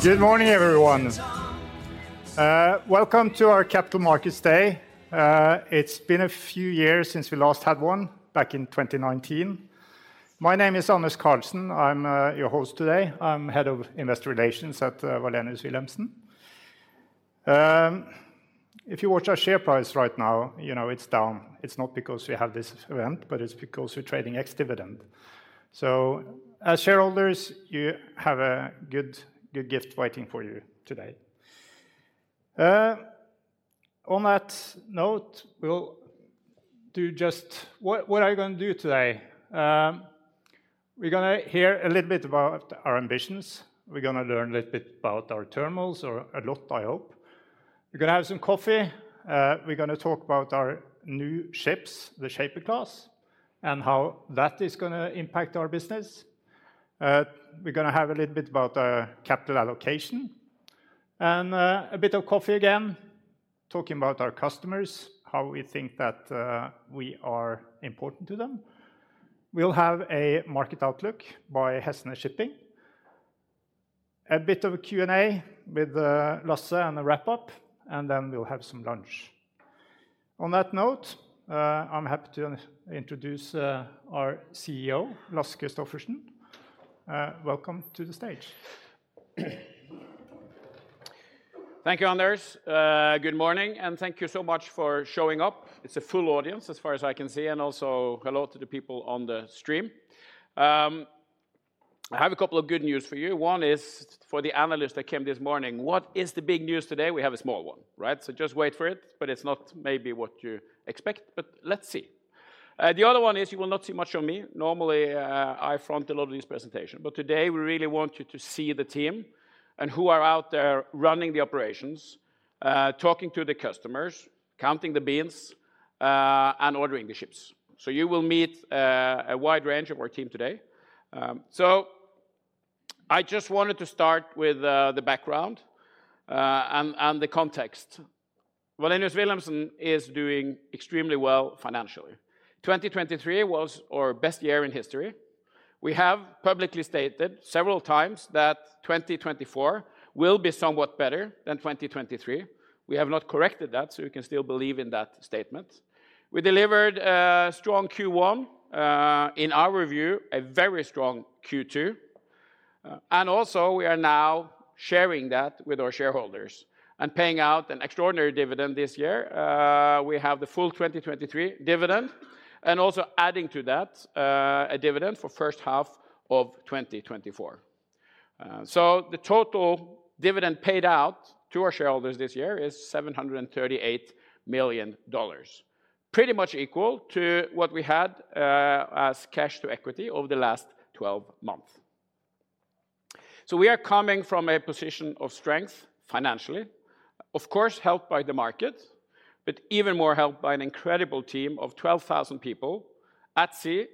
This is Ground Control to Major Tom. Good morning, everyone. Welcome to our Capital Markets Day. It's been a few years since we last had one, back in 2019. My name is Anders Redigh Karlsen. I'm your host today. I'm Head of Investor Relations at Wallenius Wilhelmsen. If you watch our share price right now, you know it's down. It's not because we have this event, but it's because we're trading ex-dividend. So as shareholders, you have a good, good gift waiting for you today. On that note, we'll do just... What, what are you gonna do today? We're gonna hear a little bit about our ambitions. We're gonna learn a little bit about our terminals, or a lot, I hope. We're gonna have some coffee. We're gonna talk about our new ships, the Shaper Class, and how that is gonna impact our business. We're gonna have a little bit about capital allocation and a bit of coffee again, talking about our customers, how we think that we are important to them. We'll have a market outlook by Hesnes Shipping. A bit of a Q&A with Lasse, and a wrap-up, and then we'll have some lunch. On that note, I'm happy to introduce our CEO, Lasse Kristoffersen. Welcome to the stage. Thank you, Anders. Good morning, and thank you so much for showing up. It's a full audience, as far as I can see, and also hello to the people on the stream. I have a couple of good news for you. One is for the analysts that came this morning, what is the big news today? We have a small one, right? So just wait for it, but it's not maybe what you expect, but let's see. The other one is, you will not see much of me. Normally, I front a lot of these presentation, but today we really want you to see the team and who are out there running the operations, talking to the customers, counting the beans, and ordering the ships. So you will meet a wide range of our team today. So I just wanted to start with the background and the context. Wallenius Wilhelmsen is doing extremely well financially. 2023 was our best year in history. We have publicly stated several times that 2024 will be somewhat better than 2023. We have not corrected that, so you can still believe in that statement. We delivered a strong Q1, in our view, a very strong Q2, and also we are now sharing that with our shareholders and paying out an extraordinary dividend this year. We have the full 2023 dividend, and also adding to that, a dividend for first half of 2024. So the total dividend paid out to our shareholders this year is $738 million, pretty much equal to what we had, as cash to equity over the last twelve months. So we are coming from a position of strength financially, of course, helped by the market, but even more helped by an incredible team of 12,000 people at sea,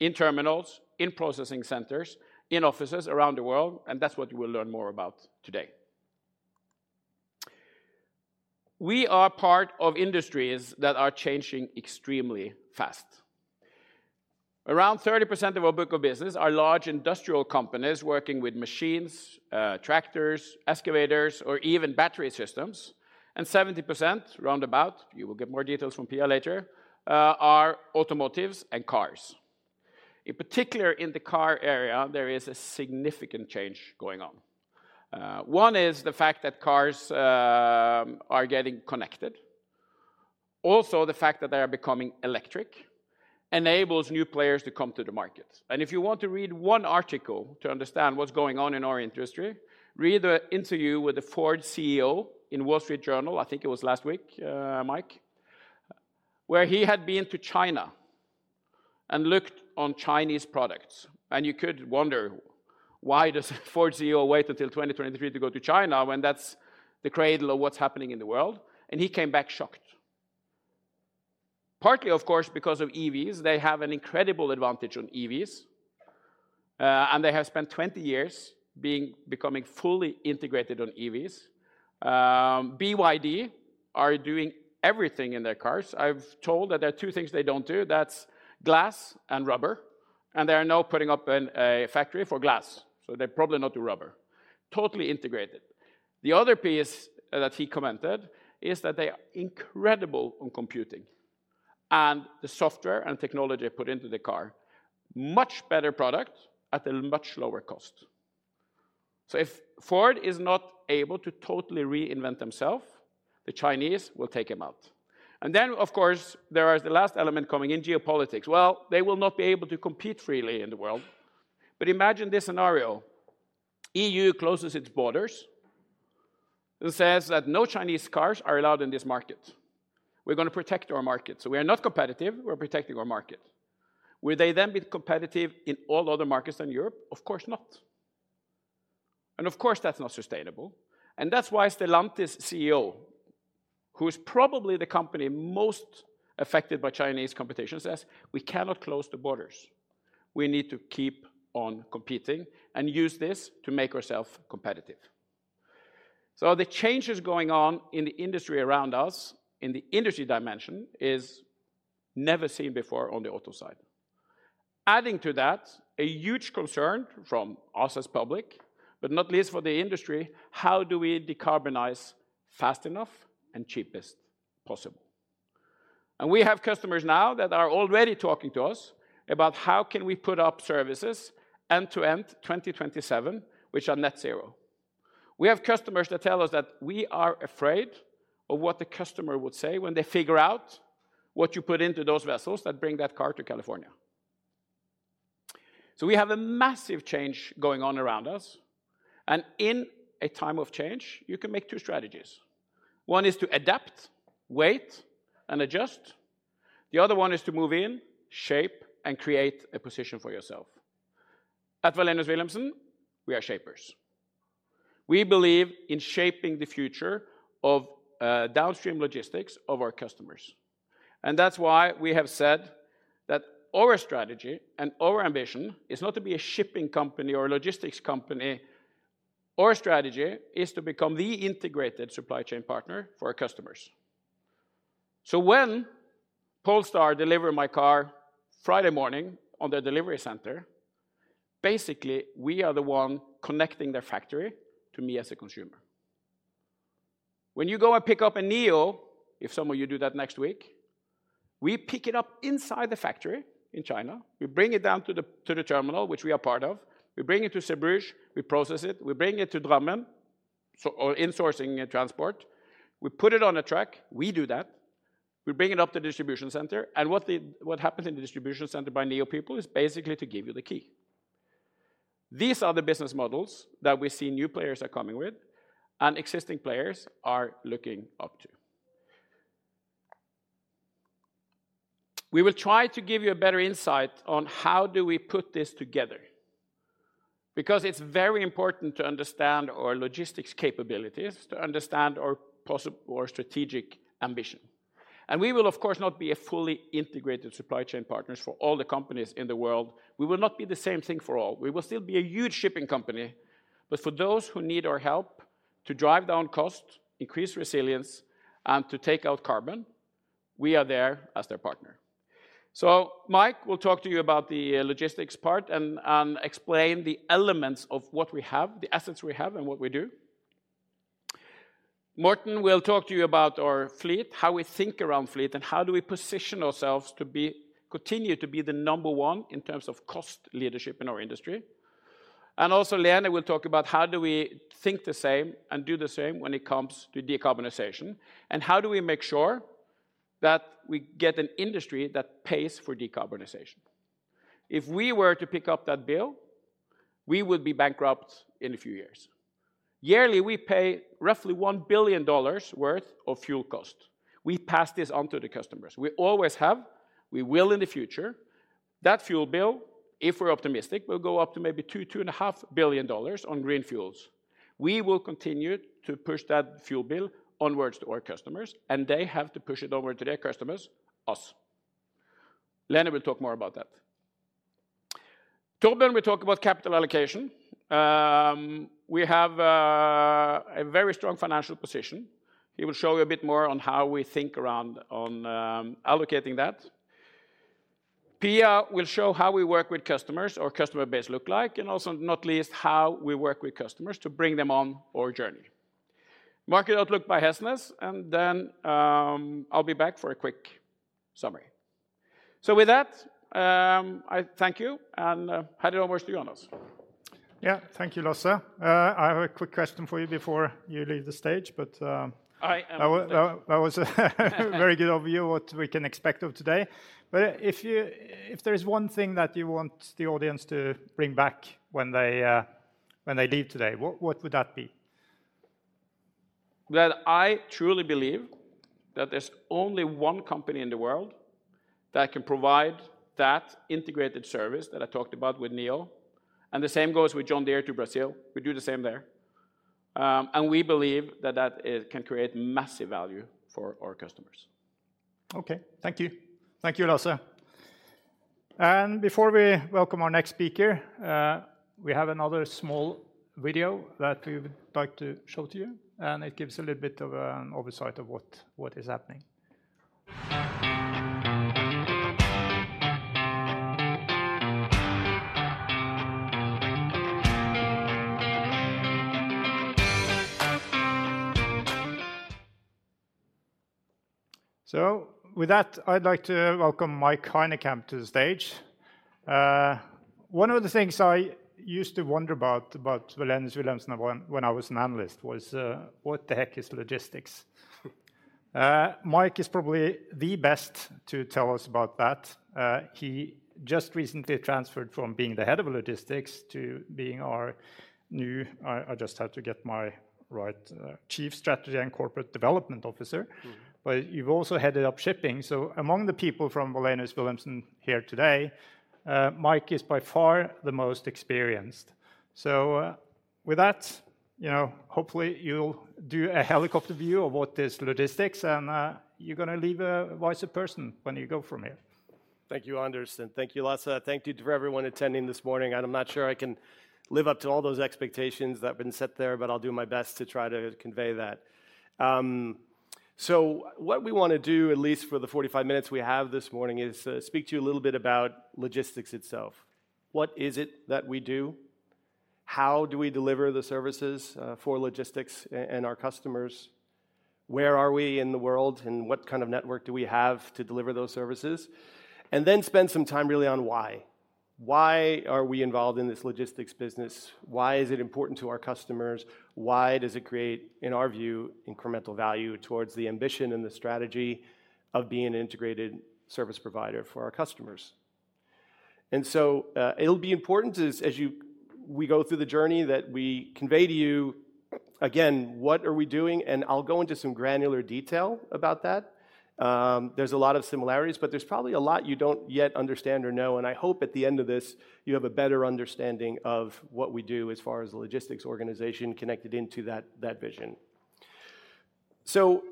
in terminals, in processing centers, in offices around the world, and that's what you will learn more about today. We are part of industries that are changing extremely fast. Around 30% of our book of business are large industrial companies working with machines, tractors, excavators, or even battery systems, and 70%, roundabout, you will get more details from Pia later, are automotives and cars. In particular, in the car area, there is a significant change going on. One is the fact that cars are getting connected. Also, the fact that they are becoming electric enables new players to come to the market. If you want to read one article to understand what's going on in our industry, read the interview with the Ford CEO in The Wall Street Journal. I think it was last week. Where he had been to China and looked on Chinese products. You could wonder, why does the Ford CEO wait until 2023 to go to China, when that's the cradle of what's happening in the world? He came back shocked. Partly, of course, because of EVs. They have an incredible advantage on EVs, and they have spent 20 years becoming fully integrated on EVs. BYD are doing everything in their cars. I've been told that there are two things they don't do, that's glass and rubber, and they are now putting up a factory for glass, so they probably don't do rubber. Totally integrated. The other piece that he commented is that they are incredible on computing and the software and technology put into the car. Much better product at a much lower cost. So if Ford is not able to totally reinvent themselves, the Chinese will take them out. And then, of course, there is the last element coming in, geopolitics. Well, they will not be able to compete freely in the world. But imagine this scenario: EU closes its borders and says that no Chinese cars are allowed in this market. "We're gonna protect our market. So we are not competitive, we're protecting our market." Will they then be competitive in all other markets than Europe? Of course not. And of course, that's not sustainable, and that's why Stellantis CEO, who is probably the company most affected by Chinese competition, says, "We cannot close the borders. We need to keep on competing and use this to make ourselves competitive." So the changes going on in the industry around us, in the industry dimension, is never seen before on the auto side. Adding to that, a huge concern from us as public, but not least for the industry: how do we decarbonize fast enough and cheapest possible? And we have customers now that are already talking to us about how can we put up services end-to-end 2027, which are net zero. We have customers that tell us that, "We are afraid of what the customer would say when they figure out what you put into those vessels that bring that car to California." So we have a massive change going on around us, and in a time of change, you can make two strategies. One is to adapt, wait, and adjust. The other one is to move in, shape, and create a position for yourself. At Wallenius Wilhelmsen, we are shapers. We believe in shaping the future of downstream logistics of our customers. And that's why we have said that our strategy and our ambition is not to be a shipping company or a logistics company. Our strategy is to become the integrated supply chain partner for our customers. So when Polestar deliver my car Friday morning on their delivery center, basically, we are the one connecting their factory to me as a consumer. When you go and pick up a NIO, if some of you do that next week, we pick it up inside the factory in China, we bring it down to the terminal, which we are part of, we bring it to Zeebrugge, we process it, we bring it to Drammen, so... Or insourcing and transport. We put it on a truck, we do that. We bring it up to distribution center, and what the, what happens in the distribution center by NIO people is basically to give you the key. These are the business models that we see new players are coming with, and existing players are looking up to. We will try to give you a better insight on how do we put this together, because it's very important to understand our logistics capabilities, to understand our possi- our strategic ambition. And we will, of course, not be a fully integrated supply chain partners for all the companies in the world. We will not be the same thing for all. We will still be a huge shipping company, but for those who need our help to drive down cost, increase resilience, and to take out carbon, we are there as their partner. Mike will talk to you about the logistics part and explain the elements of what we have, the assets we have, and what we do. Morten will talk to you about our fleet, how we think around fleet, and how do we position ourselves to be... continue to be the number one in terms of cost leadership in our industry. And also, Lene will talk about how do we think the same and do the same when it comes to decarbonization, and how do we make sure that we get an industry that pays for decarbonization? If we were to pick up that bill, we would be bankrupt in a few years. Yearly, we pay roughly $1 billion worth of fuel cost. We pass this on to the customers. We always have, we will in the future. That fuel bill, if we're optimistic, will go up to maybe $2 billion-$2.5 billion on green fuels. We will continue to push that fuel bill onward to our customers, and they have to push it over to their customers, us. Lene will talk more about that. Torbjørn will talk about capital allocation. We have a very strong financial position. He will show you a bit more on how we think about allocating that. Pia will show how we work with customers, our customer base look like, and also, not least, how we work with customers to bring them on our journey. Market outlook by Hesnes, and then, I'll be back for a quick summary. So with that, I thank you, and hand it over to Anders. Yeah. Thank you, Lasse. I have a quick question for you before you leave the stage, but, I am-... That was very good overview what we can expect of today. But if there is one thing that you want the audience to bring back when they leave today, what would that be? I truly believe that there's only one company in the world that can provide that integrated service that I talked about with NIO, and the same goes with John Deere to Brazil. We do the same there, and we believe that it can create massive value for our customers. Okay. Thank you. Thank you, Lasse. And before we welcome our next speaker, we have another small video that we would like to show to you, and it gives a little bit of an oversight of what is happening. So with that, I'd like to welcome Mike Hynekamp to the stage. One of the things I used to wonder about Wallenius Wilhelmsen when I was an analyst was what the heck is logistics? Mike is probably the best to tell us about that. He just recently transferred from being the head of logistics to being our new Chief Strategy and Corporate Development Officer. I just had to get my right. Mm. But you've also headed up shipping, so among the people from Wallenius Wilhelmsen here today, Mike is by far the most experienced. So, with that, you know, hopefully you'll do a helicopter view of what is logistics, and, you're gonna leave a wiser person when you go from here. Thank you, Anders. Thank you, Lasse. Thank you to everyone attending this morning, and I'm not sure I can live up to all those expectations that have been set there, but I'll do my best to try to convey that. So what we wanna do, at least for the 45 minutes we have this morning, is speak to you a little bit about logistics itself. What is it that we do? How do we deliver the services for logistics and our customers? Where are we in the world, and what kind of network do we have to deliver those services? And then spend some time really on why. Why are we involved in this logistics business? Why is it important to our customers? Why does it create, in our view, incremental value towards the ambition and the strategy of being an integrated service provider for our customers? And so, it'll be important as we go through the journey, that we convey to you, again, what are we doing, and I'll go into some granular detail about that. There's a lot of similarities, but there's probably a lot you don't yet understand or know, and I hope at the end of this, you have a better understanding of what we do as far as the logistics organization connected into that vision. So,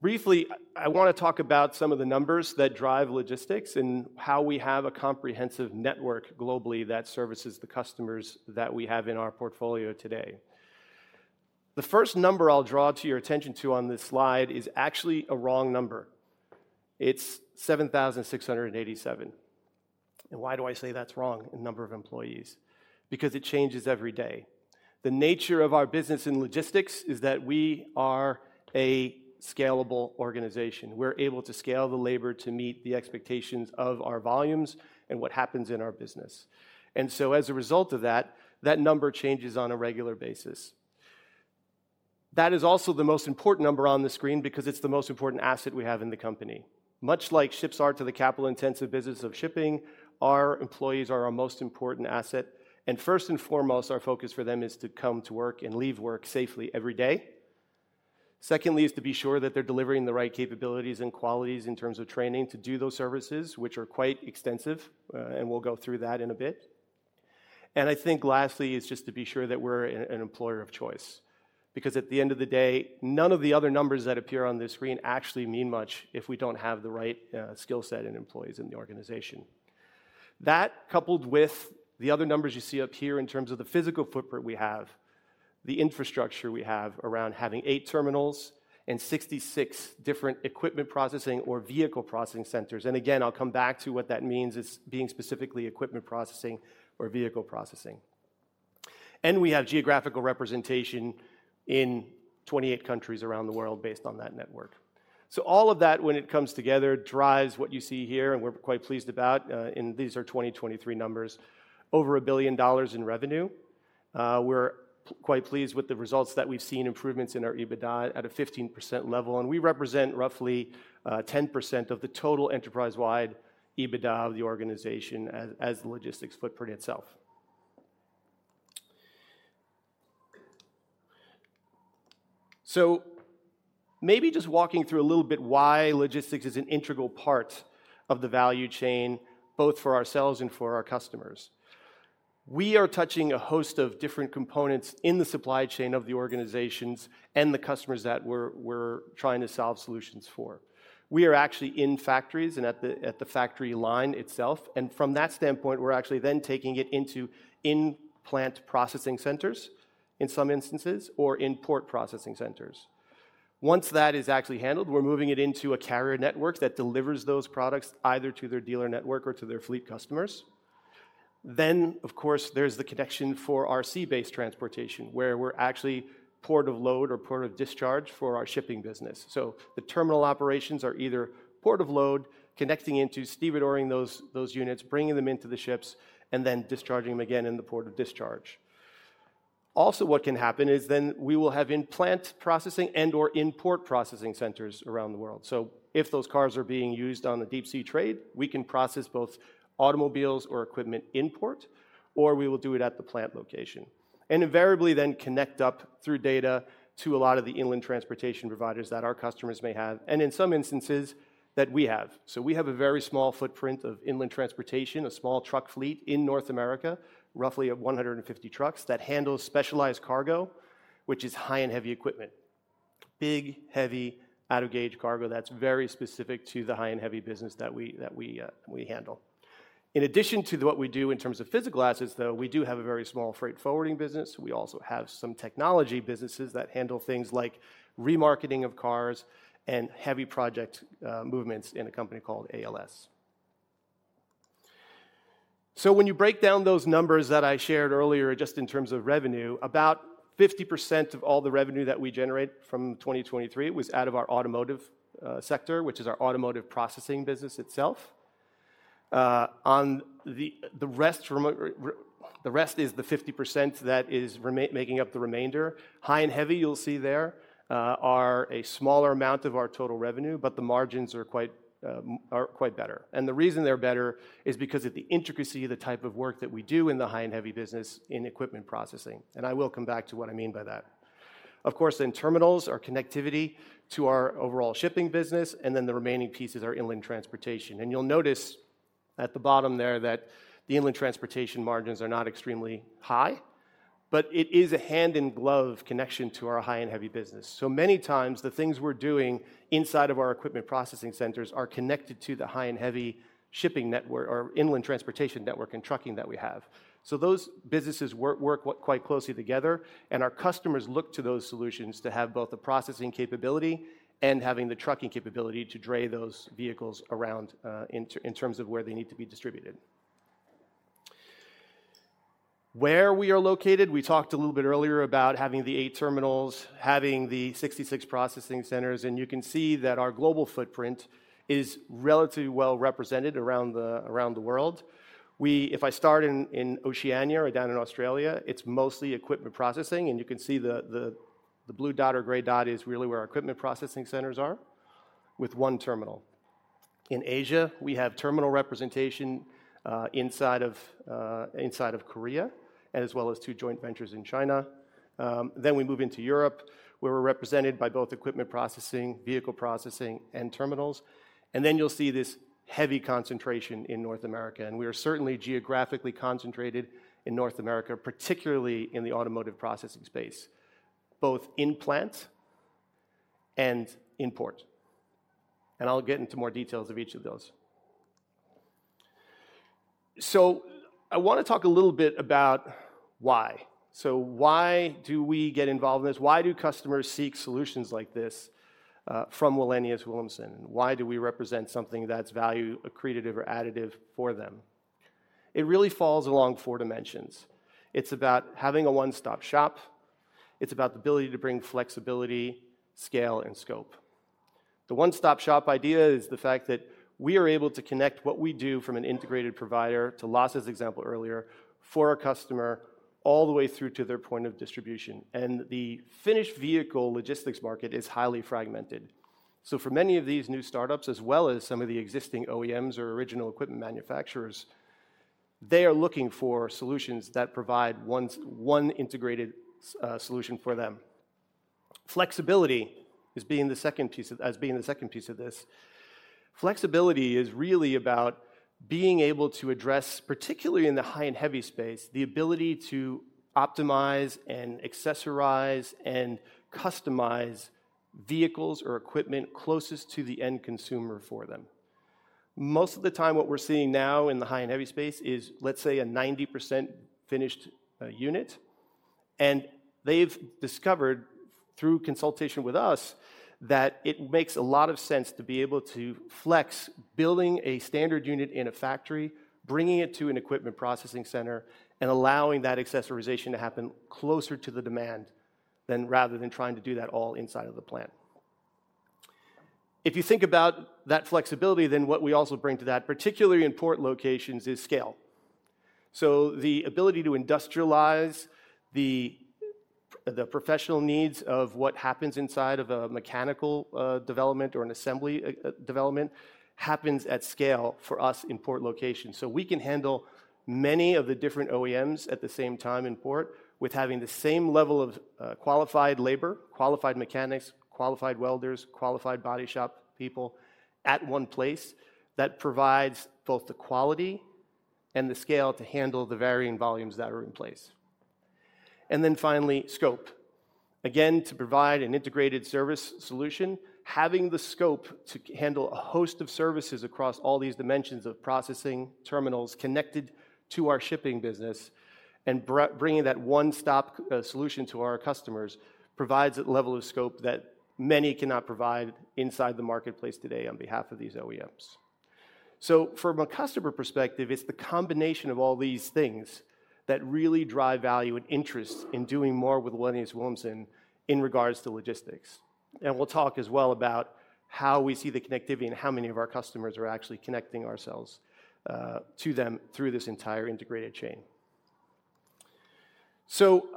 briefly, I wanna talk about some of the numbers that drive logistics and how we have a comprehensive network globally that services the customers that we have in our portfolio today. The first number I'll draw to your attention to on this slide is actually a wrong number. It's 7,687, and why do I say that's wrong? The number of employees? Because it changes every day. The nature of our business in logistics is that we are a scalable organization. We're able to scale the labor to meet the expectations of our volumes and what happens in our business, and so as a result of that, that number changes on a regular basis. That is also the most important number on the screen because it's the most important asset we have in the company. Much like ships are to the capital-intensive business of shipping, our employees are our most important asset, and first and foremost, our focus for them is to come to work and leave work safely every day. Secondly, is to be sure that they're delivering the right capabilities and qualities in terms of training to do those services, which are quite extensive, and we'll go through that in a bit. And I think lastly, is just to be sure that we're an employer of choice, because at the end of the day, none of the other numbers that appear on this screen actually mean much if we don't have the right, skill set and employees in the organization. That, coupled with the other numbers you see up here in terms of the physical footprint we have, the infrastructure we have around having eight terminals and 66 different equipment processing or vehicle processing centers, and again, I'll come back to what that means, it's being specifically equipment processing or vehicle processing. We have geographical representation in 28 countries around the world based on that network. All of that, when it comes together, drives what you see here, and we're quite pleased about, and these are 2023 numbers, over $1 billion in revenue. We're quite pleased with the results that we've seen, improvements in our EBITDA at a 15% level, and we represent roughly 10% of the total enterprise-wide EBITDA of the organization as the logistics footprint itself. Maybe just walking through a little bit why logistics is an integral part of the value chain, both for ourselves and for our customers. We are touching a host of different components in the supply chain of the organizations and the customers that we're trying to solve solutions for. We are actually in factories and at the factory line itself, and from that standpoint, we're actually then taking it into in-plant processing centers in some instances or in port processing centers. Once that is actually handled, we're moving it into a carrier network that delivers those products either to their dealer network or to their fleet customers. Then, of course, there's the connection for our sea-based transportation, where we're actually port of load or port of discharge for our shipping business. So the terminal operations are either port of load, connecting into stevedoring those units, bringing them into the ships, and then discharging them again in the port of discharge. Also, what can happen is then we will have in-plant processing and/or in-port processing centers around the world. If those cars are being used on the deep-sea trade, we can process both automobiles or equipment in port, or we will do it at the plant location, and invariably then connect up through data to a lot of the inland transportation providers that our customers may have, and in some instances, that we have. We have a very small footprint of inland transportation, a small truck fleet in North America, roughly 150 trucks, that handles specialized cargo, which is high and heavy equipment. Big, heavy, out-of-gauge cargo that's very specific to the high and heavy business that we handle. In addition to what we do in terms of physical assets, though, we do have a very small freight forwarding business. We also have some technology businesses that handle things like remarketing of cars and heavy project movements in a company called ALS. So when you break down those numbers that I shared earlier, just in terms of revenue, about 50% of all the revenue that we generate from 2023 was out of our automotive sector, which is our automotive processing business itself. On the rest, the rest is the 50% that is making up the remainder. High and heavy, you'll see there, are a smaller amount of our total revenue, but the margins are quite better, and the reason they're better is because of the intricacy of the type of work that we do in the high-and-heavy business in equipment processing, and I will come back to what I mean by that. Of course, then terminals are connectivity to our overall shipping business, and then the remaining pieces are inland transportation, and you'll notice at the bottom there that the inland transportation margins are not extremely high. But it is a hand-in-glove connection to our high and heavy business. So many times, the things we're doing inside of our equipment processing centers are connected to the high and heavy shipping network or inland transportation network and trucking that we have. So those businesses work quite closely together, and our customers look to those solutions to have both the processing capability and having the trucking capability to dray those vehicles around, in terms of where they need to be distributed. Where we are located, we talked a little bit earlier about having the eight terminals, having the sixty-six processing centers, and you can see that our global footprint is relatively well represented around the world. We. If I start in Oceania or down in Australia, it's mostly equipment processing, and you can see the blue dot or gray dot is really where our equipment processing centers are, with one terminal. In Asia, we have terminal representation inside of Korea, as well as two joint ventures in China. Then we move into Europe, where we're represented by both equipment processing, vehicle processing, and terminals, and then you'll see this heavy concentration in North America, and we are certainly geographically concentrated in North America, particularly in the automotive processing space, both in plant and in port. And I'll get into more details of each of those. So I want to talk a little bit about why. So why do we get involved in this? Why do customers seek solutions like this, from Wallenius Wilhelmsen? Why do we represent something that's value accretive or additive for them? It really falls along four dimensions. It's about having a one-stop shop. It's about the ability to bring flexibility, scale, and scope. The one-stop-shop idea is the fact that we are able to connect what we do from an integrated provider, to Lasse's example earlier, for a customer all the way through to their point of distribution, and the finished vehicle logistics market is highly fragmented. So for many of these new startups, as well as some of the existing OEMs or original equipment manufacturers, they are looking for solutions that provide one integrated solution for them. Flexibility is being the second piece of this. Flexibility is really about being able to address, particularly in the high and heavy space, the ability to optimize and accessorize and customize vehicles or equipment closest to the end consumer for them. Most of the time, what we're seeing now in the high and heavy space is, let's say, a 90% finished unit, and they've discovered, through consultation with us, that it makes a lot of sense to be able to flex building a standard unit in a factory, bringing it to an equipment processing center, and allowing that accessorization to happen closer to the demand than rather than trying to do that all inside of the plant. If you think about that flexibility, then what we also bring to that, particularly in port locations, is scale. So the ability to industrialize the professional needs of what happens inside of a mechanical development or an assembly development happens at scale for us in port locations. So we can handle many of the different OEMs at the same time in port with having the same level of qualified labor, qualified mechanics, qualified welders, qualified body shop people at one place that provides both the quality and the scale to handle the varying volumes that are in place, and then finally, scope. Again, to provide an integrated service solution, having the scope to handle a host of services across all these dimensions of processing terminals connected to our shipping business and bringing that one-stop solution to our customers provides a level of scope that many cannot provide inside the marketplace today on behalf of these OEMs, so from a customer perspective, it's the combination of all these things that really drive value and interest in doing more with Wallenius Wilhelmsen in regards to logistics. We'll talk as well about how we see the connectivity and how many of our customers are actually connecting ourselves to them through this entire integrated chain.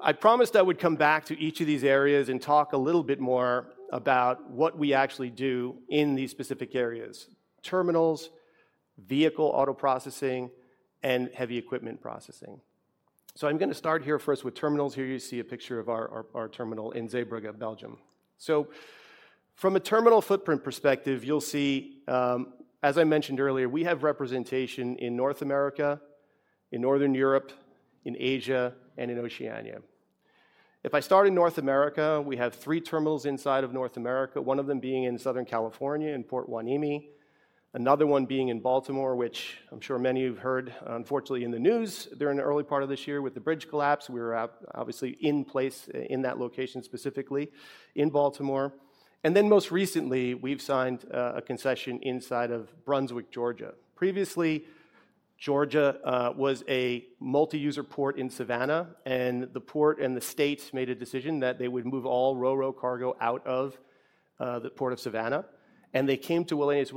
I promised I would come back to each of these areas and talk a little bit more about what we actually do in these specific areas: terminals, vehicle auto processing, and heavy equipment processing. I'm gonna start here first with terminals. Here, you see a picture of our terminal in Zeebrugge, Belgium. From a terminal footprint perspective, you'll see, as I mentioned earlier, we have representation in North America, in Northern Europe, in Asia, and in Oceania. If I start in North America, we have three terminals inside of North America, one of them being in Southern California, in Port Hueneme, another one being in Baltimore, which I'm sure many of you have heard, unfortunately, in the news during the early part of this year with the bridge collapse. We were affected, obviously, in place in that location, specifically in Baltimore. Then, most recently, we've signed a concession inside of Brunswick, Georgia. Previously, Georgia was a multi-user port in Savannah, and the port and the states made a decision that they would move all ro-ro cargo out of the port of Savannah, and they came to Wallenius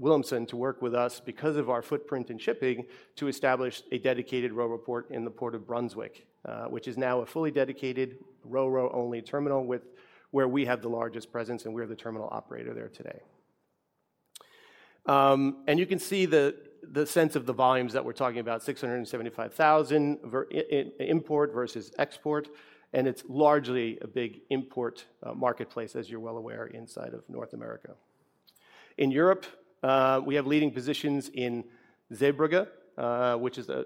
Wilhelmsen to work with us because of our footprint in shipping, to establish a dedicated ro-ro port in the port of Brunswick, which is now a fully dedicated ro-ro-only terminal with where we have the largest presence, and we are the terminal operator there today. And you can see the sense of the volumes that we're talking about, six hundred and seventy-five thousand vehicles, i.e., import versus export, and it's largely a big import marketplace, as you're well aware, inside of North America. In Europe, we have leading positions in Zeebrugge, which is a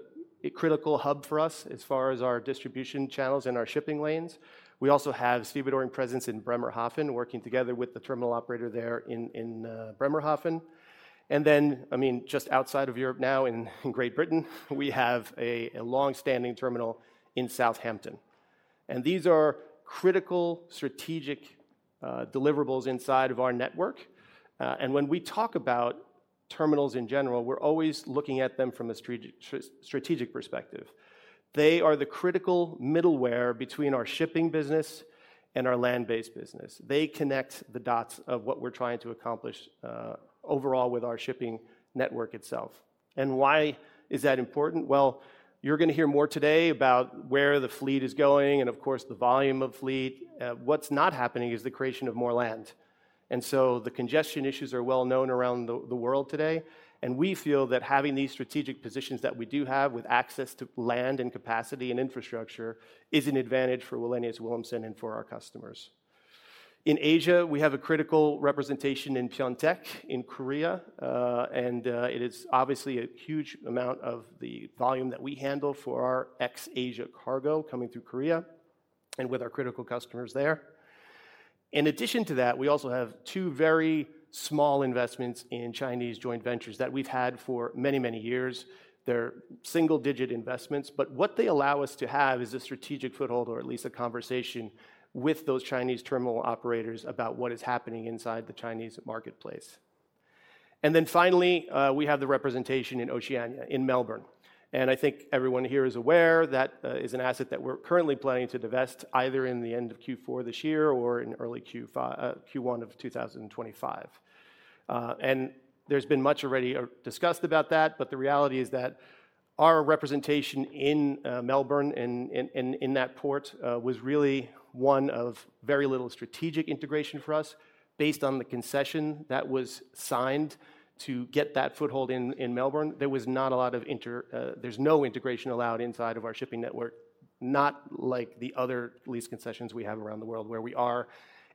critical hub for us as far as our distribution channels and our shipping lanes. We also have stevedoring presence in Bremerhaven, working together with the terminal operator there in Bremerhaven, and then, I mean, just outside of Europe now, in Great Britain, we have a long-standing terminal in Southampton, and these are critical strategic deliverables inside of our network, and when we talk about terminals in general, we're always looking at them from a strategic perspective. They are the critical middleware between our shipping business and our land-based business. They connect the dots of what we're trying to accomplish overall with our shipping network itself, and why is that important? Well, you're gonna hear more today about where the fleet is going and, of course, the volume of fleet. What's not happening is the creation of more land, and so the congestion issues are well known around the, the world today, and we feel that having these strategic positions that we do have, with access to land and capacity and infrastructure, is an advantage for Wallenius Wilhelmsen and for our customers. In Asia, we have a critical representation in Pyeongtaek, in Korea, and it is obviously a huge amount of the volume that we handle for our ex-Asia cargo coming through Korea and with our critical customers there. In addition to that, we also have two very small investments in Chinese joint ventures that we've had for many, many years. They're single-digit investments, but what they allow us to have is a strategic foothold, or at least a conversation, with those Chinese terminal operators about what is happening inside the Chinese marketplace. And then finally, we have the representation in Oceania, in Melbourne, and I think everyone here is aware that is an asset that we're currently planning to divest either in the end of Q4 this year or in early Q1 of 2025. And there's been much already discussed about that, but the reality is that our representation in Melbourne, in that port, was really one of very little strategic integration for us. Based on the concession that was signed to get that foothold in Melbourne, there's no integration allowed inside of our shipping network, not like the other lease concessions we have around the world, where we are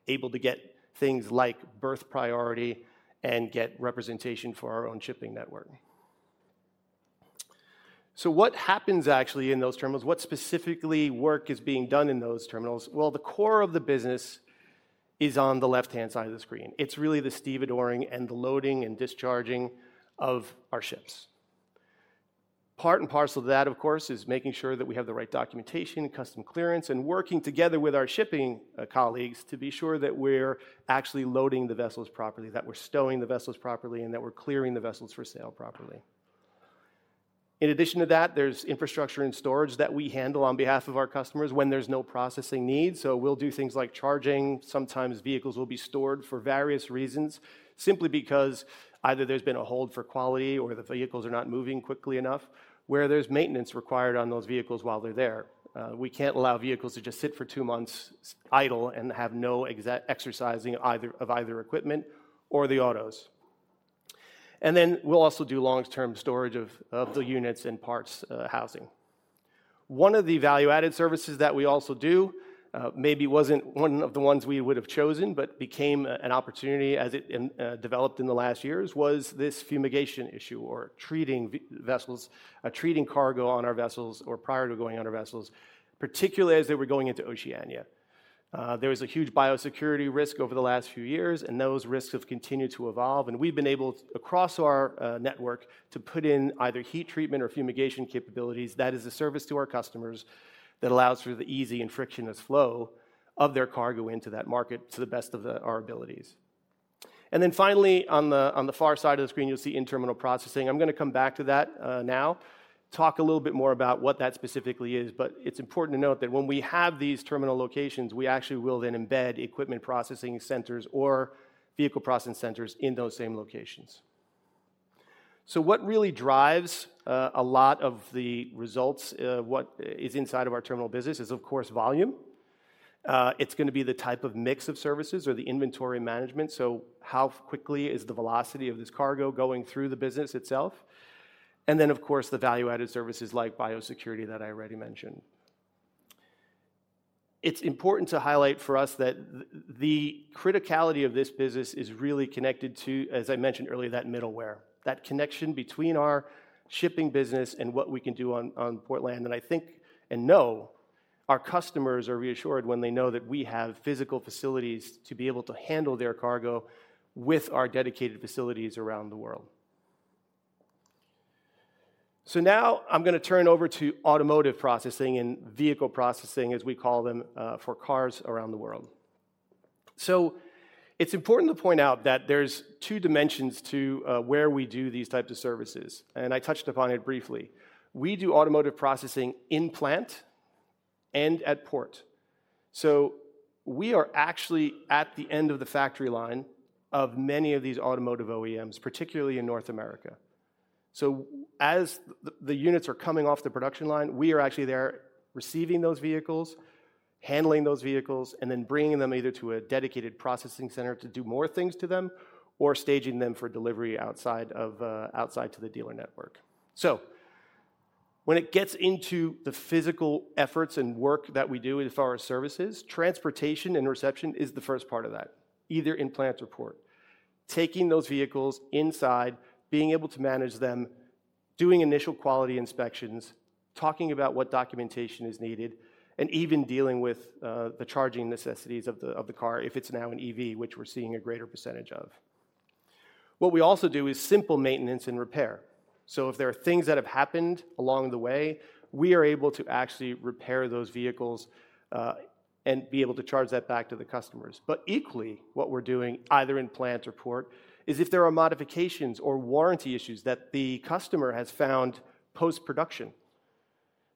able to get things like berth priority and get representation for our own shipping network. So what happens actually in those terminals? What specific work is being done in those terminals? Well, the core of the business is on the left-hand side of the screen. It's really the stevedoring and the loading and discharging of our ships. Part and parcel of that, of course, is making sure that we have the right documentation, customs clearance, and working together with our shipping colleagues to be sure that we're actually loading the vessels properly, that we're stowing the vessels properly, and that we're clearing the vessels for sail properly. In addition to that, there's infrastructure and storage that we handle on behalf of our customers when there's no processing needs. So we'll do things like charging. Sometimes vehicles will be stored for various reasons, simply because either there's been a hold for quality or the vehicles are not moving quickly enough, where there's maintenance required on those vehicles while they're there. We can't allow vehicles to just sit for two months, idle and have no exercising of either equipment or the autos. And then we'll also do long-term storage of the units and parts, housing. One of the value-added services that we also do, maybe wasn't one of the ones we would have chosen, but became an opportunity as it developed in the last years, was this fumigation issue, or treating vessels, treating cargo on our vessels or prior to going on our vessels, particularly as they were going into Oceania. There was a huge biosecurity risk over the last few years, and those risks have continued to evolve, and we've been able, across our network, to put in either heat treatment or fumigation capabilities. That is a service to our customers that allows for the easy and frictionless flow of their cargo into that market to the best of our abilities. And then finally, on the far side of the screen, you'll see in-terminal processing. I'm gonna come back to that, now, talk a little bit more about what that specifically is. But it's important to note that when we have these terminal locations, we actually will then embed equipment processing centers or vehicle processing centers in those same locations. So what really drives a lot of the results, what is inside of our terminal business is, of course, volume. It's gonna be the type of mix of services or the inventory management, so how quickly is the velocity of this cargo going through the business itself? And then, of course, the value-added services like biosecurity that I already mentioned. It's important to highlight for us that the criticality of this business is really connected to, as I mentioned earlier, that middleware, that connection between our shipping business and what we can do on, on port land, and I think and know our customers are reassured when they know that we have physical facilities to be able to handle their cargo with our dedicated facilities around the world. So now I'm gonna turn over to automotive processing and vehicle processing, as we call them, for cars around the world. So it's important to point out that there's two dimensions to, where we do these types of services, and I touched upon it briefly. We do automotive processing in plant and at port. So we are actually at the end of the factory line of many of these automotive OEMs, particularly in North America. So as the units are coming off the production line, we are actually there receiving those vehicles, handling those vehicles, and then bringing them either to a dedicated processing center to do more things to them or staging them for delivery outside to the dealer network. When it gets into the physical efforts and work that we do as far as services, transportation and reception is the first part of that, either in plant or port. Taking those vehicles inside, being able to manage them, doing initial quality inspections, talking about what documentation is needed, and even dealing with the charging necessities of the car if it's now an EV, which we're seeing a greater percentage of. What we also do is simple maintenance and repair. So if there are things that have happened along the way, we are able to actually repair those vehicles, and be able to charge that back to the customers. But equally, what we're doing, either in plant or port, is if there are modifications or warranty issues that the customer has found post-production,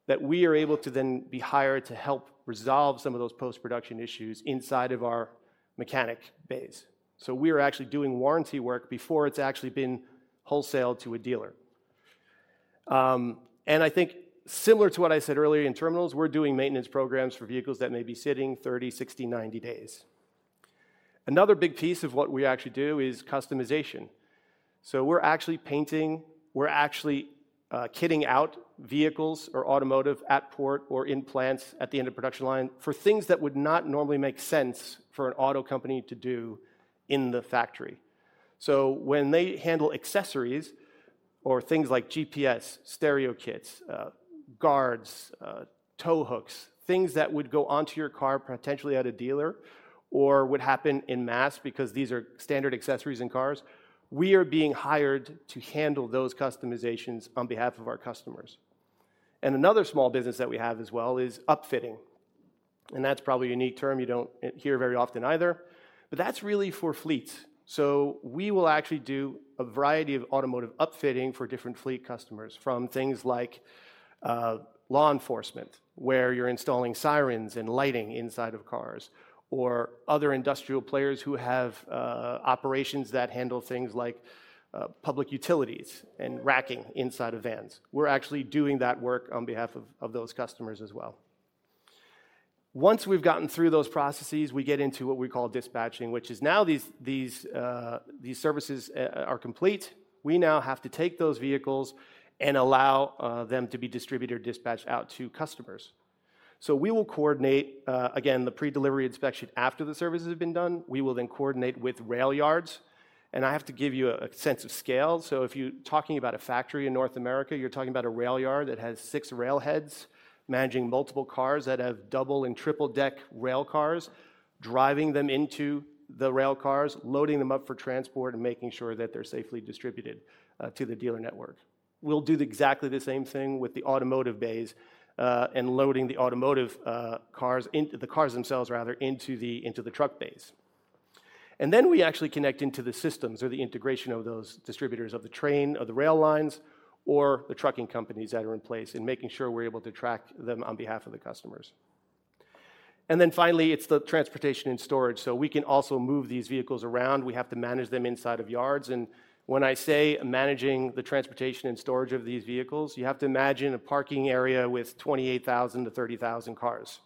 that we are able to then be hired to help resolve some of those post-production issues inside of our mechanic bays. We are actually doing warranty work before it's actually been wholesaled to a dealer. I think similar to what I said earlier in terminals, we're doing maintenance programs for vehicles that may be sitting thirty, sixty, ninety days. Another big piece of what we actually do is customization. So we're actually painting, kitting out vehicles or automotive at port or in plants at the end of production line, for things that would not normally make sense for an auto company to do in the factory. So when they handle accessories or things like GPS, stereo kits, guards, tow hooks, things that would go onto your car potentially at a dealer or would happen in mass because these are standard accessories in cars, we are being hired to handle those customizations on behalf of our customers. And another small business that we have as well is upfitting, and that's probably a unique term you don't hear very often either. But that's really for fleets. So we will actually do a variety of automotive upfitting for different fleet customers, from things like law enforcement, where you're installing sirens and lighting inside of cars, or other industrial players who have operations that handle things like public utilities and racking inside of vans. We're actually doing that work on behalf of those customers as well. Once we've gotten through those processes, we get into what we call dispatching, which is now these services are complete. We now have to take those vehicles and allow them to be distributed or dispatched out to customers, so we will coordinate again the pre-delivery inspection after the service has been done. We will then coordinate with rail yards, and I have to give you a sense of scale. So if you're talking about a factory in North America, you're talking about a rail yard that has six rail heads, managing multiple cars that have double and triple deck rail cars, driving them into the rail cars, loading them up for transport, and making sure that they're safely distributed to the dealer network. We'll do the exactly the same thing with the automotive bays, and loading the automotive cars into the cars themselves, rather, into the truck bays. And then we actually connect into the systems or the integration of those distributors of the train, of the rail lines, or the trucking companies that are in place, and making sure we're able to track them on behalf of the customers. And then finally, it's the transportation and storage. So we can also move these vehicles around. We have to manage them inside of yards. When I say managing the transportation and storage of these vehicles, you have to imagine a parking area with 28,000-30,000 cars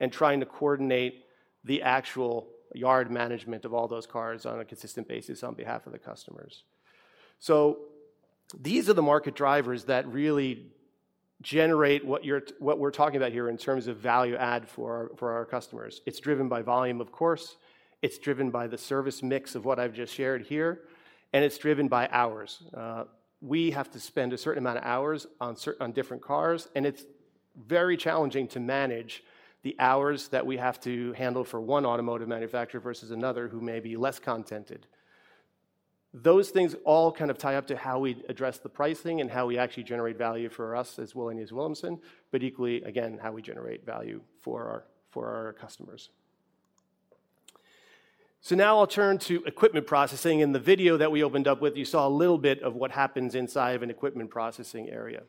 and trying to coordinate the actual yard management of all those cars on a consistent basis on behalf of the customers. These are the market drivers that really generate what we're talking about here in terms of value add for our customers. It's driven by volume, of course. It's driven by the service mix of what I've just shared here, and it's driven by hours. We have to spend a certain amount of hours on different cars, and it's very challenging to manage the hours that we have to handle for one automotive manufacturer versus another who may be less contented. Those things all kind of tie up to how we address the pricing and how we actually generate value for us as Wallenius Wilhelmsen, but equally, again, how we generate value for our, for our customers. So now I'll turn to equipment processing. In the video that we opened up with, you saw a little bit of what happens inside of an equipment processing area.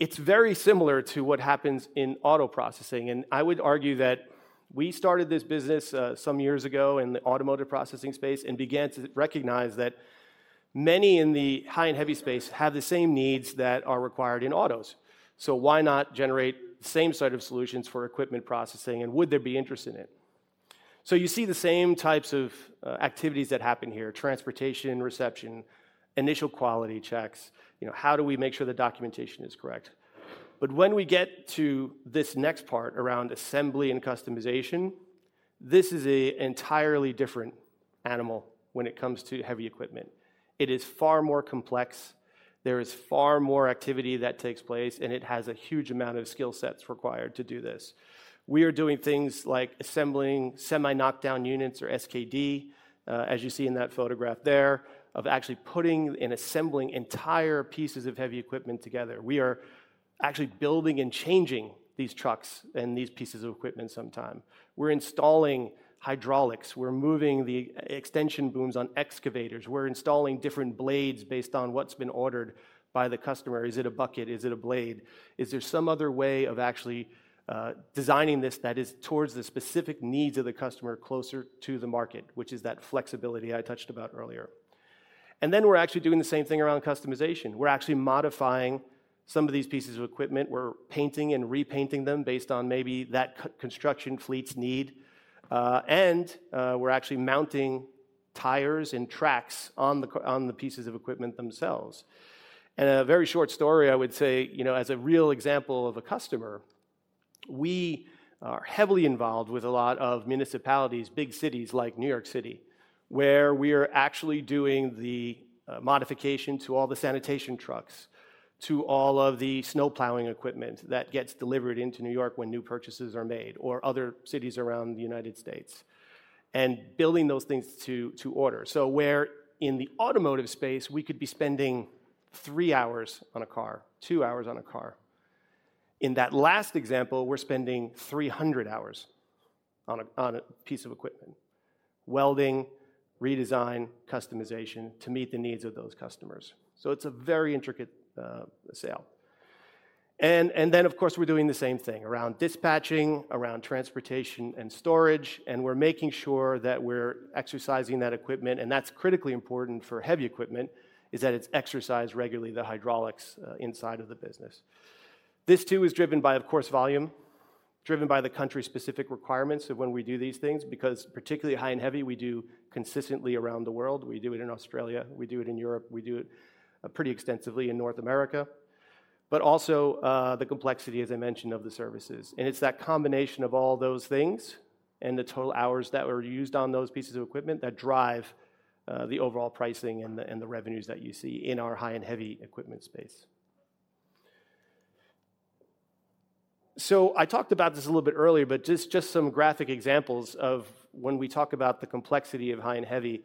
It's very similar to what happens in auto processing, and I would argue that we started this business some years ago in the automotive processing space and began to recognize that many in the high and heavy space have the same needs that are required in autos. So why not generate the same set of solutions for equipment processing, and would there be interest in it? So you see the same types of activities that happen here: transportation, reception, initial quality checks. You know, how do we make sure the documentation is correct? but when we get to this next part around assembly and customization, this is an entirely different animal when it comes to heavy equipment. It is far more complex, there is far more activity that takes place, and it has a huge amount of skill sets required to do this. We are doing things like assembling semi-knocked down units or SKD, as you see in that photograph there, of actually putting and assembling entire pieces of heavy equipment together. We are actually building and changing these trucks and these pieces of equipment sometimes. We're installing hydraulics. We're moving the extension booms on excavators. We're installing different blades based on what's been ordered by the customer. Is it a bucket? Is it a blade? Is there some other way of actually designing this that is towards the specific needs of the customer, closer to the market, which is that flexibility I touched about earlier. And then we're actually doing the same thing around customization. We're actually modifying some of these pieces of equipment. We're painting and repainting them based on maybe that construction fleet's need. And we're actually mounting tires and tracks on the pieces of equipment themselves. And a very short story, I would say, you know, as a real example of a customer, we are heavily involved with a lot of municipalities, big cities like New York City, where we are actually doing the modification to all the sanitation trucks, to all of the snow plowing equipment that gets delivered into New York when new purchases are made, or other cities around the United States, and building those things to order. So where in the automotive space, we could be spending three hours on a car, two hours on a car, in that last example, we're spending three hundred hours on a piece of equipment, welding, redesign, customization to meet the needs of those customers. So it's a very intricate sale. Of course, we're doing the same thing around dispatching, around transportation and storage, and we're making sure that we're exercising that equipment. That's critically important for heavy equipment, is that it's exercised regularly, the hydraulics inside of the business. This, too, is driven by, of course, volume, driven by the country-specific requirements of when we do these things, because particularly high and heavy, we do consistently around the world. We do it in Australia, we do it in Europe, we do it pretty extensively in North America, but also the complexity, as I mentioned, of the services. It's that combination of all those things and the total hours that were used on those pieces of equipment that drive the overall pricing and the revenues that you see in our high and heavy equipment space. So I talked about this a little bit earlier, but just some graphic examples of when we talk about the complexity of high and heavy.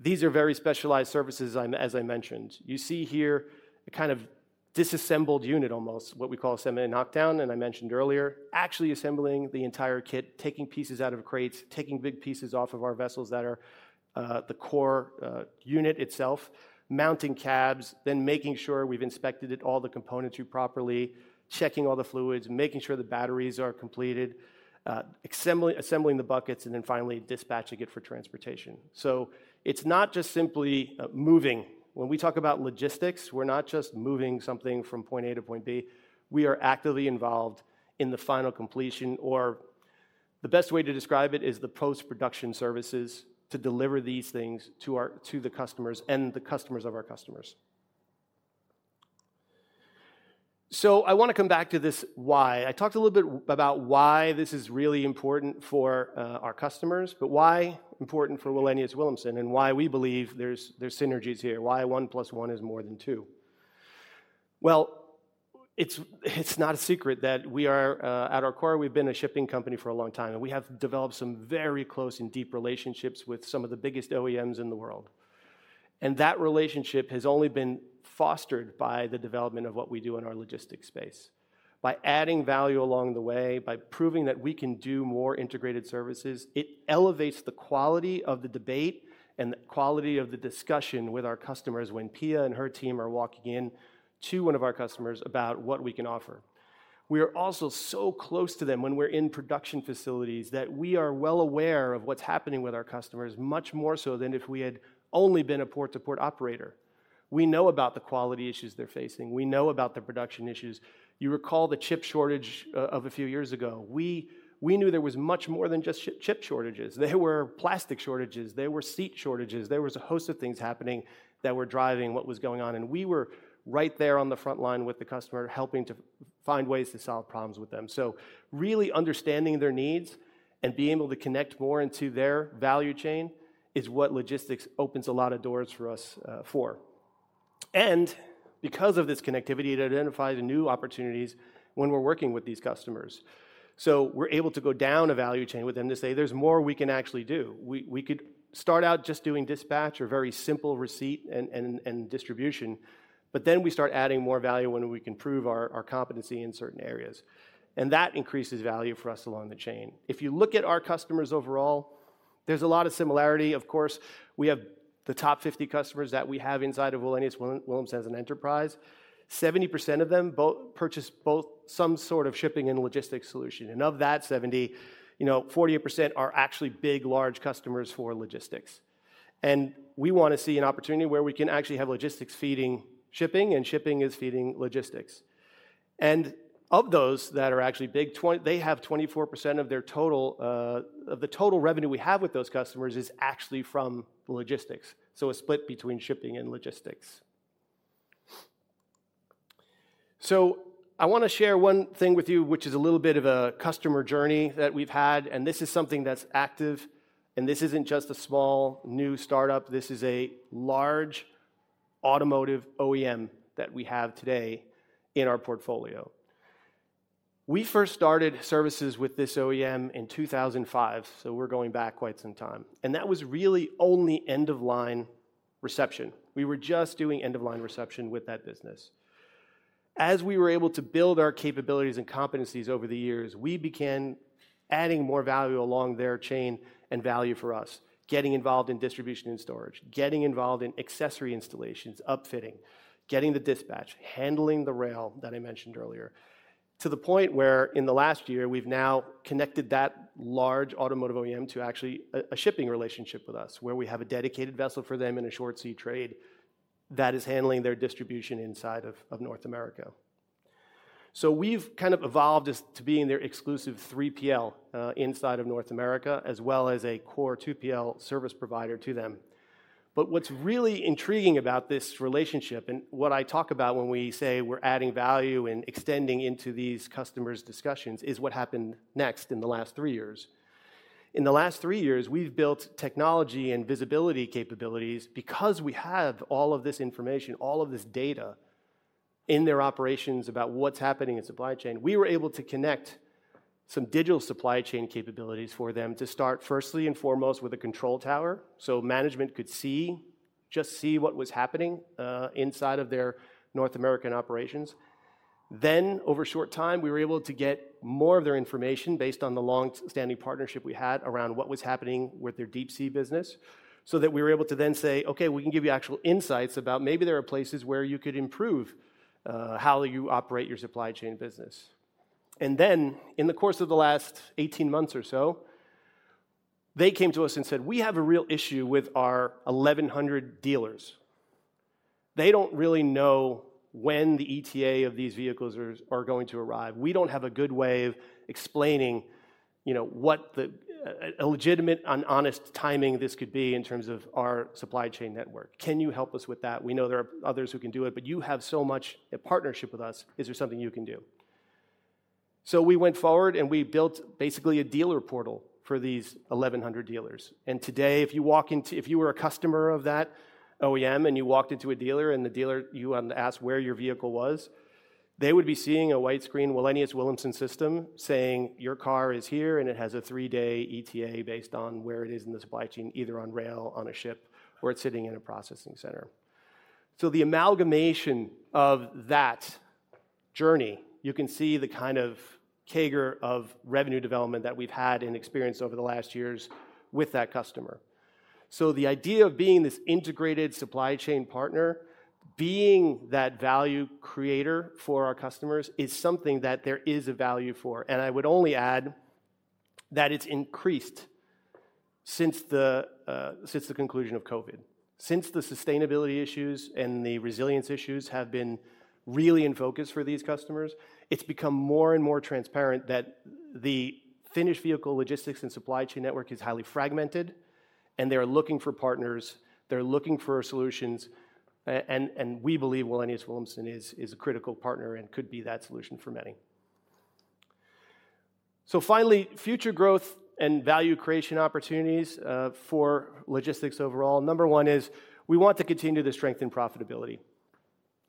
These are very specialized services, as I mentioned. You see here a kind of disassembled unit, almost, what we call a semi-knockdown, and I mentioned earlier, actually assembling the entire kit, taking pieces out of crates, taking big pieces off of our vessels that are the core unit itself, mounting cabs, then making sure we've inspected it, all the components properly, checking all the fluids, making sure the batteries are completed, assembling the buckets, and then finally dispatching it for transportation. So it's not just simply moving. When we talk about logistics, we're not just moving something from point A to point B, we are actively involved in the final completion, or the best way to describe it is the post-production services to deliver these things to our customers and the customers of our customers. So I wanna come back to this why. I talked a little bit about why this is really important for our customers, but why important for Wallenius Wilhelmsen, and why we believe there's synergies here, why one plus one is more than two? Well, it's not a secret that we are at our core, we've been a shipping company for a long time, and we have developed some very close and deep relationships with some of the biggest OEMs in the world. That relationship has only been fostered by the development of what we do in our logistics space. By adding value along the way, by proving that we can do more integrated services, it elevates the quality of the debate and the quality of the discussion with our customers when Pia and her team are walking in to one of our customers about what we can offer. We are also so close to them when we're in production facilities, that we are well aware of what's happening with our customers, much more so than if we had only been a port-to-port operator. We know about the quality issues they're facing. We know about the production issues. You recall the chip shortage of a few years ago. We knew there was much more than just chip shortages. There were plastic shortages, there were seat shortages, there was a host of things happening that were driving what was going on, and we were right there on the front line with the customer, helping to find ways to solve problems with them. So really understanding their needs and being able to connect more into their value chain is what logistics opens a lot of doors for us, for. And because of this connectivity, to identify the new opportunities when we're working with these customers. So we're able to go down a value chain with them to say, "There's more we can actually do." We could start out just doing dispatch or very simple receipt and distribution, but then we start adding more value when we can prove our competency in certain areas, and that increases value for us along the chain. If you look at our customers overall, there's a lot of similarity. Of course, we have the top fifty customers that we have inside of Wallenius Wilhelmsen as an enterprise. 70% of them purchase both some sort of shipping and logistics solution, and of that seventy, you know, 48% are actually big, large customers for logistics. And we wanna see an opportunity where we can actually have logistics feeding shipping, and shipping is feeding logistics. And of those that are actually big, they have 24% of their total, of the total revenue we have with those customers is actually from logistics, so a split between shipping and logistics. So I wanna share one thing with you, which is a little bit of a customer journey that we've had, and this is something that's active, and this isn't just a small, new startup. This is a large automotive OEM that we have today in our portfolio. We first started services with this OEM in 2005, so we're going back quite some time, and that was really only end-of-line reception. We were just doing end-of-line reception with that business. As we were able to build our capabilities and competencies over the years, we began adding more value along their chain and value for us, getting involved in distribution and storage, getting involved in accessory installations, upfitting, getting the dispatch, handling the rail, that I mentioned earlier, to the point where in the last year, we've now connected that large automotive OEM to actually a shipping relationship with us, where we have a dedicated vessel for them in a short sea trade that is handling their distribution inside of North America. So we've kind of evolved as to being their exclusive 3PL, inside of North America, as well as a core 2PL service provider to them. But what's really intriguing about this relationship, and what I talk about when we say we're adding value and extending into these customers' discussions, is what happened next in the last three years. In the last three years, we've built technology and visibility capabilities because we have all of this information, all of this data, in their operations about what's happening in supply chain. We were able to connect some digital supply chain capabilities for them to start, firstly and foremost, with a control tower, so management could see, just see what was happening, inside of their North American operations. Over a short time, we were able to get more of their information based on the long-standing partnership we had around what was happening with their deep sea business, so that we were able to then say, "Okay, we can give you actual insights about maybe there are places where you could improve how you operate your supply chain business." In the course of the last eighteen months or so, they came to us and said, "We have a real issue with our eleven hundred dealers. They don't really know when the ETA of these vehicles are going to arrive. We don't have a good way of explaining, you know, what a legitimate and honest timing this could be in terms of our supply chain network. Can you help us with that? We know there are others who can do it, but you have so much a partnership with us, is there something you can do?" So we went forward, and we built basically a dealer portal for these 1,100 dealers. And today, if you were a customer of that OEM and you walked into a dealer, and the dealer, you, asked where your vehicle was, they would be seeing a wide screen Wallenius Wilhelmsen system saying, "Your car is here, and it has a three-day ETA," based on where it is in the supply chain, either on rail, on a ship, or it's sitting in a processing center. So the amalgamation of that journey, you can see the kind of CAGR of revenue development that we've had and experienced over the last years with that customer. The idea of being this integrated supply chain partner, being that value creator for our customers, is something that there is a value for. And I would only add that it's increased since the conclusion of COVID. Since the sustainability issues and the resilience issues have been really in focus for these customers, it's become more and more transparent that the finished vehicle logistics and supply chain network is highly fragmented, and they're looking for partners, they're looking for solutions, and we believe Wallenius Wilhelmsen is a critical partner and could be that solution for many. Finally, future growth and value creation opportunities for logistics overall. Number one is, we want to continue to strengthen profitability.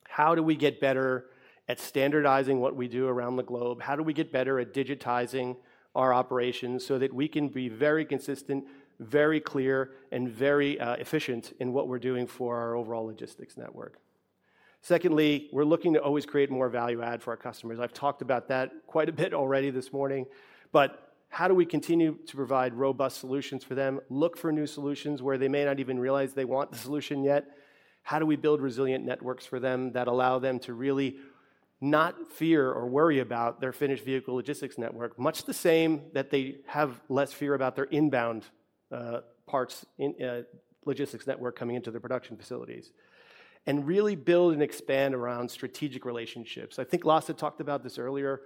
How do we get better at standardizing what we do around the globe? How do we get better at digitizing our operations so that we can be very consistent, very clear, and very efficient in what we're doing for our overall logistics network? Secondly, we're looking to always create more value add for our customers. I've talked about that quite a bit already this morning, but how do we continue to provide robust solutions for them, look for new solutions where they may not even realize they want the solution yet? How do we build resilient networks for them that allow them to really not fear or worry about their finished vehicle logistics network, much the same that they have less fear about their inbound, parts in, logistics network coming into the production facilities, and really build and expand around strategic relationships? I think Lasse talked about this earlier.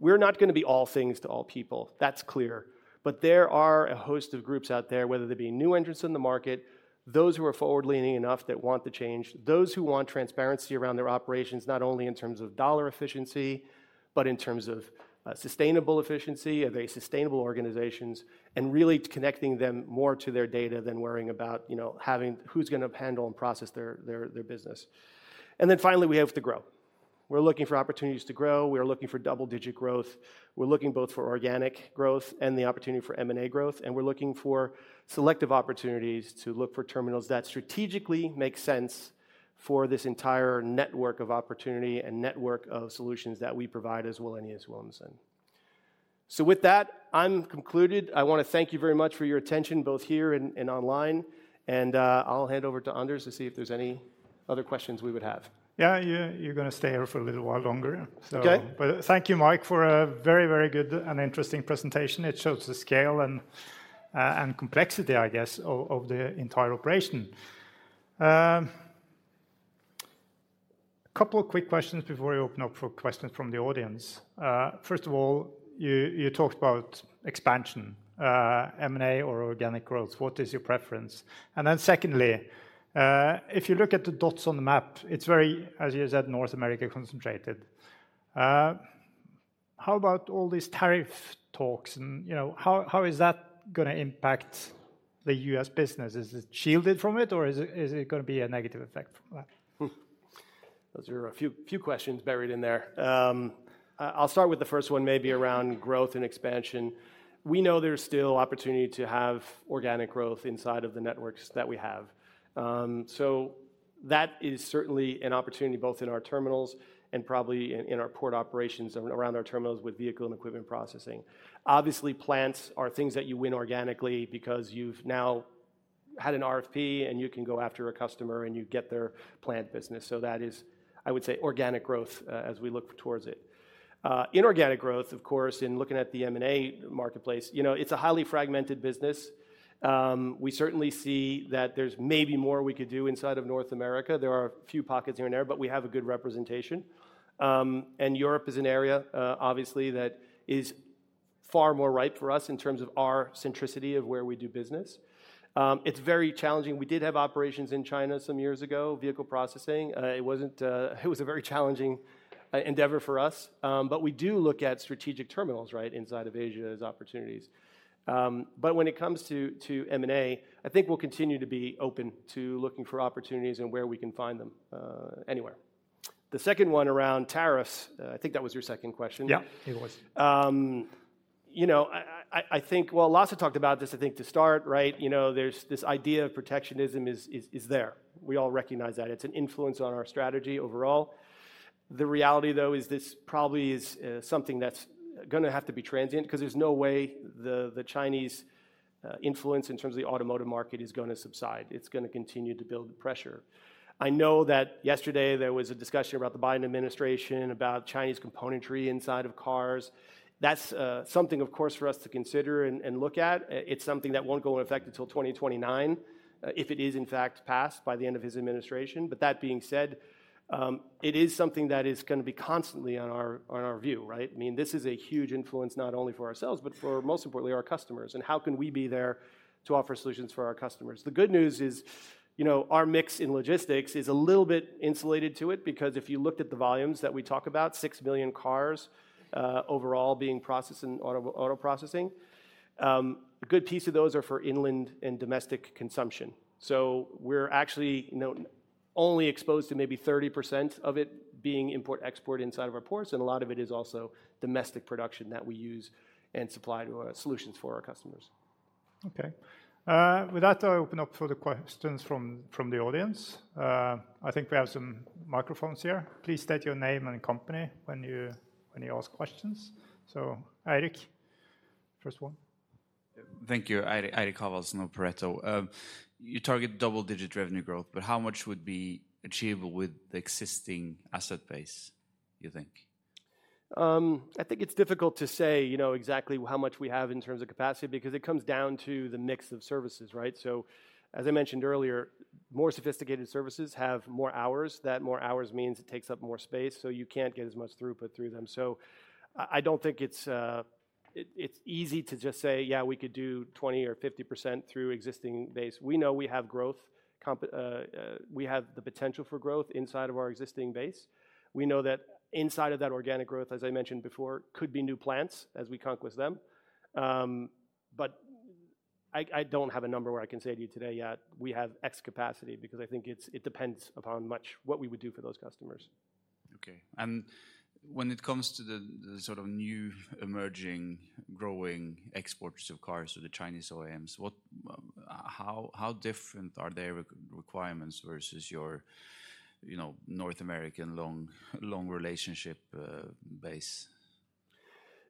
We're not gonna be all things to all people. That's clear. But there are a host of groups out there, whether they be new entrants in the market, those who are forward-leaning enough that want the change, those who want transparency around their operations, not only in terms of dollar efficiency, but in terms of sustainable efficiency, very sustainable organizations, and really connecting them more to their data than worrying about, you know, having who's gonna handle and process their business. And then finally, we have to grow. We're looking for opportunities to grow. We are looking for double-digit growth. We're looking both for organic growth and the opportunity for M&A growth, and we're looking for selective opportunities to look for terminals that strategically make sense for this entire network of opportunity and network of solutions that we provide as Wallenius Wilhelmsen. So with that, I'm concluded. I wanna thank you very much for your attention, both here and online. And I'll hand over to Anders to see if there's any other questions we would have. Yeah, yeah, you're gonna stay here for a little while longer, so. Okay. But thank you, Mike, for a very, very good and interesting presentation. It shows the scale and complexity, I guess, of the entire operation. A couple of quick questions before we open up for questions from the audience. First of all, you talked about expansion, M&A or organic growth. What is your preference? And then secondly, if you look at the dots on the map, it's very, as you said, North America concentrated. How about all these tariff talks, and, you know, how is that gonna impact the U.S. business? Is it shielded from it, or is it gonna be a negative effect from that? Those are a few questions buried in there. I'll start with the first one, maybe around growth and expansion. We know there's still opportunity to have organic growth inside of the networks that we have. So that is certainly an opportunity both in our terminals and probably in our port operations around our terminals with vehicle and equipment processing. Obviously, plants are things that you win organically because you've now had an RFP, and you can go after a customer, and you get their plant business. So that is, I would say, organic growth, as we look towards it. Inorganic growth, of course, in looking at the M&A marketplace, you know, it's a highly fragmented business. We certainly see that there's maybe more we could do inside of North America. There are a few pockets here and there, but we have a good representation. And Europe is an area, obviously, that is far more ripe for us in terms of our centricity of where we do business. It's very challenging. We did have operations in China some years ago, vehicle processing. It wasn't. It was a very challenging endeavor for us. But we do look at strategic terminals, right, inside of Asia as opportunities. But when it comes to M&A, I think we'll continue to be open to looking for opportunities and where we can find them anywhere. The second one around tariffs, I think that was your second question. Yeah, it was. You know, I think, well, Lasse talked about this, I think, to start, right? You know, there's this idea of protectionism is there. We all recognize that. It's an influence on our strategy overall. The reality, though, is this probably is something that's gonna have to be transient, 'cause there's no way the Chinese influence in terms of the automotive market is gonna subside. It's gonna continue to build pressure. I know that yesterday there was a discussion about the Biden administration, about Chinese componentry inside of cars. That's something, of course, for us to consider and look at. It's something that won't go in effect until 2029, if it is, in fact, passed by the end of his administration. But that being said, it is something that is gonna be constantly on our view, right? I mean, this is a huge influence not only for ourselves, but most importantly, our customers, and how can we be there to offer solutions for our customers? The good news is, you know, our mix in logistics is a little bit insulated to it, because if you looked at the volumes that we talk about, six million cars overall being processed in auto processing, a good piece of those are for inland and domestic consumption. So we're actually, you know, only exposed to maybe 30% of it being import-export inside of our ports, and a lot of it is also domestic production that we use and supply to solutions for our customers. Okay. With that, I open up for the questions from the audience. I think we have some microphones here. Please state your name and company when you ask questions. So, Eirik, first one. Thank you. Eirik, Eirik Haavaldsen of Pareto. You target double-digit revenue growth, but how much would be achievable with the existing asset base, you think? I think it's difficult to say, you know, exactly how much we have in terms of capacity, because it comes down to the mix of services, right? So, as I mentioned earlier, more sophisticated services have more hours. That more hours means it takes up more space, so you can't get as much throughput through them. So I don't think it's easy to just say, "Yeah, we could do 20% or 50% through existing base." We know we have the potential for growth inside of our existing base. We know that inside of that organic growth, as I mentioned before, could be new plants as we conquest them. But I don't have a number where I can say to you today, "Yeah, we have X capacity," because I think it depends upon much what we would do for those customers. Okay, and when it comes to the sort of new, emerging, growing exporters of cars, so the Chinese OEMs, how different are their requirements versus your, you know, North American long relationship base?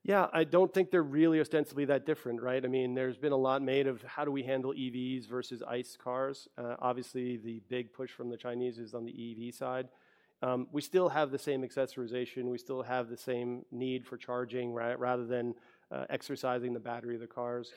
Yeah, I don't think they're really ostensibly that different, right? I mean, there's been a lot made of: How do we handle EVs versus ICE cars? Obviously, the big push from the Chinese is on the EV side. We still have the same accessorization, we still have the same need for charging, right, rather than exercising the battery of the cars.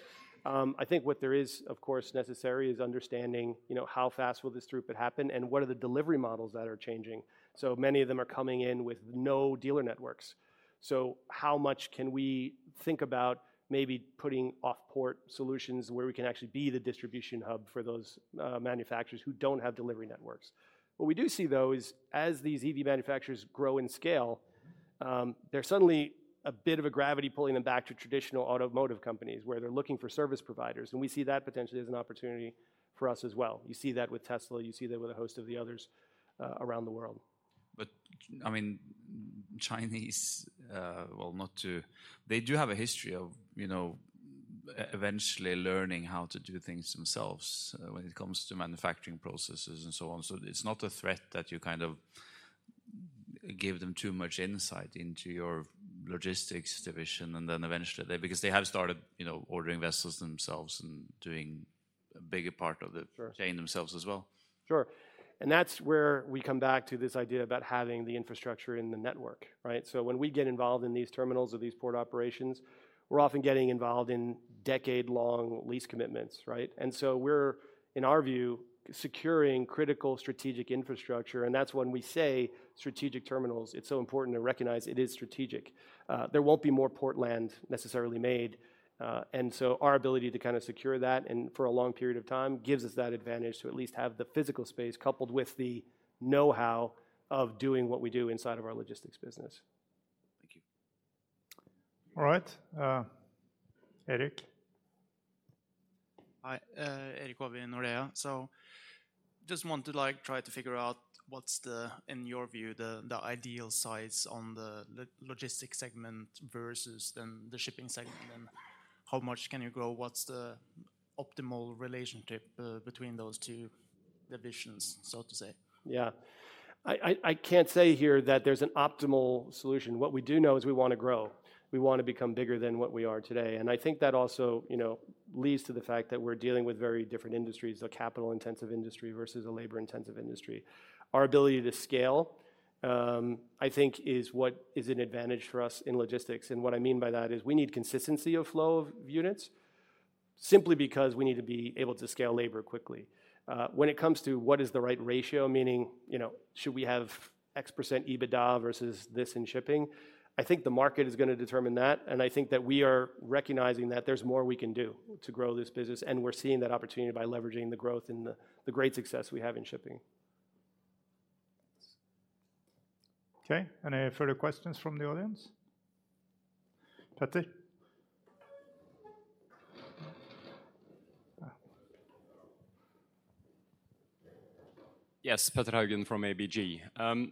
I think what there is, of course, necessary is understanding, you know, how fast will this throughput happen, and what are the delivery models that are changing? So many of them are coming in with no dealer networks. So how much can we think about maybe putting off-port solutions where we can actually be the distribution hub for those manufacturers who don't have delivery networks? What we do see, though, is, as these EV manufacturers grow in scale, there's suddenly a bit of a gravity pulling them back to traditional automotive companies, where they're looking for service providers, and we see that potentially as an opportunity for us as well. You see that with Tesla, you see that with a host of the others, around the world. But, I mean, Chinese, well, not to... They do have a history of, you know, eventually learning how to do things themselves, when it comes to manufacturing processes and so on. So it's not a threat that you kind of give them too much insight into your logistics division and then eventually they, because they have started, you know, ordering vessels themselves and doing a bigger part of the- Sure... chain themselves as well. Sure. And that's where we come back to this idea about having the infrastructure in the network, right? So when we get involved in these terminals or these port operations, we're often getting involved in decade-long lease commitments, right? And so we're, in our view, securing critical strategic infrastructure, and that's when we say, "Strategic terminals." It's so important to recognize it is strategic. There won't be more port land necessarily made, and so our ability to kind of secure that and for a long period of time, gives us that advantage to at least have the physical space, coupled with the know-how of doing what we do inside of our logistics business. Thank you. All right, Eirik. Hi, Eirik Øvrum, Nordea. So just want to, like, try to figure out what's the, in your view, the ideal size on the logistics segment versus then the shipping segment, and how much can you grow? What's the optimal relationship between those two divisions, so to say? Yeah. I can't say here that there's an optimal solution. What we do know is we want to grow.... we wanna become bigger than what we are today. And I think that also, you know, leads to the fact that we're dealing with very different industries: a capital-intensive industry versus a labor-intensive industry. Our ability to scale, I think, is what is an advantage for us in logistics, and what I mean by that is, we need consistency of flow of units, simply because we need to be able to scale labor quickly. When it comes to what is the right ratio, meaning, you know, should we have X% EBITDA versus this in shipping? I think the market is gonna determine that, and I think that we are recognizing that there's more we can do to grow this business, and we're seeing that opportunity by leveraging the growth and the great success we have in shipping. Okay, any further questions from the audience? Petter? Yes, Petter Haugen from ABG.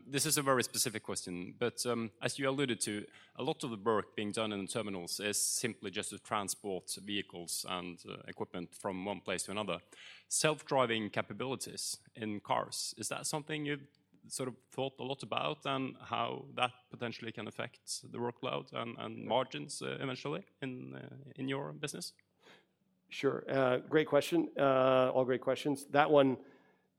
This is a very specific question, but, as you alluded to, a lot of the work being done in the terminals is simply just to transport vehicles and equipment from one place to another. Self-driving capabilities in cars, is that something you've sort of thought a lot about, and how that potentially can affect the workload and margins, eventually in your business? Sure. Great question. All great questions. That one,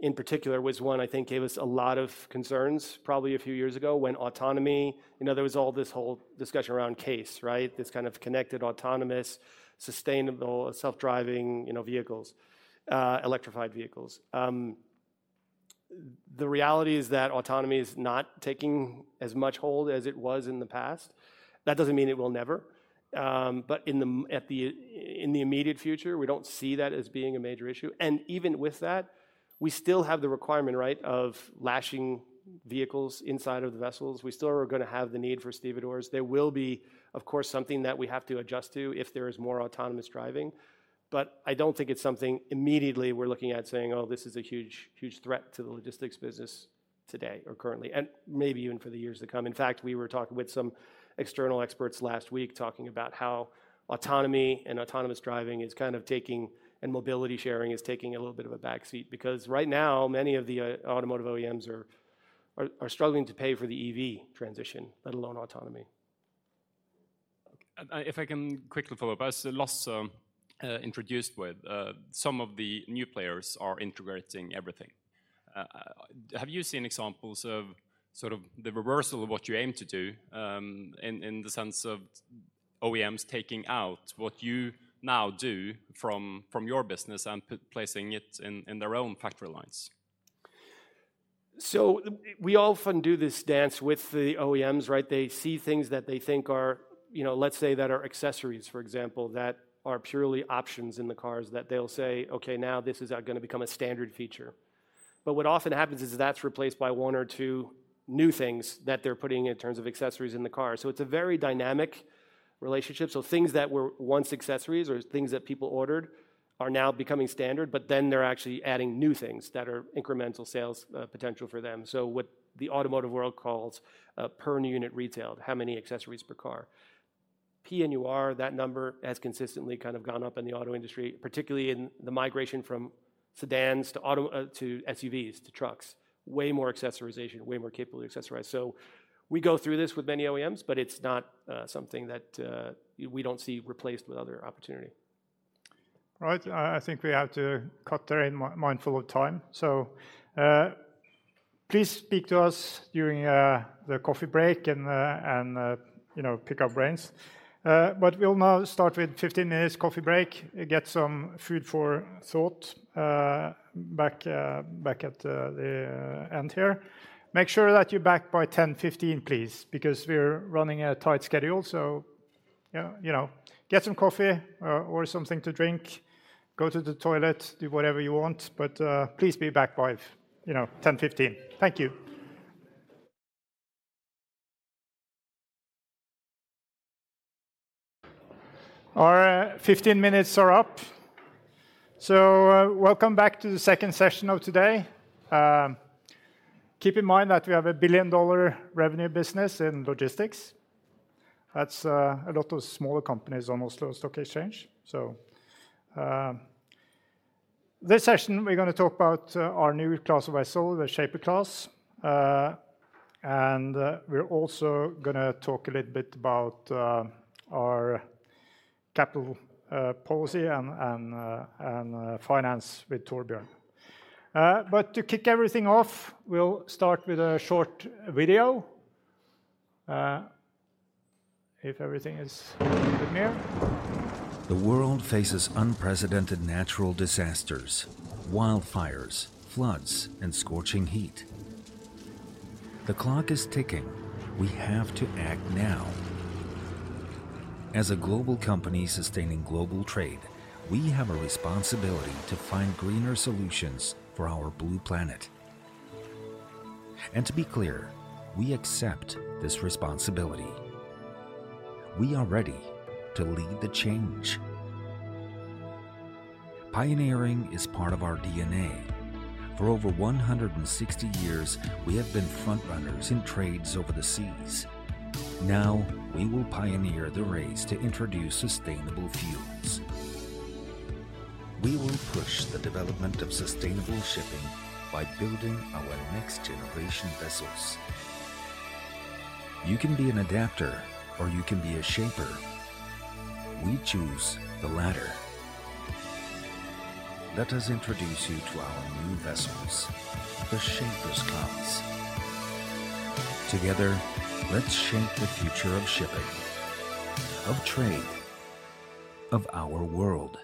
in particular, was one I think gave us a lot of concerns, probably a few years ago when autonomy... You know, there was all this whole discussion around CASE, right? This kind of connected, autonomous, sustainable, self-driving, you know, vehicles, electrified vehicles. The reality is that autonomy is not taking as much hold as it was in the past. That doesn't mean it will never, but in the immediate future, we don't see that as being a major issue. And even with that, we still have the requirement, right, of lashing vehicles inside of the vessels. We still are gonna have the need for stevedores. There will be, of course, something that we have to adjust to if there is more autonomous driving. I don't think it's something immediately we're looking at saying, "Oh, this is a huge, huge threat to the logistics business today or currently," and maybe even for the years to come. In fact, we were talking with some external experts last week, talking about how autonomy and autonomous driving is kind of taking, and mobility sharing is taking a little bit of a backseat. Because right now, many of the automotive OEMs are struggling to pay for the EV transition, let alone autonomy. Okay, if I can quickly follow up, as Lasse introduced with some of the new players are integrating everything. Have you seen examples of sort of the reversal of what you aim to do, in the sense of OEMs taking out what you now do from your business, and placing it in their own factory lines? So we often do this dance with the OEMs, right? They see things that they think are, you know, let's say, that are accessories, for example, that are purely options in the cars, that they'll say, "Okay, now this is gonna become a standard feature." But what often happens is that's replaced by one or two new things that they're putting in terms of accessories in the car. So it's a very dynamic relationship. So things that were once accessories or things that people ordered, are now becoming standard, but then they're actually adding new things that are incremental sales potential for them. So what the automotive world calls per unit retailed, how many accessories per car? PNUR, that number has consistently kind of gone up in the auto industry, particularly in the migration from sedans to SUVs, to trucks. Way more accessorization, way more capability to accessorize. So we go through this with many OEMs, but it's not something that we don't see replaced with other opportunity. Right. I think we have to cut there. I'm mindful of time. So, please speak to us during the coffee break and, you know, pick our brains. But we'll now start with 15 minutes coffee break, and get some food for thought back at the end here. Make sure that you're back by 10:15 A.M., please, because we're running a tight schedule. So, yeah, you know, get some coffee or something to drink. Go to the toilet, do whatever you want, but please be back by, you know, 10:15 A.M. Thank you. Our 15 minutes are up. So, welcome back to the second session of today. Keep in mind that we have a billion-dollar revenue business in logistics. That's a lot of smaller companies on Oslo Stock Exchange. So, this session, we're gonna talk about our new class of vessel, the Shaper Class. And we're also gonna talk a little bit about our capital policy and finance with Torbjørn. But to kick everything off, we'll start with a short video, if everything is working here. The world faces unprecedented natural disasters, wildfires, floods, and scorching heat. The clock is ticking. We have to act now. As a global company sustaining global trade, we have a responsibility to find greener solutions for our blue planet. And to be clear, we accept this responsibility. We are ready to lead the change. Pioneering is part of our DNA. For over one hundred and sixty years, we have been front runners in trades over the seas. Now, we will pioneer the race to introduce sustainable fuels.... We will push the development of sustainable shipping by building our next-generation vessels. You can be an adapter, or you can be a shaper. We choose the latter. Let us introduce you to our new vessels, the Shaper Class. Together, let's shape the future of shipping, of trade, of our world.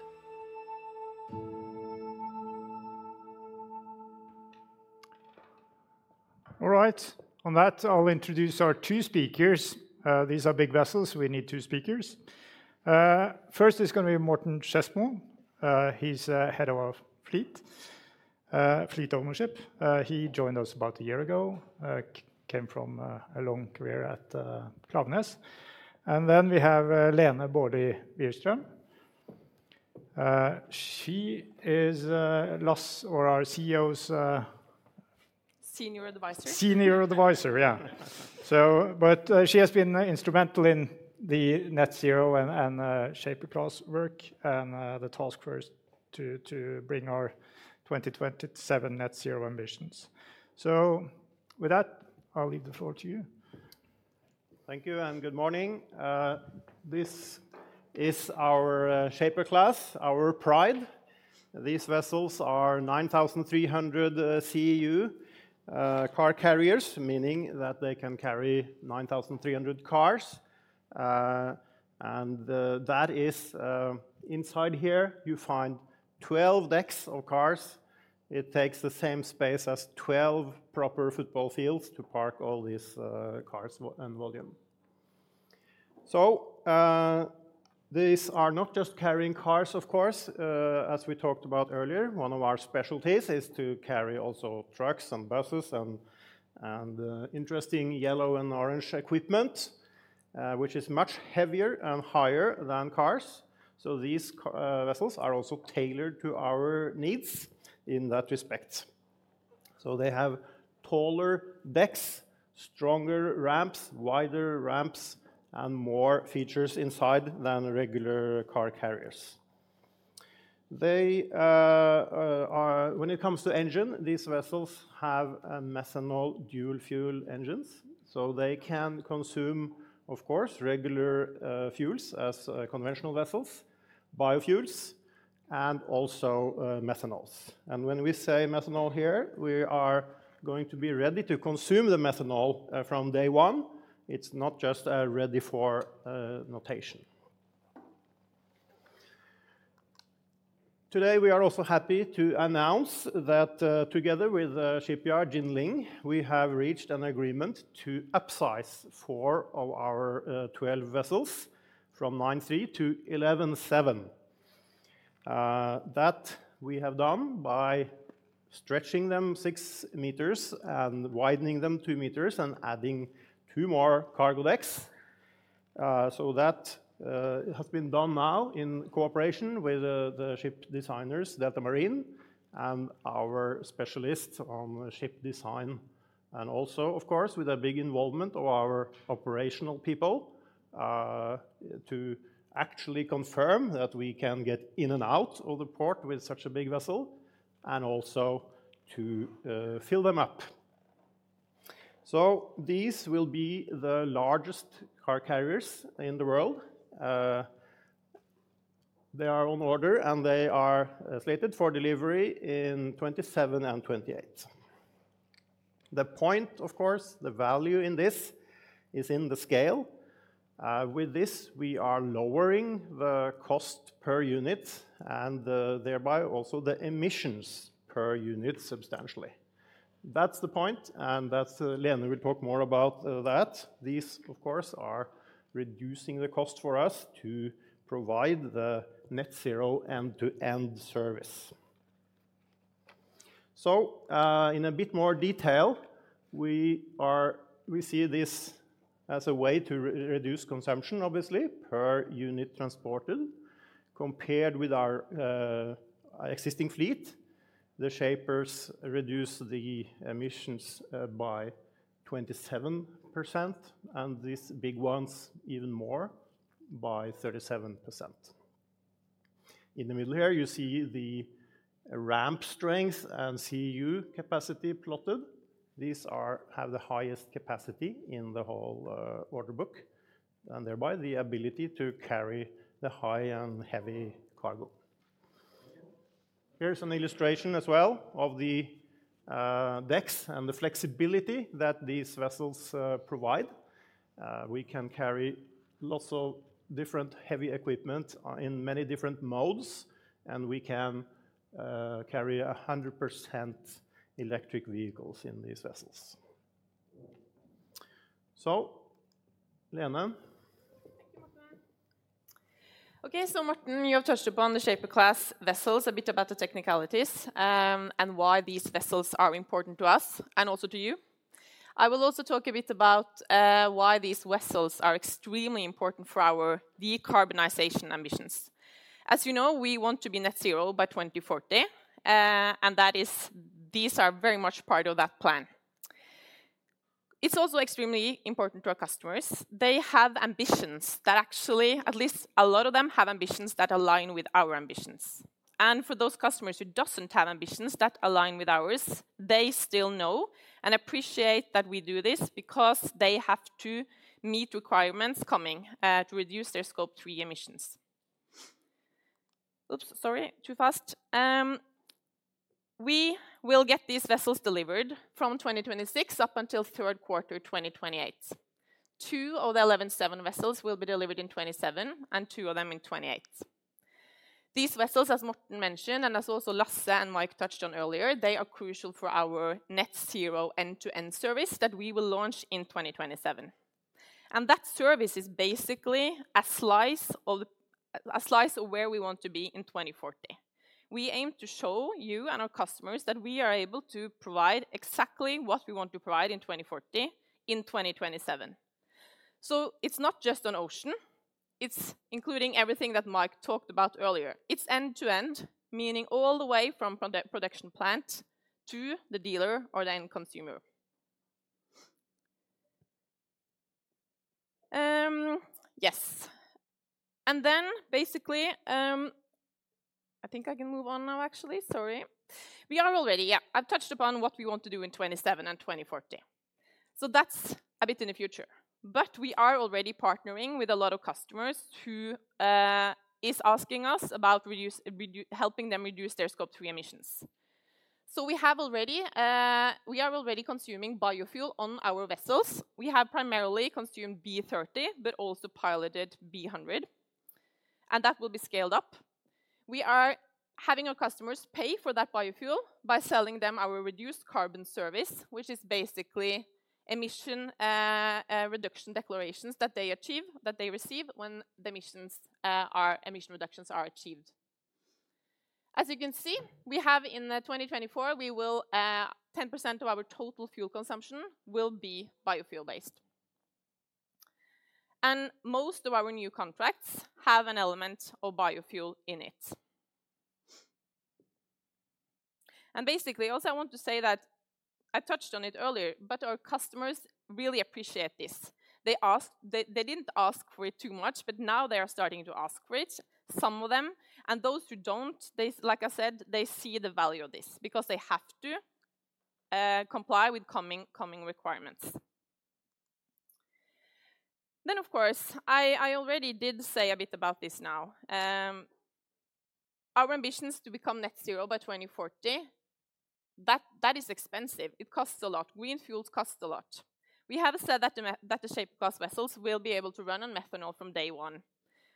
All right. On that, I'll introduce our two speakers. These are big vessels, so we need two speakers. First is gonna be Morten Skjesmo. He's head of our fleet, fleet ownership. He joined us about a year ago, came from a long career at Klaveness. And then we have Lene Bårdsgård. She is last, or our CEO's. Senior advisor... Senior Advisor, yeah. So, but she has been instrumental in the Net zero and Shaper Class work and the task force to bring our 2027 Net zero ambitions. So with that, I'll leave the floor to you. Thank you, and good morning. This is our Shaper Class, our pride. These vessels are 9,300 CEU car carriers, meaning that they can carry 9,300 cars. And that is inside here, you find 12 decks of cars. It takes the same space as 12 proper football fields to park all these cars and volume. So these are not just carrying cars, of course. As we talked about earlier, one of our specialties is to carry also trucks and buses and interesting yellow and orange equipment, which is much heavier and higher than cars. So these car vessels are also tailored to our needs in that respect. So they have taller decks, stronger ramps, wider ramps, and more features inside than regular car carriers. When it comes to engine, these vessels have a methanol dual fuel engines, so they can consume, of course, regular fuels as conventional vessels, biofuels, and also methanol. When we say methanol here, we are going to be ready to consume the methanol from day one. It's not just a ready for notation. Today, we are also happy to announce that together with Jinling Shipyard, we have reached an agreement to upsize four of our twelve vessels from nine three to eleven seven. That we have done by stretching them six meters and widening them two meters and adding two more cargo decks. So that has been done now in cooperation with the ship designers, Deltamarin, and our specialists on ship design, and also, of course, with a big involvement of our operational people, to actually confirm that we can get in and out of the port with such a big vessel and also to fill them up. So these will be the largest car carriers in the world. They are on order, and they are slated for delivery in 2027 and 2028. The point, of course, the value in this, is in the scale. With this, we are lowering the cost per unit and thereby also the emissions per unit substantially. That's the point, and that's Lene will talk more about that. These, of course, are reducing the cost for us to provide the Net Zero End-to-End Service. In a bit more detail, we see this as a way to reduce consumption, obviously, per unit transported. Compared with our existing fleet, the Shapers reduce the emissions by 27%, and these big ones even more, by 37%. In the middle here, you see the ramp strength and CEU capacity plotted. These have the highest capacity in the whole order book, and thereby the ability to carry the high and heavy cargo. Here's an illustration as well of the decks and the flexibility that these vessels provide. We can carry lots of different heavy equipment in many different modes, and we can carry 100% electric vehicles in these vessels. So, Lene? Thank you, Morten. Okay, so Morten, you have touched upon the Shaper Class vessels, a bit about the technicalities, and why these vessels are important to us and also to you. I will also talk a bit about why these vessels are extremely important for our decarbonization ambitions. As you know, we want to be net zero by 2040, and that is, these are very much part of that plan. It's also extremely important to our customers. They have ambitions that actually, at least a lot of them, have ambitions that align with our ambitions, and for those customers who doesn't have ambitions that align with ours, they still know and appreciate that we do this because they have to meet requirements coming to reduce their Scope 3 emissions. Oops, sorry, too fast. We will get these vessels delivered from 2026 up until third quarter 2028. Two of the eleven seven vessels will be delivered in 2027, and two of them in 2028. These vessels, as Morten mentioned, and as also Lasse and Mike touched on earlier, they are crucial for our Net Zero End-to-End Service that we will launch in 2027. And that service is basically a slice of where we want to be in 2040. We aim to show you and our customers that we are able to provide exactly what we want to provide in 2040, in 2027. So it's not just on ocean, it's including everything that Mike talked about earlier. It's end-to-end, meaning all the way from production plant to the dealer or the end consumer. I think I can move on now, actually. Sorry. We are already. Yeah, I've touched upon what we want to do in 2027 and 2040, so that's a bit in the future. But we are already partnering with a lot of customers who is asking us about helping them reduce their Scope 3 emissions. So we have already, we are already consuming biofuel on our vessels. We have primarily consumed B30, but also piloted B100, and that will be scaled up. We are having our customers pay for that biofuel by selling them our Reduced Carbon Service, which is basically emission reduction declarations that they achieve, that they receive when the emission reductions are achieved. As you can see, we have in the 2024, we will, 10% of our total fuel consumption will be biofuel-based. And most of our new contracts have an element of biofuel in it. And basically, also, I want to say that I touched on it earlier, but our customers really appreciate this. They didn't ask for it too much, but now they are starting to ask for it, some of them. And those who don't, they, like I said, they see the value of this because they have to comply with coming requirements. Then, of course, I already did say a bit about this now. Our ambitions to become net zero by 2040, that is expensive. It costs a lot. Green fuels cost a lot. We have said that the Shaper Class vessels will be able to run on methanol from day one,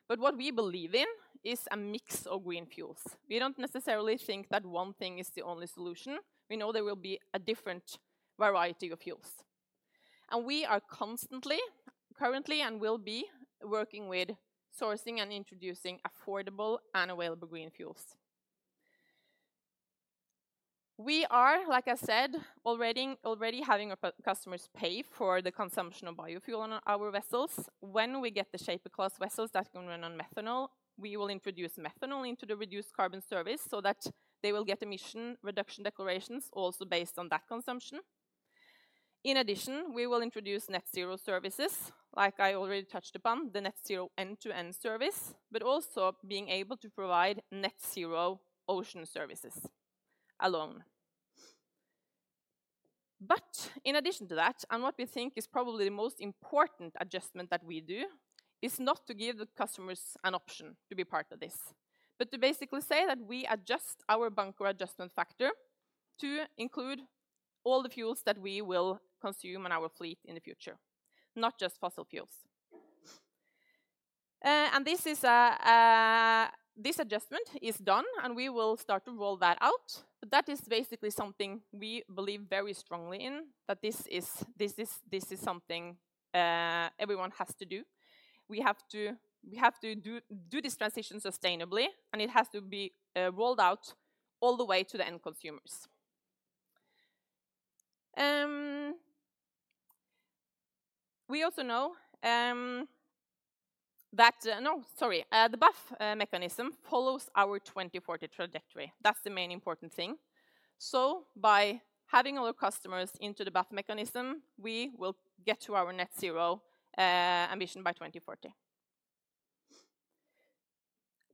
but what we believe in is a mix of green fuels. We don't necessarily think that one thing is the only solution. We know there will be a different variety of fuels, and we are constantly, currently, and will be working with sourcing and introducing affordable and available green fuels. We are, like I said, already having our customers pay for the consumption of biofuel on our vessels. When we get the Shaper Class vessels that can run on methanol, we will introduce methanol into the Reduced Carbon Service so that they will get emission reduction declarations also based on that consumption. In addition, we will introduce net zero services, like I already touched upon, the Net Zero End-to-End Service, but also being able to provide net zero ocean services alone. In addition to that, and what we think is probably the most important adjustment that we do, is not to give the customers an option to be part of this, but to basically say that we adjust our Bunker Adjustment Factor to include all the fuels that we will consume in our fleet in the future, not just fossil fuels. And this adjustment is done, and we will start to roll that out. That is basically something we believe very strongly in, that this is something everyone has to do. We have to do this transition sustainably, and it has to be rolled out all the way to the end consumers. We also know that the BAF mechanism follows our 2040 trajectory. That's the main important thing. So by having all our customers into the BAF mechanism, we will get to our net zero ambition by 2040.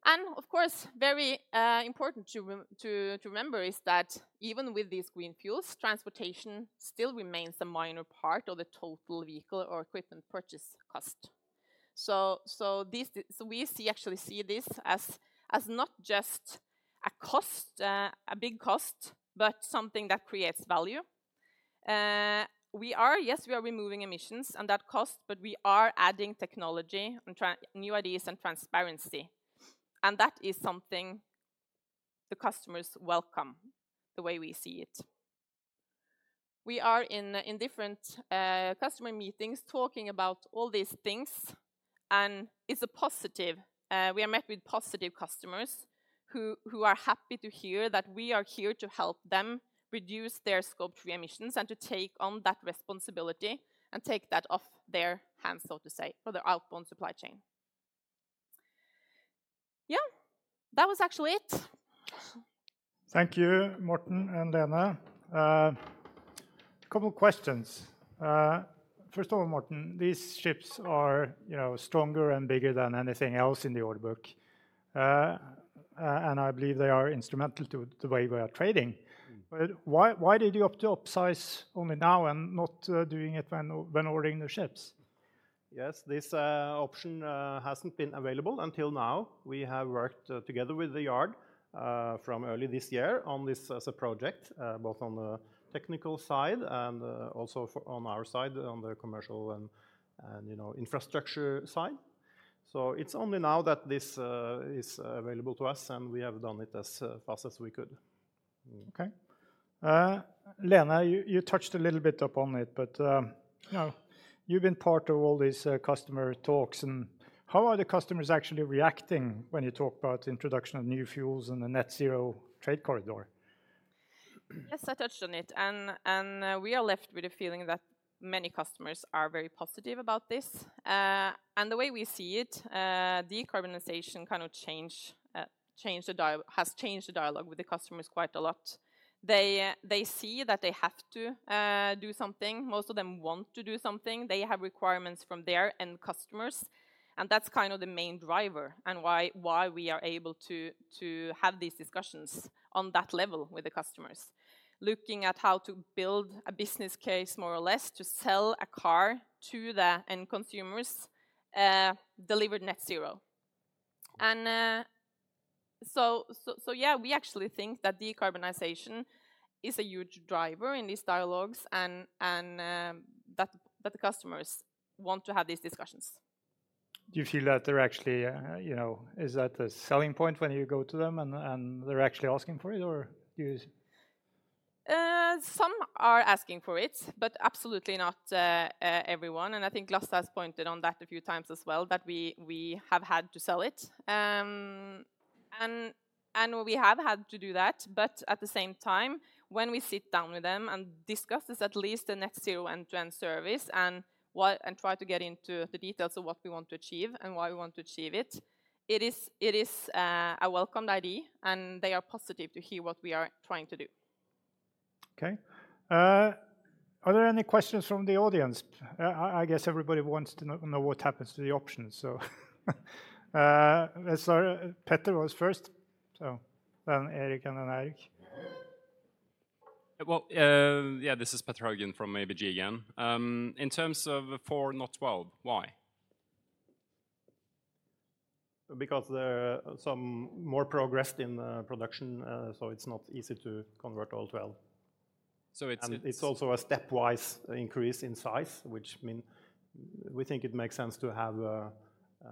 And of course, very important to remember is that even with these green fuels, transportation still remains a minor part of the total vehicle or equipment purchase cost. So we see this actually as not just a cost, a big cost, but something that creates value. We are, yes, we are removing emissions and that cost, but we are adding technology and new ideas and transparency, and that is something the customers welcome, the way we see it. We are in different customer meetings talking about all these things, and it's a positive. We are met with positive customers who are happy to hear that we are here to help them reduce their Scope 3 emissions, and to take on that responsibility, and take that off their hands, so to say, for their outbound supply chain. Yeah, that was actually it. Thank you, Morten and Lene. A couple of questions. First of all, Morten, these ships are, you know, stronger and bigger than anything else in the order book. And I believe they are instrumental to the way we are trading. Mm. But why did you opt to upsize only now and not doing it when ordering the ships? Yes, this option hasn't been available until now. We have worked together with the yard from early this year on this as a project both on the technical side and also for on our side on the commercial and, you know, infrastructure side. So it's only now that this is available to us, and we have done it as fast as we could. Okay. Lene, you touched a little bit upon it, but, you know, you've been part of all these customer talks, and how are the customers actually reacting when you talk about introduction of new fuels and the net zero trade corridor? Yes, I touched on it, and we are left with a feeling that many customers are very positive about this. The way we see it, decarbonization has changed the dialogue with the customers quite a lot. They see that they have to do something. Most of them want to do something. They have requirements from their end customers, and that's kind of the main driver and why we are able to have these discussions on that level with the customers. Looking at how to build a business case, more or less, to sell a car to the end consumers delivered net zero. We actually think that decarbonization is a huge driver in these dialogues and that the customers want to have these discussions. Do you feel that they're actually, you know? Is that a selling point when you go to them, and they're actually asking for it, or do you? Some are asking for it, but absolutely not, everyone, and I think Lasse has pointed on that a few times as well, that we have had to sell it. And we have had to do that, but at the same time, when we sit down with them and discuss this, at least the Net Zero End-to-End Service and try to get into the details of what we want to achieve and why we want to achieve it, it is a welcomed idea, and they are positive to hear what we are trying to do. Okay. Are there any questions from the audience? I guess everybody wants to know what happens to the options, so let's start. Petter was first, so then Eirik, and then Eirik. Well, yeah, this is Petter Haugen from ABG again. In terms of four, not twelve, why? Because there are some more progress in the production, so it's not easy to convert all 12. So it's- And it's also a stepwise increase in size, which mean we think it makes sense to have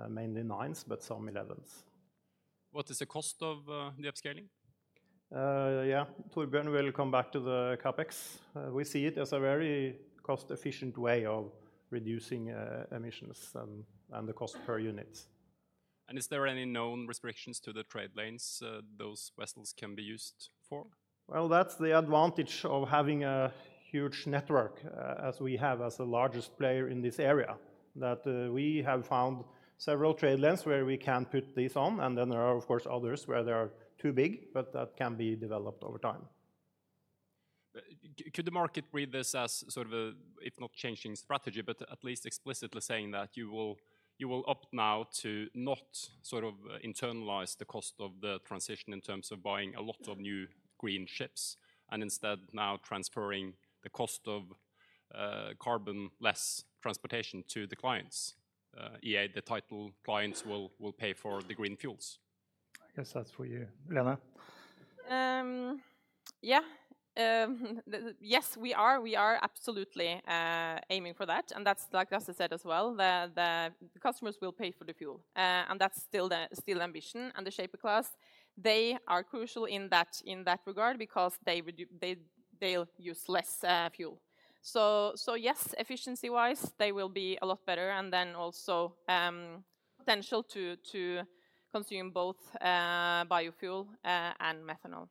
mainly nines, but some elevens. What is the cost of the upscaling? Yeah, Torbjørn will come back to the CapEx. We see it as a very cost-efficient way of reducing emissions and the cost per unit. Is there any known restrictions to the trade lanes, those vessels can be used for? That's the advantage of having a huge network, as we have as the largest player in this area, that we have found several trade lanes where we can put these on, and then there are, of course, others where they are too big, but that can be developed over time. But could the market read this as sort of a, if not changing strategy, but at least explicitly saying that you will opt now to not sort of internalize the cost of the transition in terms of buying a lot of new green ships and instead now transferring the cost of carbonless transportation to the clients, i.e., the title clients will pay for the green fuels? I guess that's for you, Lene. Yeah. Yes, we are. We are absolutely aiming for that, and that's like I said as well, the customers will pay for the fuel, and that's still the ambition and the Shaper Class, they are crucial in that regard because they'll use less fuel. So yes, efficiency-wise, they will be a lot better and then also potential to consume both biofuel and methanol.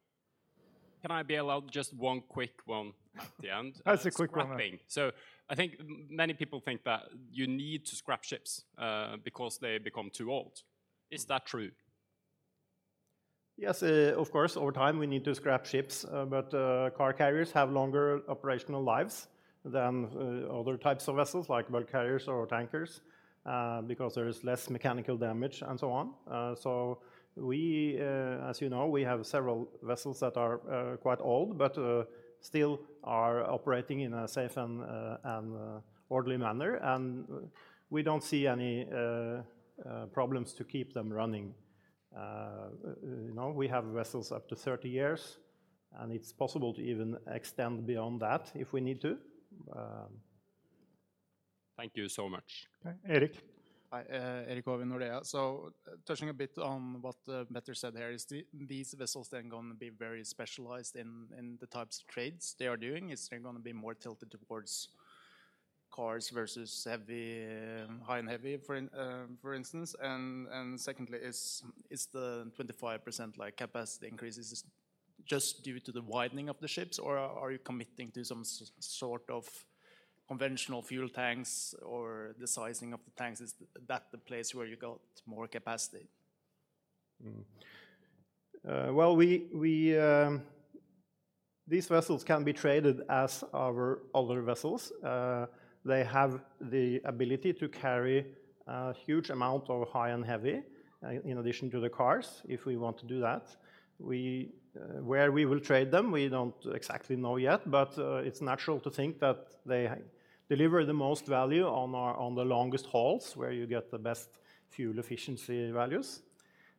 Can I be allowed just one quick one at the end? That's a quick one then. Scrapping. So I think many people think that you need to scrap ships, because they become too old. Is that true? Yes, of course, over time, we need to scrap ships, but car carriers have longer operational lives than other types of vessels, like bulk carriers or tankers, because there is less mechanical damage and so on. So we, as you know, we have several vessels that are quite old but still are operating in a safe and orderly manner, and we don't see any problems to keep them running. You know, we have vessels up to thirty years, and it's possible to even extend beyond that if we need to. Thank you so much. Okay, Eirik? Hi, Eirik Øvrum, Nordea. So touching a bit on what Petter said here, is these vessels then gonna be very specialized in the types of trades they are doing? Is they're gonna be more tilted towards cars versus heavy high and heavy, for in for instance? And secondly, is the 25% like capacity increases just due to the widening of the ships, or are you committing to some sort of conventional fuel tanks or the sizing of the tanks? Is that the place where you got more capacity? Well, these vessels can be traded as our other vessels. They have the ability to carry a huge amount of high and heavy in addition to the cars, if we want to do that. Where we will trade them, we don't exactly know yet, but it's natural to think that they deliver the most value on the longest hauls, where you get the best fuel efficiency values.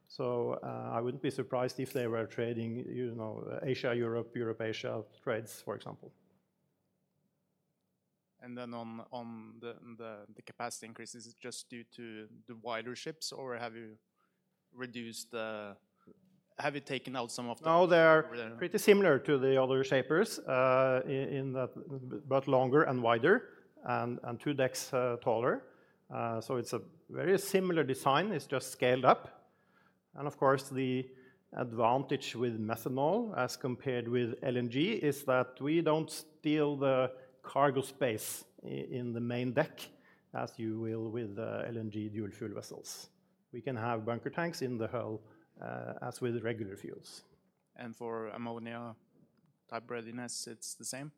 So, I wouldn't be surprised if they were trading, you know, Asia-Europe, Europe-Asia trades, for example. And then on the capacity increases, is it just due to the wider ships, or have you taken out some of the? No, they are pretty similar to the other Shapers in that, but longer and wider, and two decks taller. So, it's a very similar design. It's just scaled up. And of course, the advantage with methanol, as compared with LNG, is that we don't steal the cargo space in the main deck, as you will with LNG dual fuel vessels. We can have bunker tanks in the hull, as with regular fuels. For ammonia-type readiness, it's the same?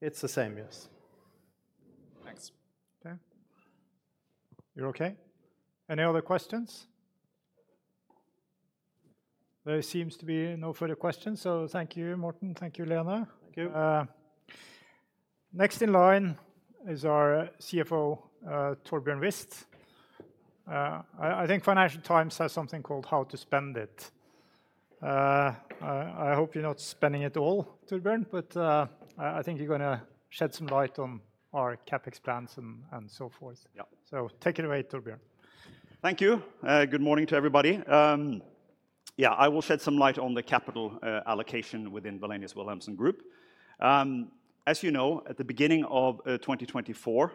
It's the same, yes. Thanks. Okay. You're okay? Any other questions? There seems to be no further questions, so thank you, Morten. Thank you, Lene. Thank you. Next in line is our CFO, Torbjørn Wist. I think Financial Times has something called How to Spend It. I hope you're not spending it all, Torbjørn, but I think you're gonna shed some light on our CapEx plans and so forth. Yeah. So take it away, Torbjørn. Thank you. Good morning to everybody. Yeah, I will shed some light on the capital allocation within Wallenius Wilhelmsen Group. As you know, at the beginning of 2024,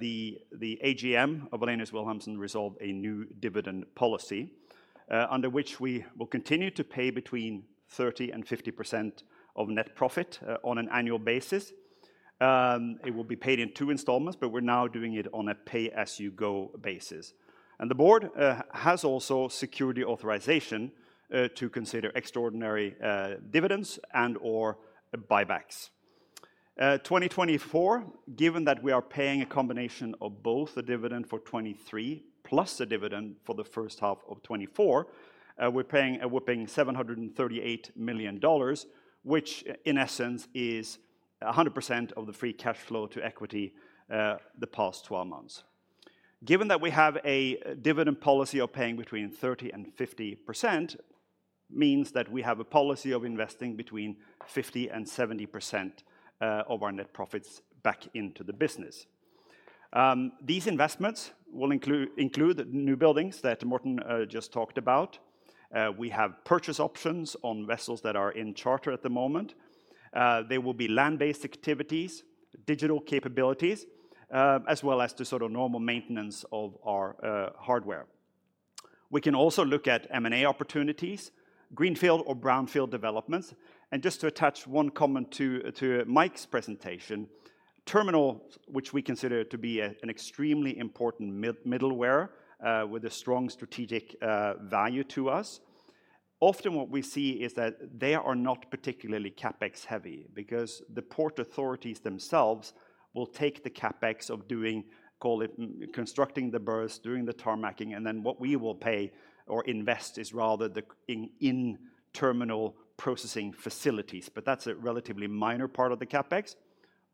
the AGM of Wallenius Wilhelmsen resolved a new dividend policy, under which we will continue to pay between 30% and 50% of net profit, on an annual basis. It will be paid in two installments, but we're now doing it on a pay-as-you-go basis. And the board has also secured the authorization to consider extraordinary dividends and/or buybacks. 2024, given that we are paying a combination of both the dividend for 2023 plus the dividend for the first half of 2024, we're paying a whopping $738 million, which in essence is 100% of the free cash flow to equity, the past twelve months. Given that we have a dividend policy of paying between 30% and 50%, means that we have a policy of investing between 50% and 70% of our net profits back into the business. These investments will include the new buildings that Morten just talked about. We have purchase options on vessels that are in charter at the moment. There will be land-based activities, digital capabilities, as well as the sort of normal maintenance of our hardware. We can also look at M&A opportunities, greenfield or brownfield developments. Just to attach one comment to Mike's presentation, terminal, which we consider to be an extremely important mid-middleware with a strong strategic value to us, often what we see is that they are not particularly CapEx heavy because the port authorities themselves will take the CapEx of doing, call it, constructing the berths, doing the tarmacking, and then what we will pay or invest is rather the in terminal processing facilities, but that's a relatively minor part of the CapEx.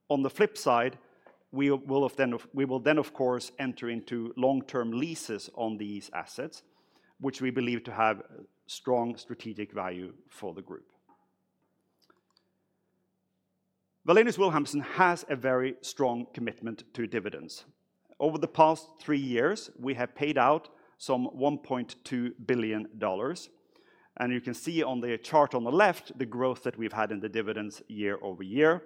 On the flip side, we will then, of course, enter into long-term leases on these assets, which we believe to have strong strategic value for the group. Wallenius Wilhelmsen has a very strong commitment to dividends. Over the past three years, we have paid out some $1.2 billion, and you can see on the chart on the left the growth that we've had in the dividends year over year.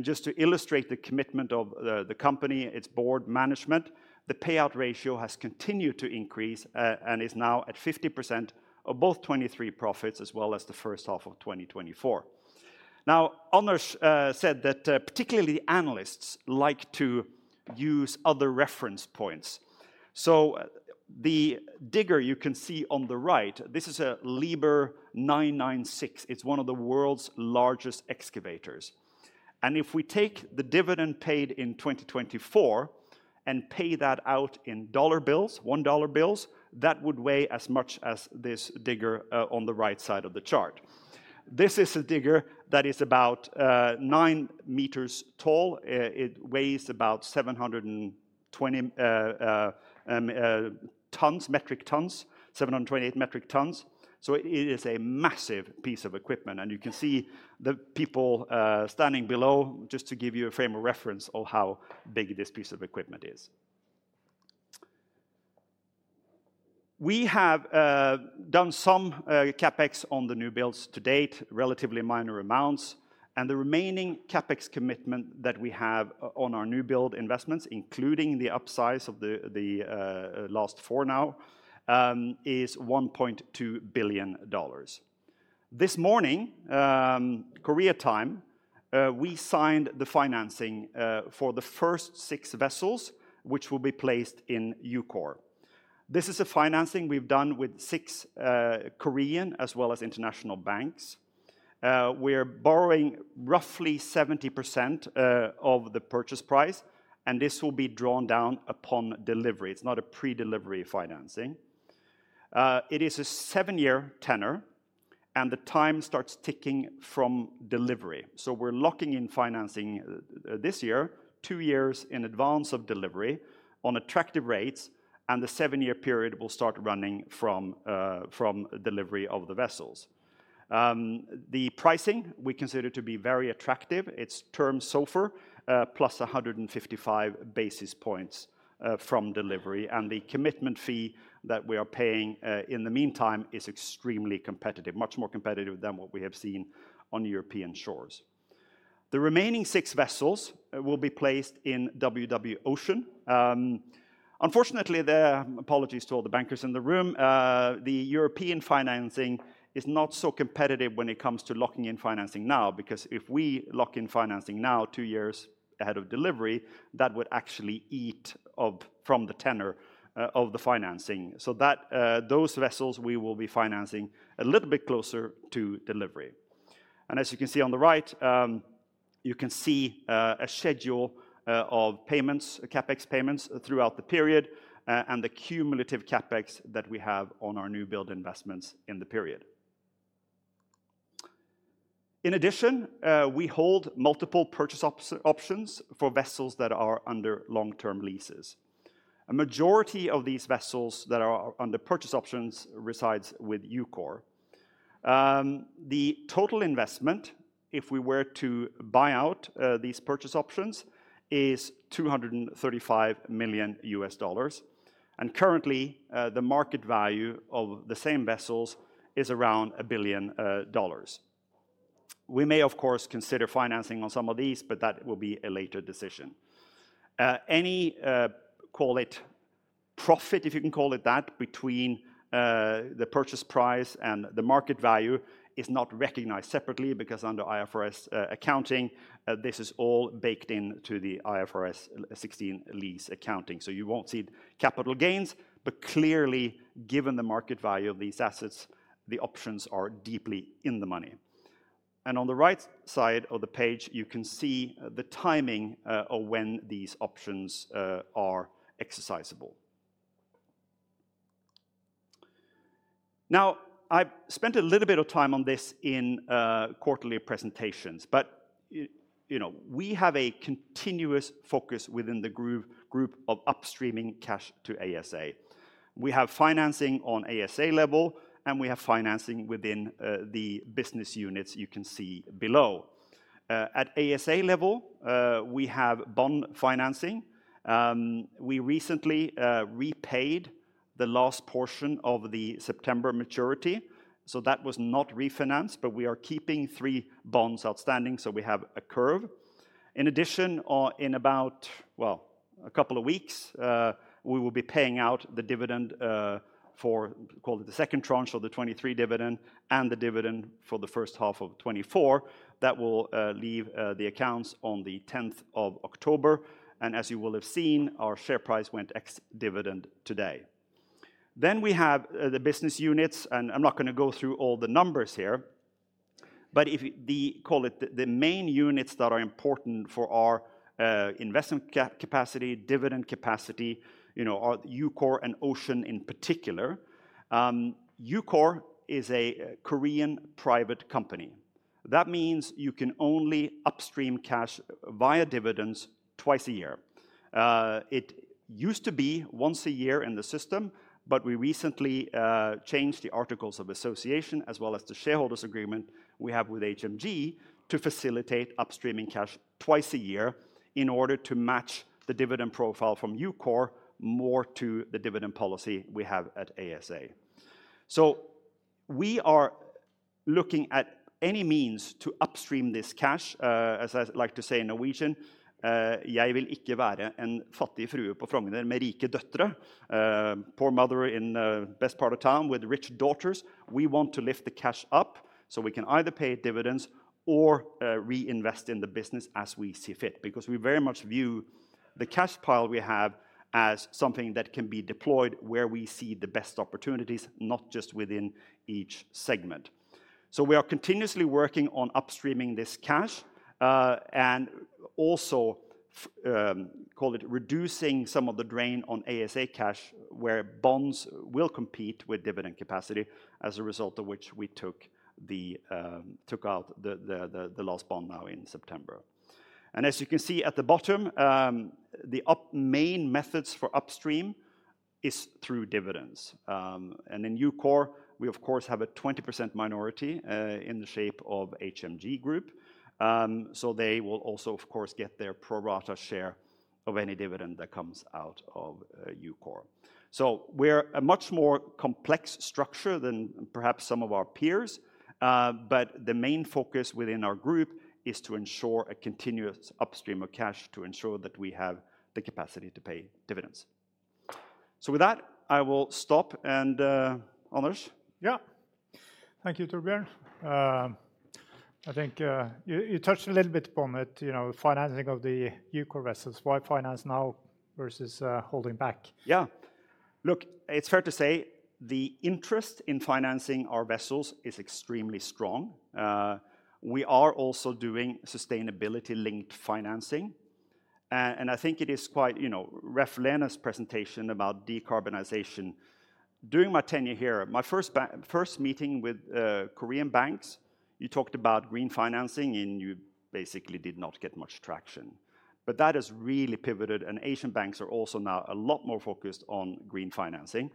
Just to illustrate the commitment of the, the company, its board management, the payout ratio has continued to increase, and is now at 50% of both 2023 profits, as well as the first half of 2024. Now, Anders, said that, particularly analysts like to use other reference points. So the digger you can see on the right, this is a Liebherr R 996. It's one of the world's largest excavators. If we take the dividend paid in 2024 and pay that out in dollar bills, one dollar bills, that would weigh as much as this digger, on the right side of the chart. This is a digger that is about nine meters tall. It weighs about 720 tons, metric tons, 728 metric tons. So it is a massive piece of equipment, and you can see the people standing below just to give you a frame of reference of how big this piece of equipment is. We have done some CapEx on the new builds to date, relatively minor amounts, and the remaining CapEx commitment that we have on our new build investments, including the upsize of the last four now, is $1.2 billion. This morning, Korea time, we signed the financing for the first six vessels, which will be placed in EUKOR. This is a financing we've done with six Korean as well as international banks. We're borrowing roughly 70% of the purchase price, and this will be drawn down upon delivery. It's not a pre-delivery financing. It is a seven-year tenor, and the time starts ticking from delivery. So we're locking in financing this year, two years in advance of delivery on attractive rates, and the seven-year period will start running from delivery of the vessels. The pricing, we consider to be very attractive. It's Term SOFR plus 155 basis points from delivery, and the commitment fee that we are paying in the meantime is extremely competitive, much more competitive than what we have seen on European shores. The remaining six vessels will be placed in WW Ocean. Unfortunately, apologies to all the bankers in the room, the European financing is not so competitive when it comes to locking in financing now, because if we lock in financing now, two years ahead of delivery, that would actually eat up from the tenor of the financing. So, those vessels we will be financing a little bit closer to delivery. And as you can see on the right, you can see a schedule of payments, CapEx payments throughout the period, and the cumulative CapEx that we have on our new build investments in the period. In addition, we hold multiple purchase options for vessels that are under long-term leases. A majority of these vessels that are under purchase options resides with EUKOR. The total investment, if we were to buy out these purchase options, is $235 million, and currently the market value of the same vessels is around $1 billion. We may, of course, consider financing on some of these, but that will be a later decision. Any, call it profit, if you can call it that, between the purchase price and the market value is not recognized separately, because under IFRS accounting this is all baked into the IFRS 16 lease accounting, so you won't see capital gains, but clearly, given the market value of these assets, the options are deeply in the money, and on the right side of the page, you can see the timing of when these options are exercisable. Now, I've spent a little bit of time on this in quarterly presentations, but you know, we have a continuous focus within the group of upstreaming cash to ASA. We have financing on ASA level, and we have financing within the business units you can see below. At ASA level, we have bond financing. We recently repaid the last portion of the September maturity, so that was not refinanced, but we are keeping three bonds outstanding, so we have a curve. In addition, in about, well, a couple of weeks, we will be paying out the dividend for, call it the second tranche or the 2023 dividend, and the dividend for the first half of 2024. That will leave the accounts on the tenth of October, and as you will have seen, our share price went ex-dividend today. Then we have the business units, and I'm not gonna go through all the numbers here, but, call it, the main units that are important for our investment capacity, dividend capacity, you know, are EUKOR and Ocean in particular. EUKOR is a Korean private company. That means you can only upstream cash via dividends twice a year. It used to be once a year in the system, but we recently changed the articles of association, as well as the shareholders agreement we have with HMG, to facilitate upstreaming cash twice a year in order to match the dividend profile from EUKOR more to the dividend policy we have at ASA. So we are looking at any means to upstream this cash, as I like to say in Norwegian, poor mother in best part of town with rich daughters. We want to lift the cash up, so we can either pay dividends or reinvest in the business as we see fit, because we very much view the cash pile we have as something that can be deployed where we see the best opportunities, not just within each segment. So we are continuously working on upstreaming this cash, and also call it reducing some of the drain on ASA cash, where bonds will compete with dividend capacity, as a result of which we took out the last bond now in September. And as you can see at the bottom, the main methods for upstream is through dividends. And in EUKOR, we of course have a 20% minority in the shape of HMG Group. So they will also, of course, get their pro rata share of any dividend that comes out of EUKOR. So we're a much more complex structure than perhaps some of our peers, but the main focus within our group is to ensure a continuous upstream of cash to ensure that we have the capacity to pay dividends. So with that, I will stop, and Anders? Yeah. Thank you, Torbjørn. I think you touched a little bit upon it, you know, financing of the new car vessels. Why finance now versus holding back? Yeah. Look, it's fair to say the interest in financing our vessels is extremely strong. We are also doing sustainability-linked financing, and I think it is quite, you know, Lene's presentation about decarbonization. During my tenure here, my first meeting with Korean banks, you talked about green financing, and you basically did not get much traction. But that has really pivoted, and Asian banks are also now a lot more focused on green financing.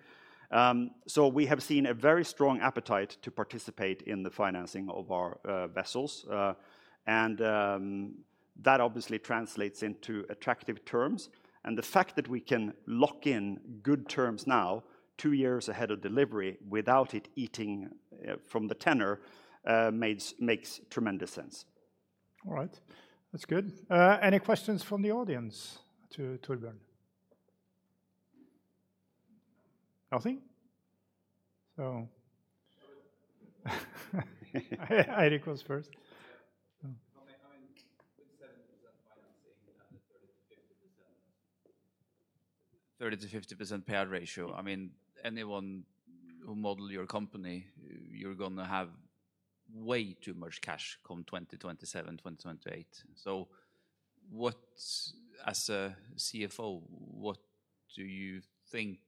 So we have seen a very strong appetite to participate in the financing of our vessels. And that obviously translates into attractive terms, and the fact that we can lock in good terms now, two years ahead of delivery, without it eating from the tenor, makes tremendous sense. All right. That's good. Any questions from the audience to Torbjørn? Nothing? So Eirik was first. Yeah. I mean, with 70% financing and 30%-50% payout ratio, I mean, anyone who model your company, you're gonna have way too much cash come 2027, 2028. So what... As a CFO, what do you think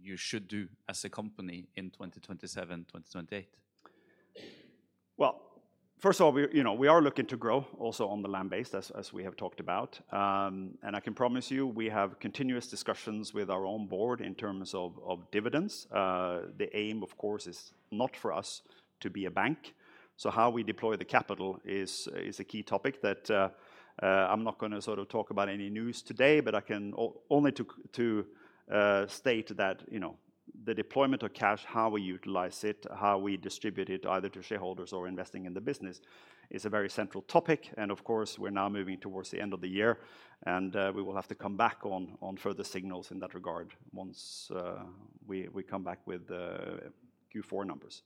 you should do as a company in 2027, 2028? Well, first of all, we, you know, we are looking to grow also on the land base as we have talked about. And I can promise you, we have continuous discussions with our own board in terms of dividends. The aim, of course, is not for us to be a bank, so how we deploy the capital is a key topic that I'm not gonna sort of talk about any news today. But I can only to state that, you know, the deployment of cash, how we utilize it, how we distribute it, either to shareholders or investing in the business, is a very central topic. Of course, we're now moving towards the end of the year, and we will have to come back on further signals in that regard once we come back with the Q4 numbers.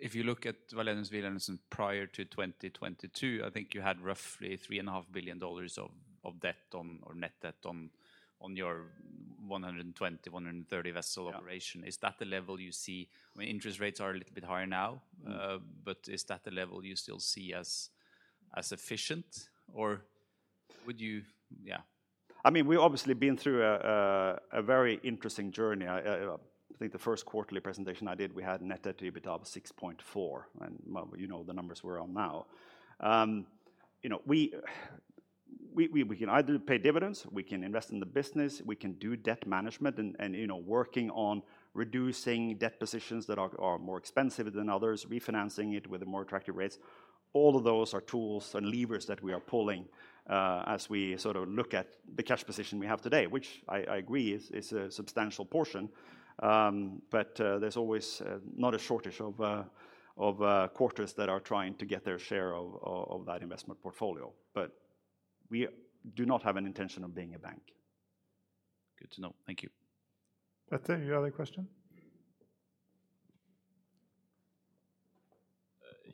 If you look at Wallenius Wilhelmsen prior to 2022, I think you had roughly $3.5 billion of debt on or net debt on your 120-130 vessel- Yeah... operation. Is that the level you see? I mean, interest rates are a little bit higher now. Mm-hmm... but is that the level you still see as efficient, or would you...? Yeah. I mean, we've obviously been through a very interesting journey. I think the first quarterly presentation I did, we had net debt to EBITDA of 6.4, and, well, you know the numbers we're on now. You know, we can either pay dividends, we can invest in the business, we can do debt management and, you know, working on reducing debt positions that are more expensive than others, refinancing it with more attractive rates. All of those are tools and levers that we are pulling as we sort of look at the cash position we have today, which I agree is a substantial portion. But there's always not a shortage of quarters that are trying to get their share of that investment portfolio. But we do not have an intention of being a bank. Good to know. Thank you. Petter, any other question?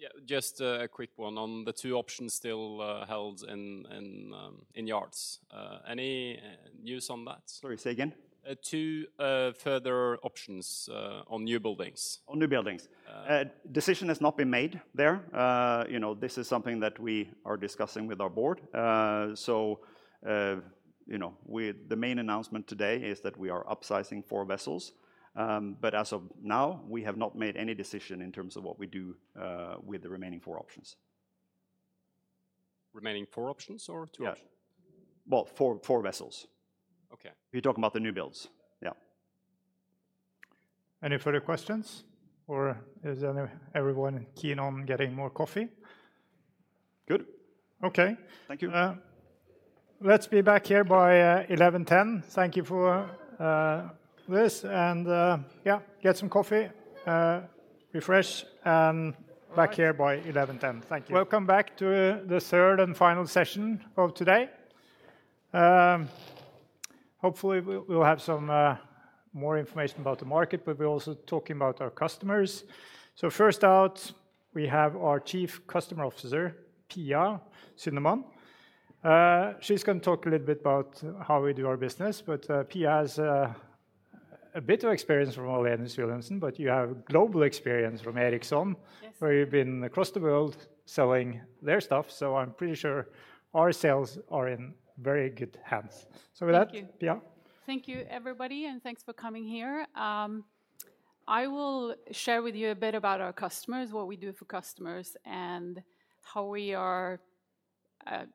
Yeah, just a quick one on the two options still held in yards. Any news on that? Sorry, say again? Two further options on new buildings. On new buildings? Yeah. Decision has not been made there. You know, this is something that we are discussing with our board, so you know, the main announcement today is that we are upsizing four vessels, but as of now, we have not made any decision in terms of what we do with the remaining four options. Remaining four options or two options? Yeah. Well, four vessels. Okay. We're talking about the new builds. Yeah. Any further questions, or is everyone keen on getting more coffee? Good. Okay. Thank you. Let's be back here by 11:10 A.M. Thank you for this, and yeah, get some coffee, refresh, and back here by 11:10 A.M. Thank you. Welcome back to the third and final session of today. Hopefully, we'll have some more information about the market, but we're also talking about our customers. So first out, we have our Chief Customer Officer, Pia Synnerman. She's gonna talk a little bit about how we do our business, but Pia has a bit of experience from Wallenius Wilhelmsen, but you have global experience from Ericsson- Yes... where you've been across the world selling their stuff, so I'm pretty sure our sales are in very good hands. Thank you. So with that, Pia. Thank you, everybody, and thanks for coming here. I will share with you a bit about our customers, what we do for customers, and how we are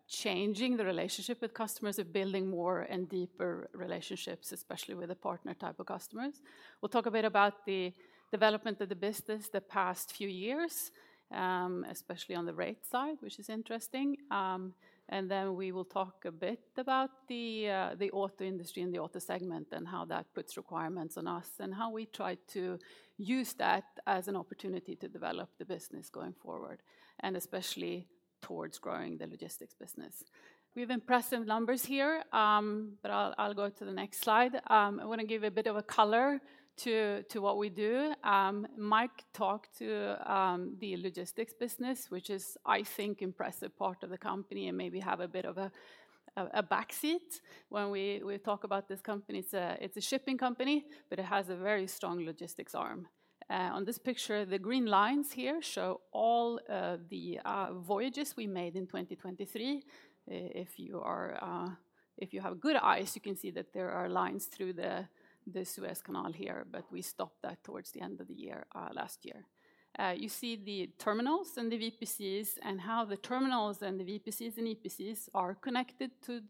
changing the relationship with customers of building more and deeper relationships, especially with the partner type of customers. We'll talk a bit about the development of the business the past few years, especially on the rate side, which is interesting. And then we will talk a bit about the auto industry and the auto segment, and how that puts requirements on us, and how we try to use that as an opportunity to develop the business going forward, and especially towards growing the logistics business. We have impressive numbers here, but I'll go to the next slide. I wanna give a bit of a color to what we do. Mike talked to the logistics business, which is, I think, impressive part of the company, and maybe have a bit of a backseat when we talk about this company. It's a shipping company, but it has a very strong logistics arm. On this picture, the green lines here show all the voyages we made in 2023. If you have good eyes, you can see that there are lines through the Suez Canal here, but we stopped that towards the end of the year last year. You see the terminals and the VPCs, and how the terminals and the VPCs and EPCs are connected to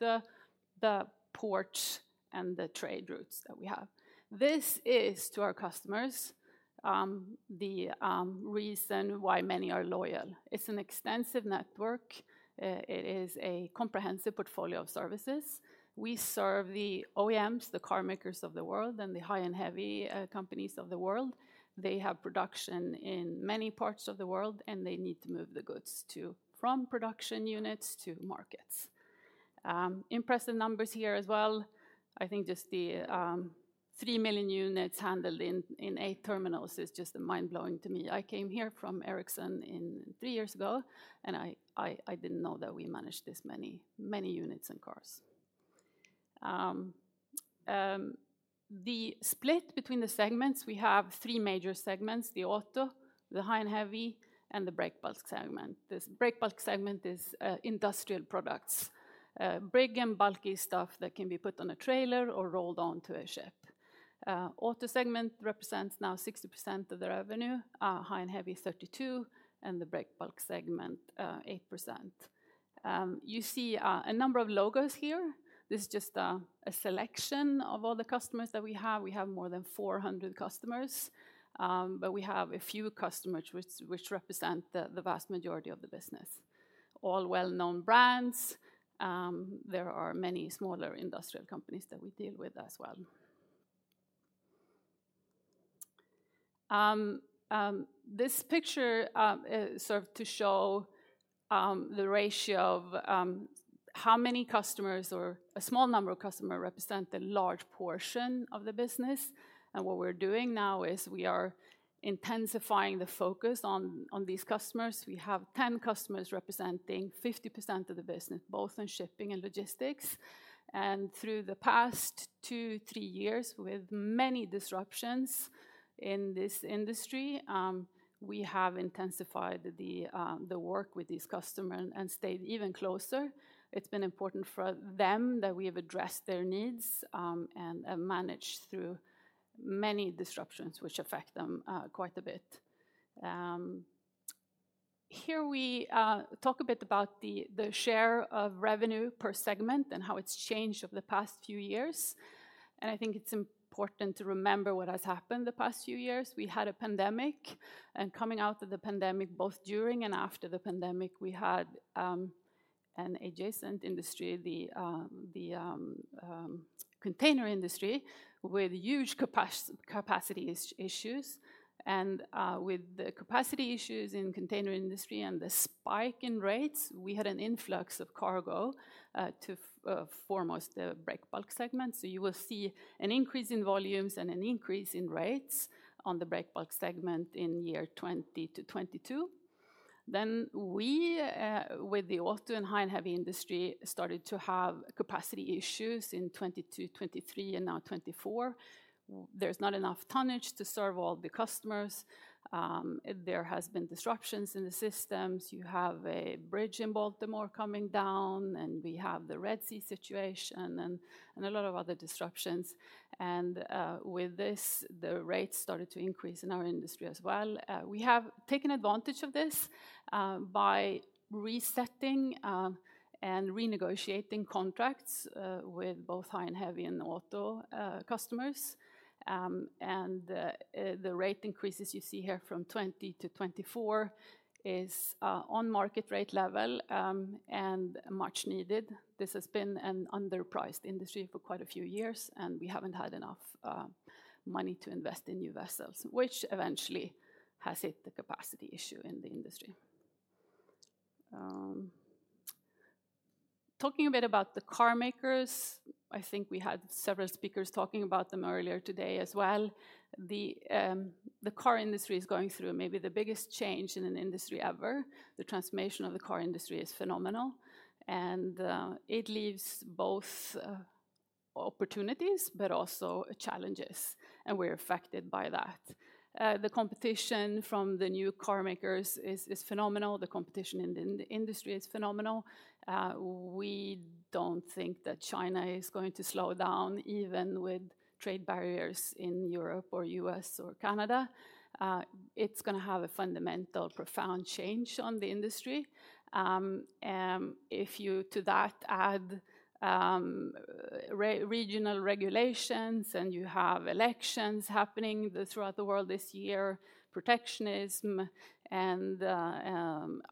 the ports and the trade routes that we have. This is, to our customers, the reason why many are loyal. It's an extensive network. It is a comprehensive portfolio of services. We serve the OEMs, the car makers of the world, and the high-end heavy companies of the world. They have production in many parts of the world, and they need to move the goods from production units to markets. Impressive numbers here as well. I think just the three million units handled in eight terminals is just mind-blowing to me. I came here from Ericsson three years ago, and I didn't know that we managed this many units and cars. The split between the segments, we have three major segments: the auto, the high and heavy, and the breakbulk segment. This breakbulk segment is industrial products, big and bulky stuff that can be put on a trailer or rolled onto a ship. Auto segment represents now 60% of the revenue, high and heavy 32%, and the breakbulk segment 8%. You see a number of logos here. This is just a selection of all the customers that we have. We have more than 400 customers, but we have a few customers, which represent the vast majority of the business. All well-known brands. There are many smaller industrial companies that we deal with as well. This picture serve to show the ratio of how many customers or a small number of customer represent the large portion of the business, and what we're doing now is we are intensifying the focus on these customers. We have 10 customers representing 50% of the business, both in shipping and logistics. And through the past two, three years, with many disruptions in this industry, we have intensified the work with these customer and stayed even closer. It's been important for them that we have addressed their needs and managed through many disruptions which affect them quite a bit. Here we talk a bit about the share of revenue per segment and how it's changed over the past few years, and I think it's important to remember what has happened the past few years. We had a pandemic, and coming out of the pandemic, both during and after the pandemic, we had an adjacent industry, the container industry, with huge capacity issues. With the capacity issues in the container industry and the spike in rates, we had an influx of cargo to, foremost, the breakbulk segment. You will see an increase in volumes and an increase in rates on the breakbulk segment in year 2020-2022. With the auto and high and heavy industry, we started to have capacity issues in 2023, and now 2024. There's not enough tonnage to serve all the customers. There has been disruptions in the systems. You have a bridge in Baltimore coming down, and we have the Red Sea situation and a lot of other disruptions. With this, the rates started to increase in our industry as well. We have taken advantage of this by resetting and renegotiating contracts with both high and heavy and auto customers. The rate increases you see here from 2020-2024 is on market rate level and much needed. This has been an underpriced industry for quite a few years, and we haven't had enough money to invest in new vessels, which eventually has hit the capacity issue in the industry. Talking a bit about the car makers, I think we had several speakers talking about them earlier today as well. The car industry is going through maybe the biggest change in an industry ever. The transformation of the car industry is phenomenal, and it leaves both opportunities, but also challenges, and we're affected by that. The competition from the new car makers is phenomenal. The competition in the industry is phenomenal. We don't think that China is going to slow down, even with trade barriers in Europe or U.S. or Canada. It's gonna have a fundamental, profound change on the industry. If you to that add regional regulations, and you have elections happening throughout the world this year, protectionism and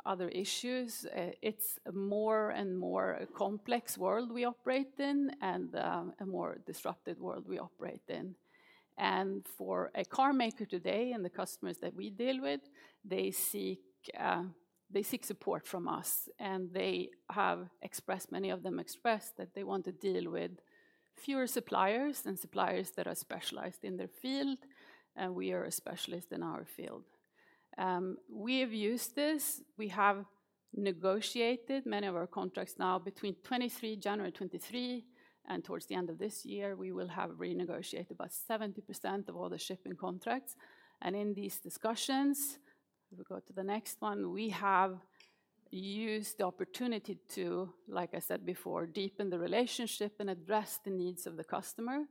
other issues, it's more and more a complex world we operate in and a more disrupted world we operate in, and for a car maker today and the customers that we deal with, they seek support from us, and they have expressed, many of them expressed that they want to deal with fewer suppliers and suppliers that are specialized in their field, and we are a specialist in our field. We have used this. We have negotiated many of our contracts now between 2023, January 2023, and towards the end of this year, we will have renegotiated about 70% of all the shipping contracts. And in these discussions, if we go to the next one, we have used the opportunity to, like I said before, deepen the relationship and address the needs of the customer.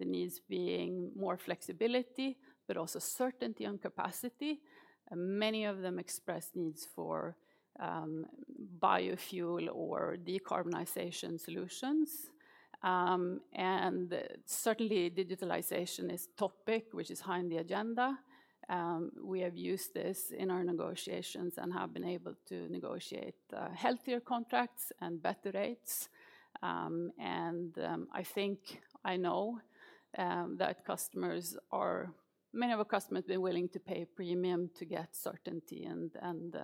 The needs being more flexibility, but also certainty on capacity. Many of them express needs for biofuel or decarbonization solutions. And certainly, digitalization is topic, which is high on the agenda. We have used this in our negotiations and have been able to negotiate healthier contracts and better rates. And I think I know that many of our customers have been willing to pay a premium to get certainty and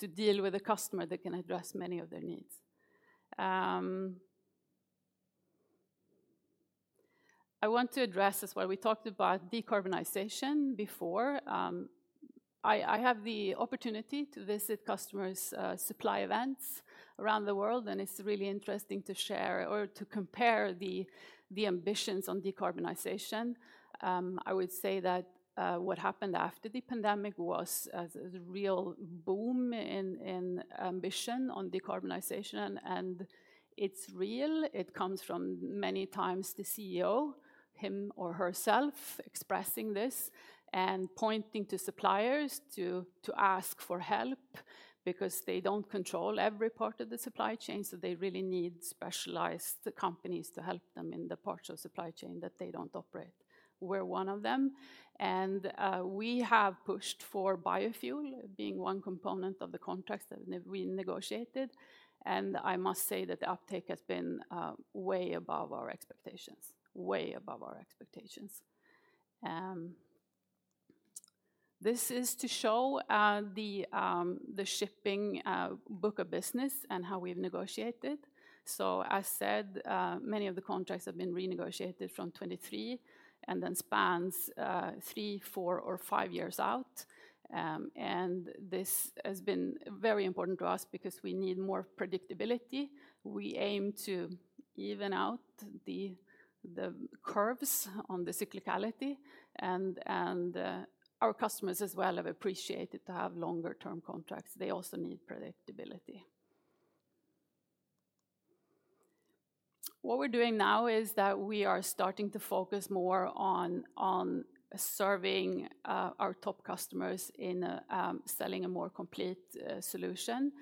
to deal with a customer that can address many of their needs. I want to address as well. We talked about decarbonization before. I have the opportunity to visit customers' supply events around the world, and it's really interesting to share or to compare the ambitions on decarbonization. I would say that what happened after the pandemic was a real boom in ambition on decarbonization, and it's real. It comes from many times the CEO, him or herself, expressing this and pointing to suppliers to ask for help because they don't control every part of the supply chain, so they really need specialized companies to help them in the parts of supply chain that they don't operate. We're one of them, and we have pushed for biofuel being one component of the contracts that we negotiated, and I must say that the uptake has been way above our expectations. Way above our expectations. This is to show the shipping book of business and how we've negotiated. So as said, many of the contracts have been renegotiated from 2023 and then spans three, four, or five years out. And this has been very important to us because we need more predictability. We aim to even out the curves on the cyclicality, and our customers as well have appreciated to have longer-term contracts. They also need predictability. What we're doing now is that we are starting to focus more on serving our top customers in selling a more complete solution.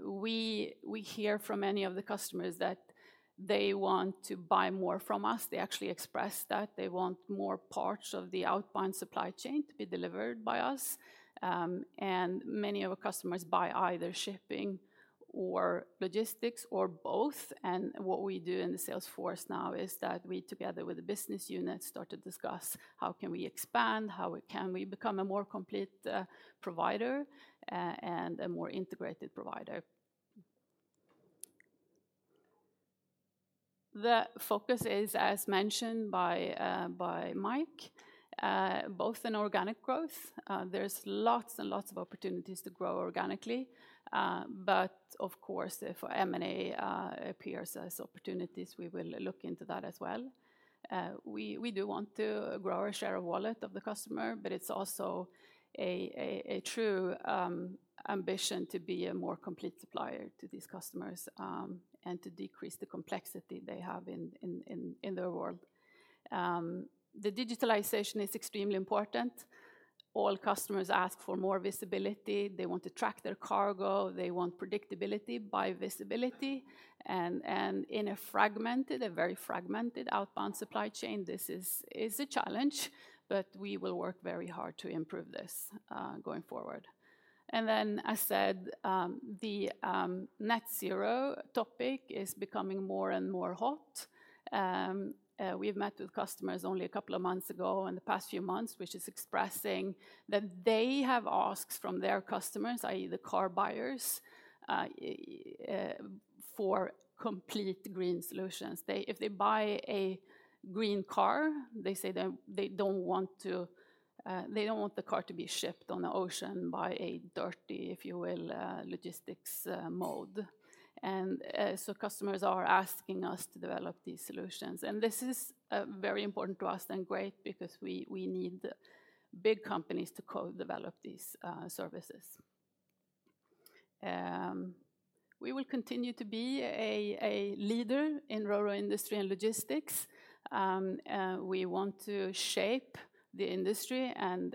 We hear from many of the customers that they want to buy more from us. They actually express that they want more parts of the outbound supply chain to be delivered by us. And many of our customers buy either shipping or logistics or both, and what we do in the sales force now is that we, together with the business unit, start to discuss how can we expand, how can we become a more complete provider, and a more integrated provider. The focus is, as mentioned by Mike, both in organic growth. There's lots and lots of opportunities to grow organically, but of course, if M&A appears as opportunities, we will look into that as well. We do want to grow our share of wallet of the customer, but it's also a true ambition to be a more complete supplier to these customers, and to decrease the complexity they have in their world. The digitalization is extremely important. All customers ask for more visibility. They want to track their cargo, they want predictability by visibility, and in a very fragmented outbound supply chain, this is a challenge, but we will work very hard to improve this, going forward. And then, as said, the net zero topic is becoming more and more hot. We've met with customers only a couple of months ago, in the past few months, which is expressing that they have asks from their customers, i.e., the car buyers, for complete green solutions. They-- If they buy a green car, they say that they don't want to, they don't want the car to be shipped on the ocean by a dirty, if you will, logistics mode. And, so customers are asking us to develop these solutions. And this is, very important to us and great because we, we need big companies to co-develop these, services. We will continue to be a, a leader in ro-ro industry and logistics. We want to shape the industry, and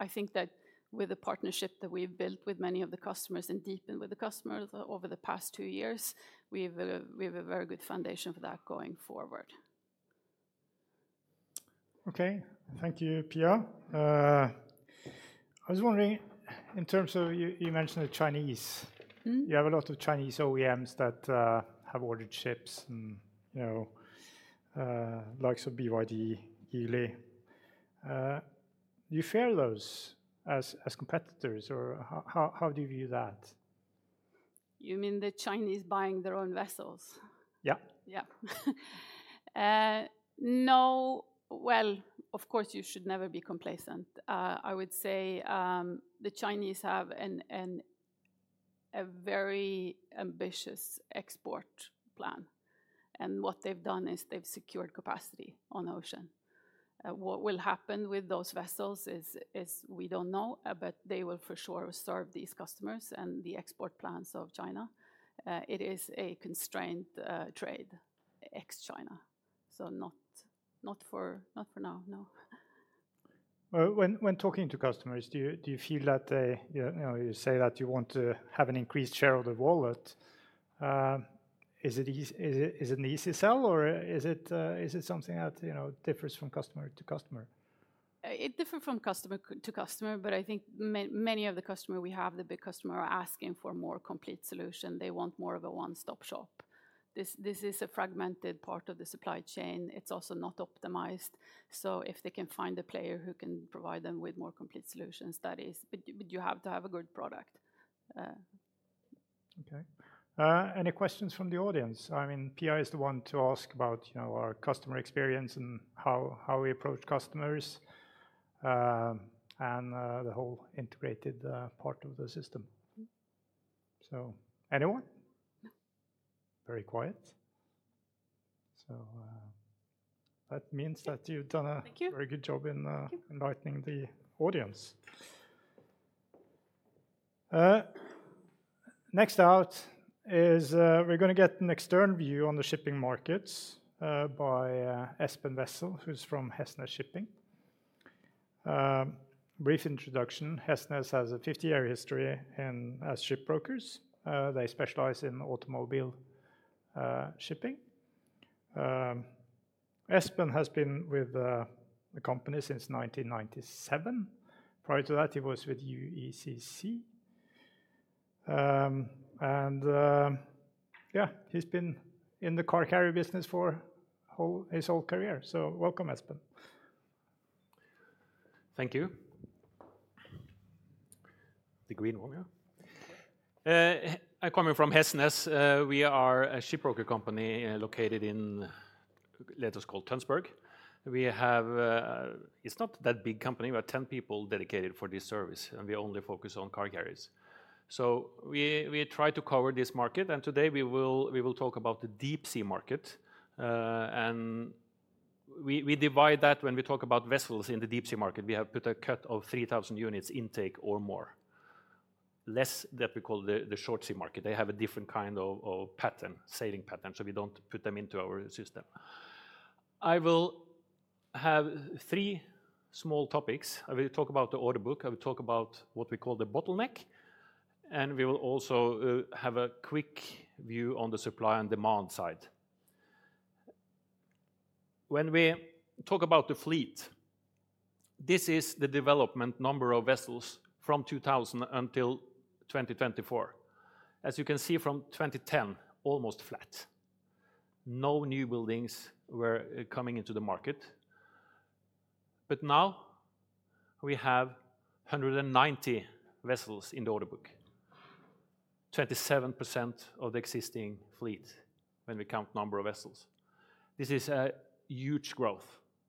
I think that with the partnership that we've built with many of the customers and deepened with the customers over the past two years, we've a very good foundation for that going forward. Okay. Thank you, Pia. I was wondering, in terms of you, you mentioned the Chinese. Mm-hmm. You have a lot of Chinese OEMs that have ordered ships and, you know, likes of BYD, Geely. Do you fear those as competitors, or how do you view that?... You mean the Chinese buying their own vessels? Yeah. Yeah. No, well, of course, you should never be complacent. I would say, the Chinese have a very ambitious export plan, and what they've done is they've secured capacity on the ocean. What will happen with those vessels is we don't know, but they will for sure serve these customers and the export plans of China. It is a constrained trade, ex-China, so not for now, no. When talking to customers, do you feel that they, you know, you say that you want to have an increased share of the wallet? Is it easy, is it an easy sell, or is it something that, you know, differs from customer to customer? It differs from customer to customer, but I think many of the customers we have, the big customers, are asking for a more complete solution. They want more of a one-stop shop. This, this is a fragmented part of the supply chain. It's also not optimized, so if they can find a player who can provide them with more complete solutions, that is... But you have to have a good product. Okay. Any questions from the audience? I mean, Pia is the one to ask about, you know, our customer experience and how we approach customers, and the whole integrated part of the system. So anyone? No. Very quiet. So, that means that you've done Thank you... very good job in... Thank you Enlightening the audience. Next up is, we're gonna get an external view on the shipping markets, by Espen Wessel, who's from Hesnes Shipping. Brief introduction, Hesnes has a fifty-year history in as shipbrokers. They specialize in automobile shipping. Espen has been with the company since 1997. Prior to that, he was with UECC. And yeah, he's been in the car carrier business for his whole career. So welcome, Espen. Thank you. The green one, yeah. I coming from Hesnes. We are a shipbroker company, located in a place called Tønsberg. We have... It's not that big company. We are 10 people dedicated for this service, and we only focus on car carriers. So we try to cover this market, and today we will talk about the deep sea market. We divide that when we talk about vessels in the deep sea market; we have put a cut of 3,000 units intake or more. Less than that we call the short sea market. They have a different kind of pattern, sailing pattern, so we don't put them into our system. I will have 3 small topics. I will talk about the order book, I will talk about what we call the bottleneck, and we will also have a quick view on the supply and demand side. When we talk about the fleet, this is the development number of vessels from 2000 until 2024. As you can see, from 2010, almost flat. No new buildings were coming into the market, but now we have 190 vessels in the order book, 27% of the existing fleet when we count number of vessels. This is a huge growth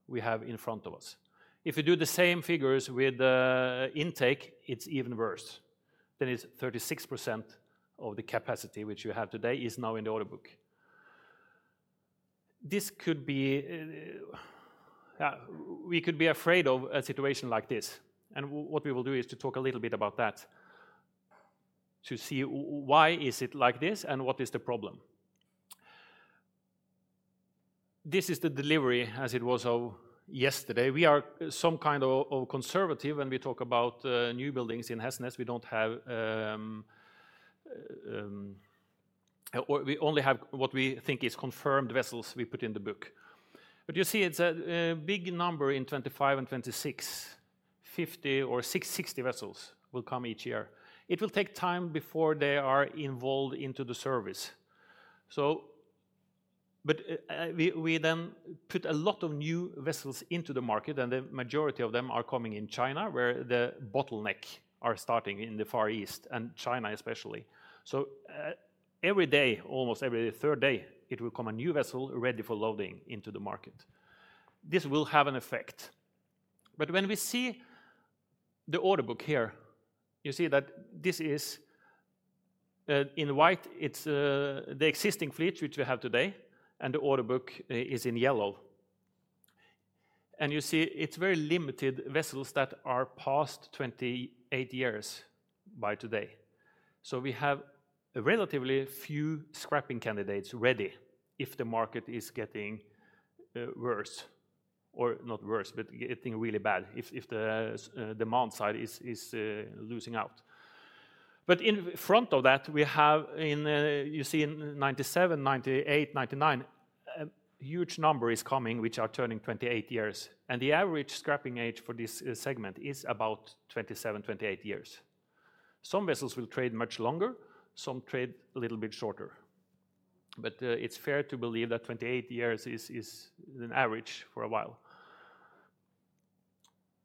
we have in front of us. If you do the same figures with intake, it's even worse. Then it's 36% of the capacity which we have today is now in the order book. This could be... Yeah, we could be afraid of a situation like this, and what we will do is to talk a little bit about that, to see why is it like this, and what is the problem? This is the delivery as it was of yesterday. We are some kind of conservative when we talk about new buildings in Hesnes. We don't have... Or we only have what we think is confirmed vessels we put in the book. But you see, it's a big number in 2025 and 2026. 50 or 60 vessels will come each year. It will take time before they are involved into the service. So but, we then put a lot of new vessels into the market, and the majority of them are coming in China, where the bottleneck are starting in the Far East and China especially. So, every day, almost every third day, it will come a new vessel ready for loading into the market. This will have an effect. But when we see the order book here, you see that this is, in white, it's, the existing fleet which we have today, and the order book is in yellow. And you see, it's very limited vessels that are past 28 years by today. So we have a relatively few scrapping candidates ready if the market is getting worse. Or not worse, but getting really bad, if the demand side is losing out. But in front of that, we have, you see in 1997, 1998, 1999, a huge number is coming, which are turning 28 years, and the average scrapping age for this segment is about 27-28 years. Some vessels will trade much longer, some trade a little bit shorter. But it's fair to believe that 28 years is an average for a while.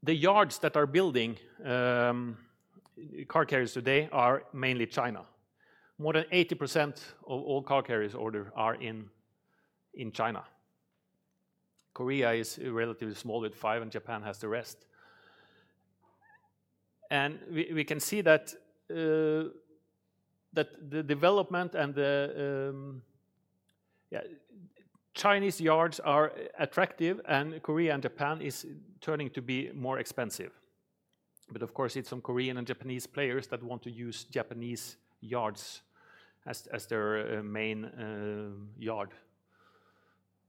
The yards that are building car carriers today are mainly China. More than 80% of all car carriers order are in China. Korea is relatively small with 5, and Japan has the rest. And we can see that the development and the Chinese yards are attractive, and Korea and Japan is turning to be more expensive. But of course, it's some Korean and Japanese players that want to use Japanese yards as their main yard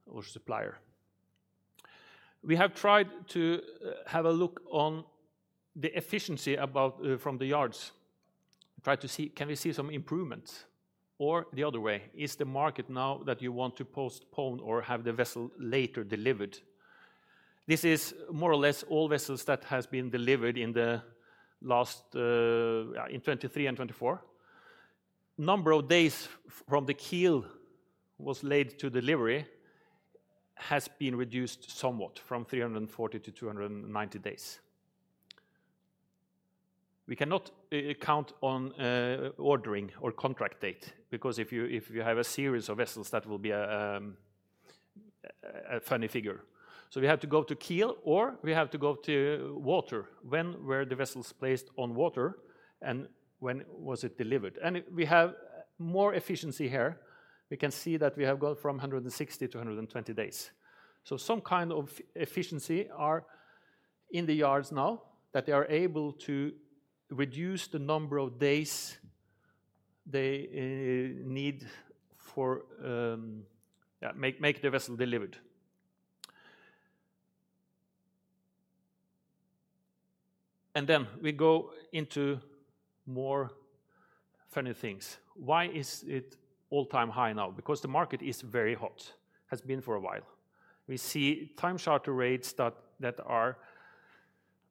or supplier. We have tried to have a look on the efficiency about from the yards. Tried to see, can we see some improvements? Or the other way, is the market now that you want to postpone or have the vessel later delivered? This is more or less all vessels that has been delivered in the last in 2023 and 2024. Number of days from the keel was laid to delivery has been reduced somewhat from 340-290 days. We cannot account on ordering or contract date, because if you have a series of vessels, that will be a funny figure. We have to go to keel, or we have to go to water. When were the vessels placed on water, and when was it delivered? We have more efficiency here. We can see that we have gone from 160-120 days. Some kind of efficiency are in the yards now, that they are able to reduce the number of days they need for make the vessel delivered. Then we go into more funny things. Why is it all-time high now? Because the market is very hot, has been for a while. We see time charter rates that are,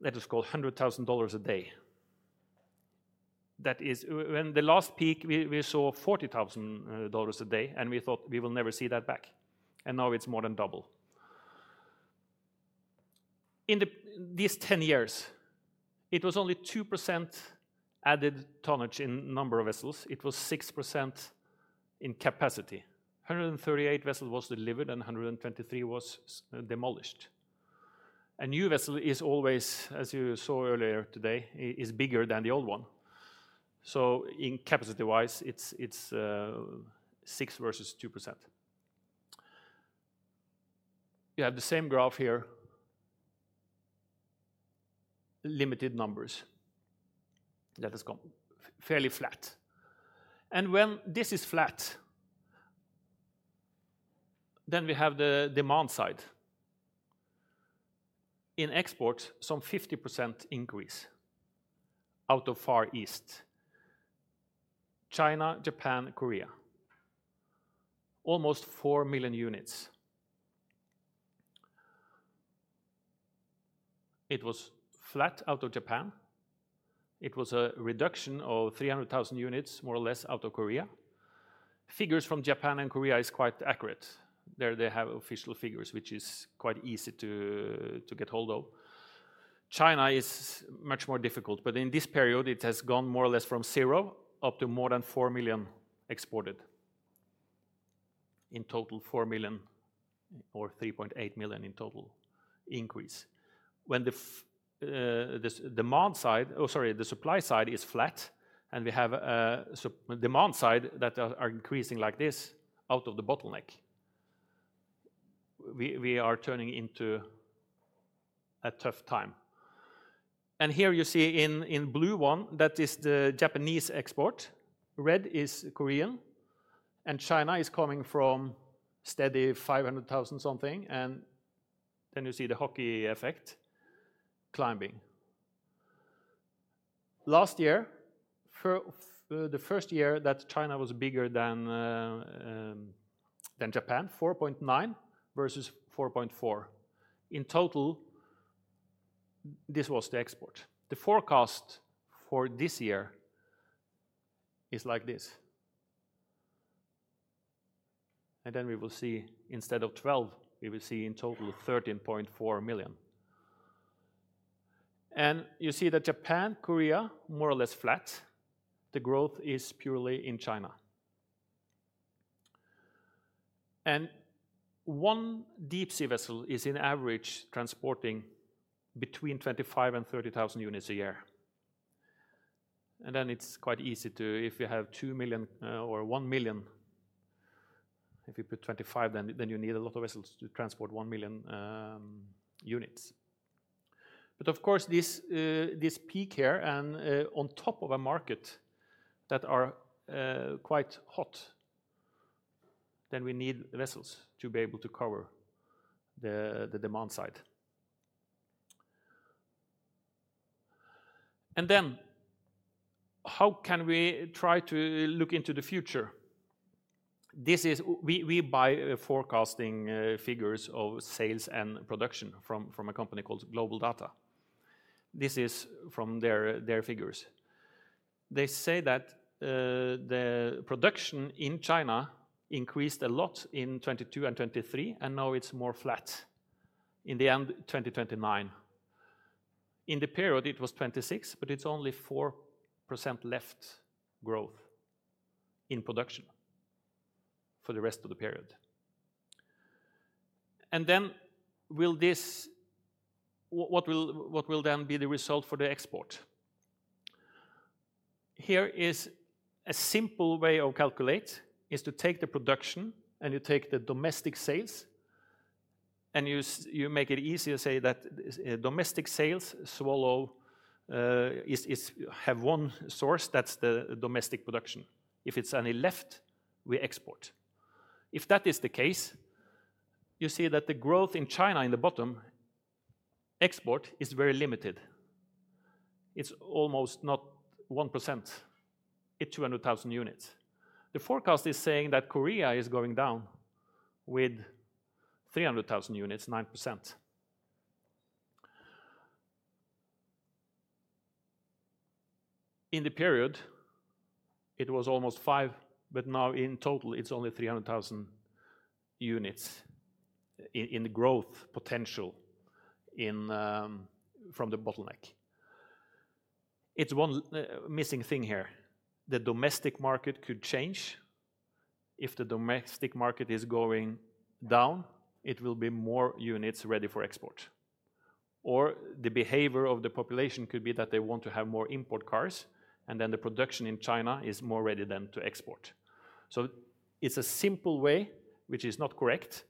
let us call $100,000 a day. That is, when the last peak, we saw $40,000 a day, and we thought we will never see that back, and now it's more than double. In these ten years, it was only 2% added tonnage in number of vessels. It was 6% in capacity. 138 vessel was delivered, and 123 was demolished. A new vessel is always, as you saw earlier today, is bigger than the old one, so in capacity-wise, it's 6% versus 2%. You have the same graph here. Limited numbers that has gone fairly flat. And when this is flat, then we have the demand side. In export, some 50% increase out of Far East: China, Japan, Korea, almost 4 million units. It was flat out of Japan. It was a reduction of three hundred thousand units, more or less, out of Korea. Figures from Japan and Korea is quite accurate. There, they have official figures, which is quite easy to get hold of. China is much more difficult, but in this period, it has gone more or less from zero up to more than four million exported. In total, four million or three point eight million in total increase. When this demand side, oh, sorry, the supply side is flat, and we have a demand side that are increasing like this out of the bottleneck, we are turning into a tough time. And here you see in blue one, that is the Japanese export, red is Korean, and China is coming from steady five hundred thousand something, and then you see the hockey effect climbing. Last year, the first year that China was bigger than Japan, 4.9 versus 4.4. In total, this was the export. The forecast for this year is like this. Then we will see, instead of 12, we will see in total 13.4 million. You see that Japan, Korea, more or less flat, the growth is purely in China. One deep sea vessel is on average transporting between 25,000 and 30,000 units a year. Then it's quite easy to, if you have 2 million or 1 million, if you put 25, then you need a lot of vessels to transport 1 million units. But of course, this peak here and, on top of a market that are quite hot, then we need vessels to be able to cover the demand side. And then, how can we try to look into the future? This is we buy forecasting figures of sales and production from a company called GlobalData. This is from their figures. They say that the production in China increased a lot in 2022 and 2023, and now it's more flat in the end of 2029. In the period, it was 2026, but it's only 4% left growth in production for the rest of the period. And then will this what will then be the result for the export? Here is a simple way of calculate, is to take the production, and you take the domestic sales, and you make it easy to say that, domestic sales swallow, is, have one source, that's the domestic production. If it's any left, we export. If that is the case, you see that the growth in China, in the bottom, export is very limited. It's almost not 1%, at two hundred thousand units. The forecast is saying that Korea is going down with three hundred thousand units, 9%. In the period, it was almost five, but now in total it's only three hundred thousand units in, the growth potential in, from the bottleneck. It's one, missing thing here. The domestic market could change. If the domestic market is going down, it will be more units ready for export. Or the behavior of the population could be that they want to have more imported cars, and then the production in China is more ready than to export. So it's a simple way, which is not correct.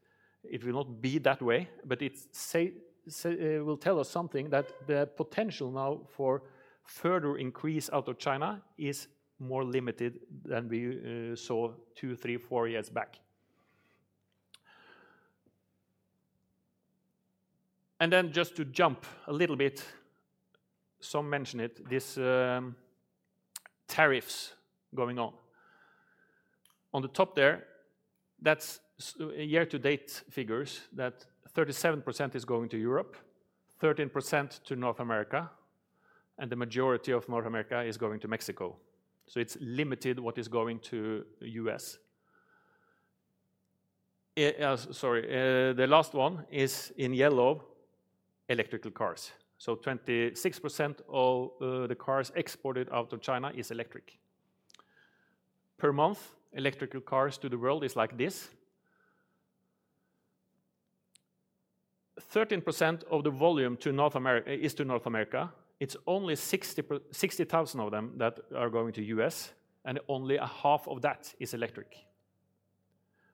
It will not be that way, but it says, it will tell us something that the potential now for further increase out of China is more limited than we saw two, three, four years back. And then just to jump a little bit, some mention it, this, tariffs going on. On the top there, that's year-to-date figures, that 37% is going to Europe, 13% to North America, and the majority of North America is going to Mexico. So it's limited what is going to the U.S. The last one is in yellow, electric cars. So 26% of the cars exported out of China is electric. Per month, electrical cars to the world is like this. 13% of the volume to North America, it's only 60,000 of them that are going to U.S., and only a half of that is electric.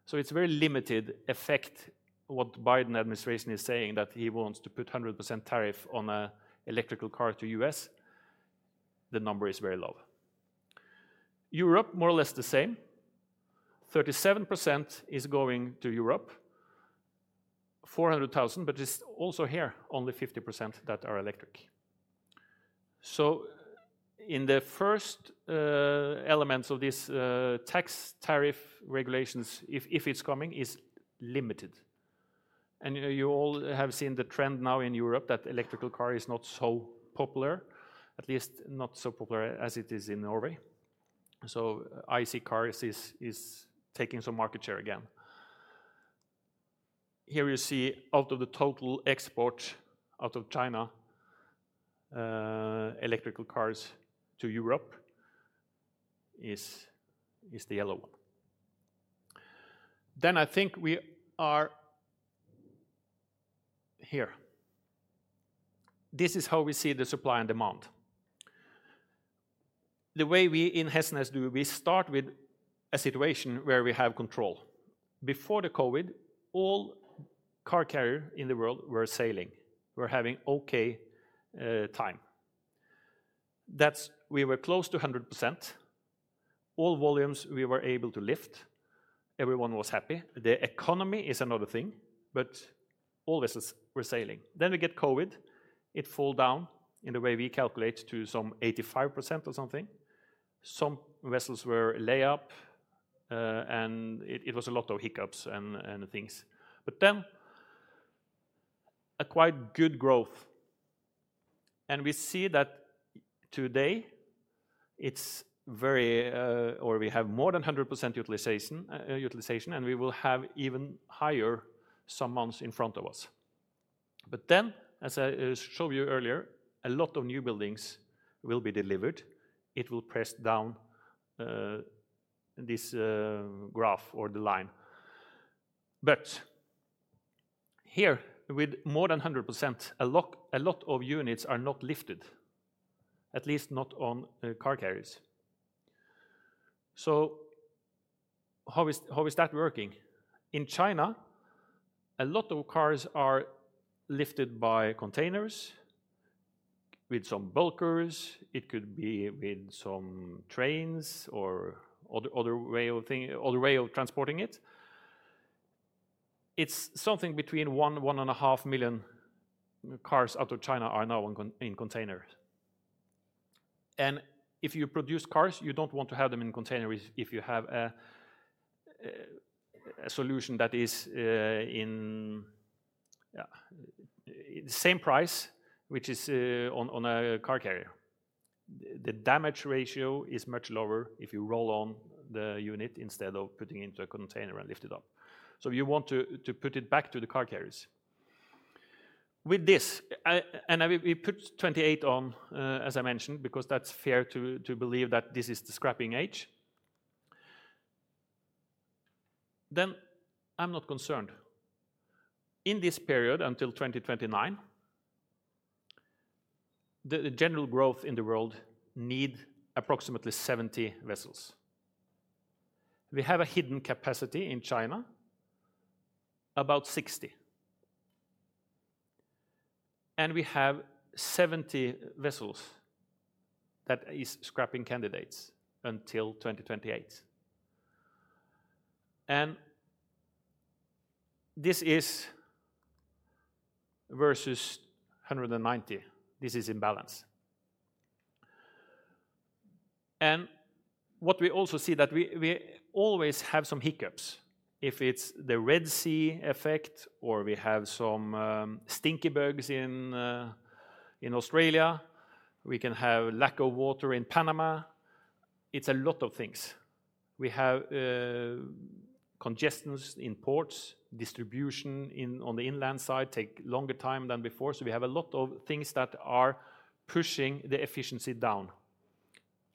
So it's very limited effect what Biden administration is saying, that he wants to put 100% tariff on a electrical car to U.S. The number is very low. Europe, more or less the same. 37% is going to Europe, 400,000, but it's also here, only 50% that are electric. So in the first elements of this tax tariff regulations, if it's coming, is limited. You all have seen the trend now in Europe, that electric car is not so popular, at least not so popular as it is in Norway. So IC cars is taking some market share again. Here you see out of the total export out of China, electric cars to Europe is the yellow one. Then I think we are here. This is how we see the supply and demand. The way we in Hesnes do, we start with a situation where we have control. Before the COVID, all car carrier in the world were sailing. We were having okay time. That's we were close to 100%. All volumes, we were able to lift. Everyone was happy. The economy is another thing, but all vessels were sailing. Then we get COVID. It fall down in the way we calculate to some 85% or something. Some vessels were laid up, and it was a lot of hiccups and things. But then, a quite good growth, and we see that today, it's very, we have more than 100% utilization, and we will have even higher some months in front of us. But then, as I showed you earlier, a lot of new buildings will be delivered. It will press down this graph or the line. But here, with more than 100%, a lot of units are not lifted, at least not on car carriers. So how is that working? In China, a lot of cars are lifted by containers, with some bulkers. It could be with some trains or other way of transporting it. It's something between one and a half million cars out of China are now in containers. And if you produce cars, you don't want to have them in containers if you have a solution that is the same price, which is on a car carrier. The damage ratio is much lower if you roll on the unit instead of putting it into a container and lift it up. So you want to put it back to the car carriers. With this, and we put 28 on, as I mentioned, because that's fair to believe that this is the scrapping age. Then I'm not concerned. In this period, until 2029, the general growth in the world needs approximately 70 vessels. We have a hidden capacity in China, about 60. We have seventy vessels that is scrapping candidates until 2028. This is versus 190. This is in balance. What we also see that we always have some hiccups. If it's the Red Sea effect, or we have some stink bugs in Australia, we can have lack of water in Panama. It's a lot of things. We have congestions in ports, distribution on the inland side take longer time than before, so we have a lot of things that are pushing the efficiency down.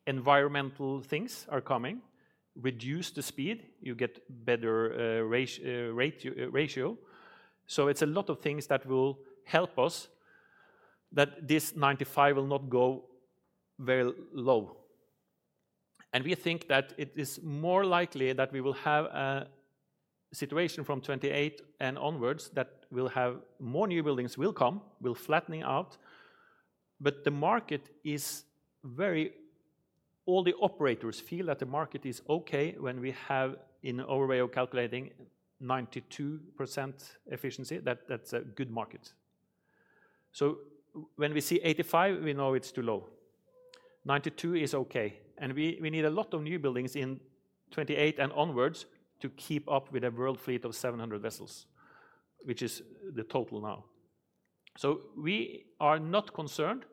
Environmental things are coming. Reduce the speed, you get better ratio. It's a lot of things that will help us, that this 95 will not go very low. We think that it is more likely that we will have a situation from 2028 and onwards that more new buildings will come, flattening out. The market is very all the operators feel that the market is okay when we have, in our way of calculating, 92% efficiency, that, that is a good market. So when we see 85, we know it is too low. 92 is okay, and we need a lot of new buildings in 2028 and onwards to keep up with a world fleet of 700 vessels, which is the total now. We are not concerned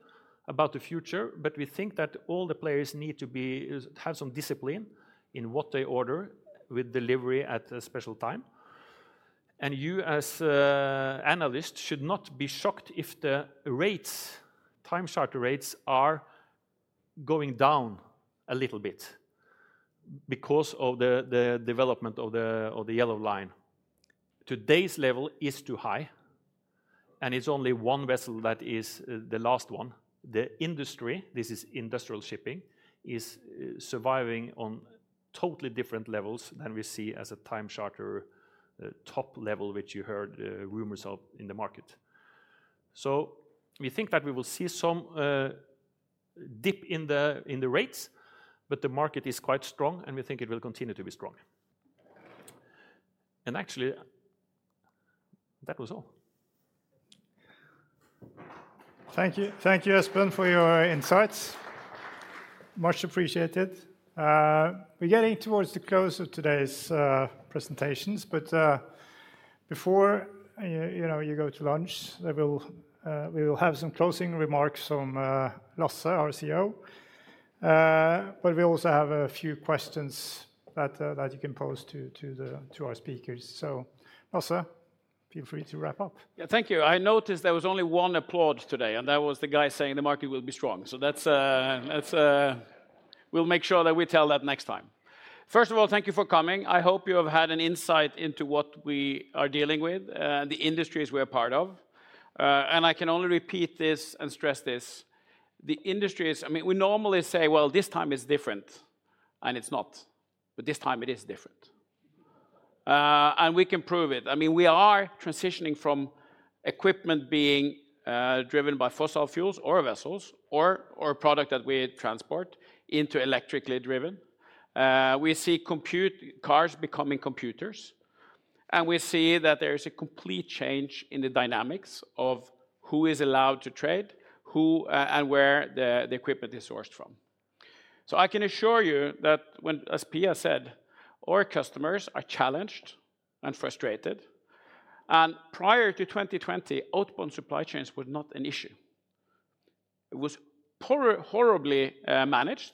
about the future, but we think that all the players need to behave, have some discipline in what they order with delivery at a specific time. You, as analysts, should not be shocked if the rates, time charter rates, are going down a little bit because of the development of the yellow line. Today's level is too high, and it's only one vessel that is the last one. The industry, this is industrial shipping, is surviving on totally different levels than we see as a time charter top level, which you heard rumors of in the market. We think that we will see some dip in the rates, but the market is quite strong, and we think it will continue to be strong. Actually, that was all. Thank you. Thank you, Espen, for your insights. Much appreciated. We're getting towards the close of today's presentations, but before you go to lunch, you know, we will have some closing remarks from Lasse, our CEO. But we also have a few questions that you can pose to our speakers. So, Lasse, feel free to wrap up. Yeah, thank you. I noticed there was only one applause today, and that was the guy saying the market will be strong. So that's... We'll make sure that we tell that next time. First of all, thank you for coming. I hope you have had an insight into what we are dealing with, the industries we are part of. And I can only repeat this and stress this, the industry is. I mean, we normally say, "Well, this time is different," and it's not. But this time it is different. And we can prove it. I mean, we are transitioning from equipment being driven by fossil fuels, or vessels or product that we transport, into electrically driven. We see cars becoming computers, and we see that there is a complete change in the dynamics of who is allowed to trade, who, and where the equipment is sourced from. So I can assure you that when, as Pia said, our customers are challenged and frustrated, and prior to 2020, outbound supply chains were not an issue. It was horribly managed,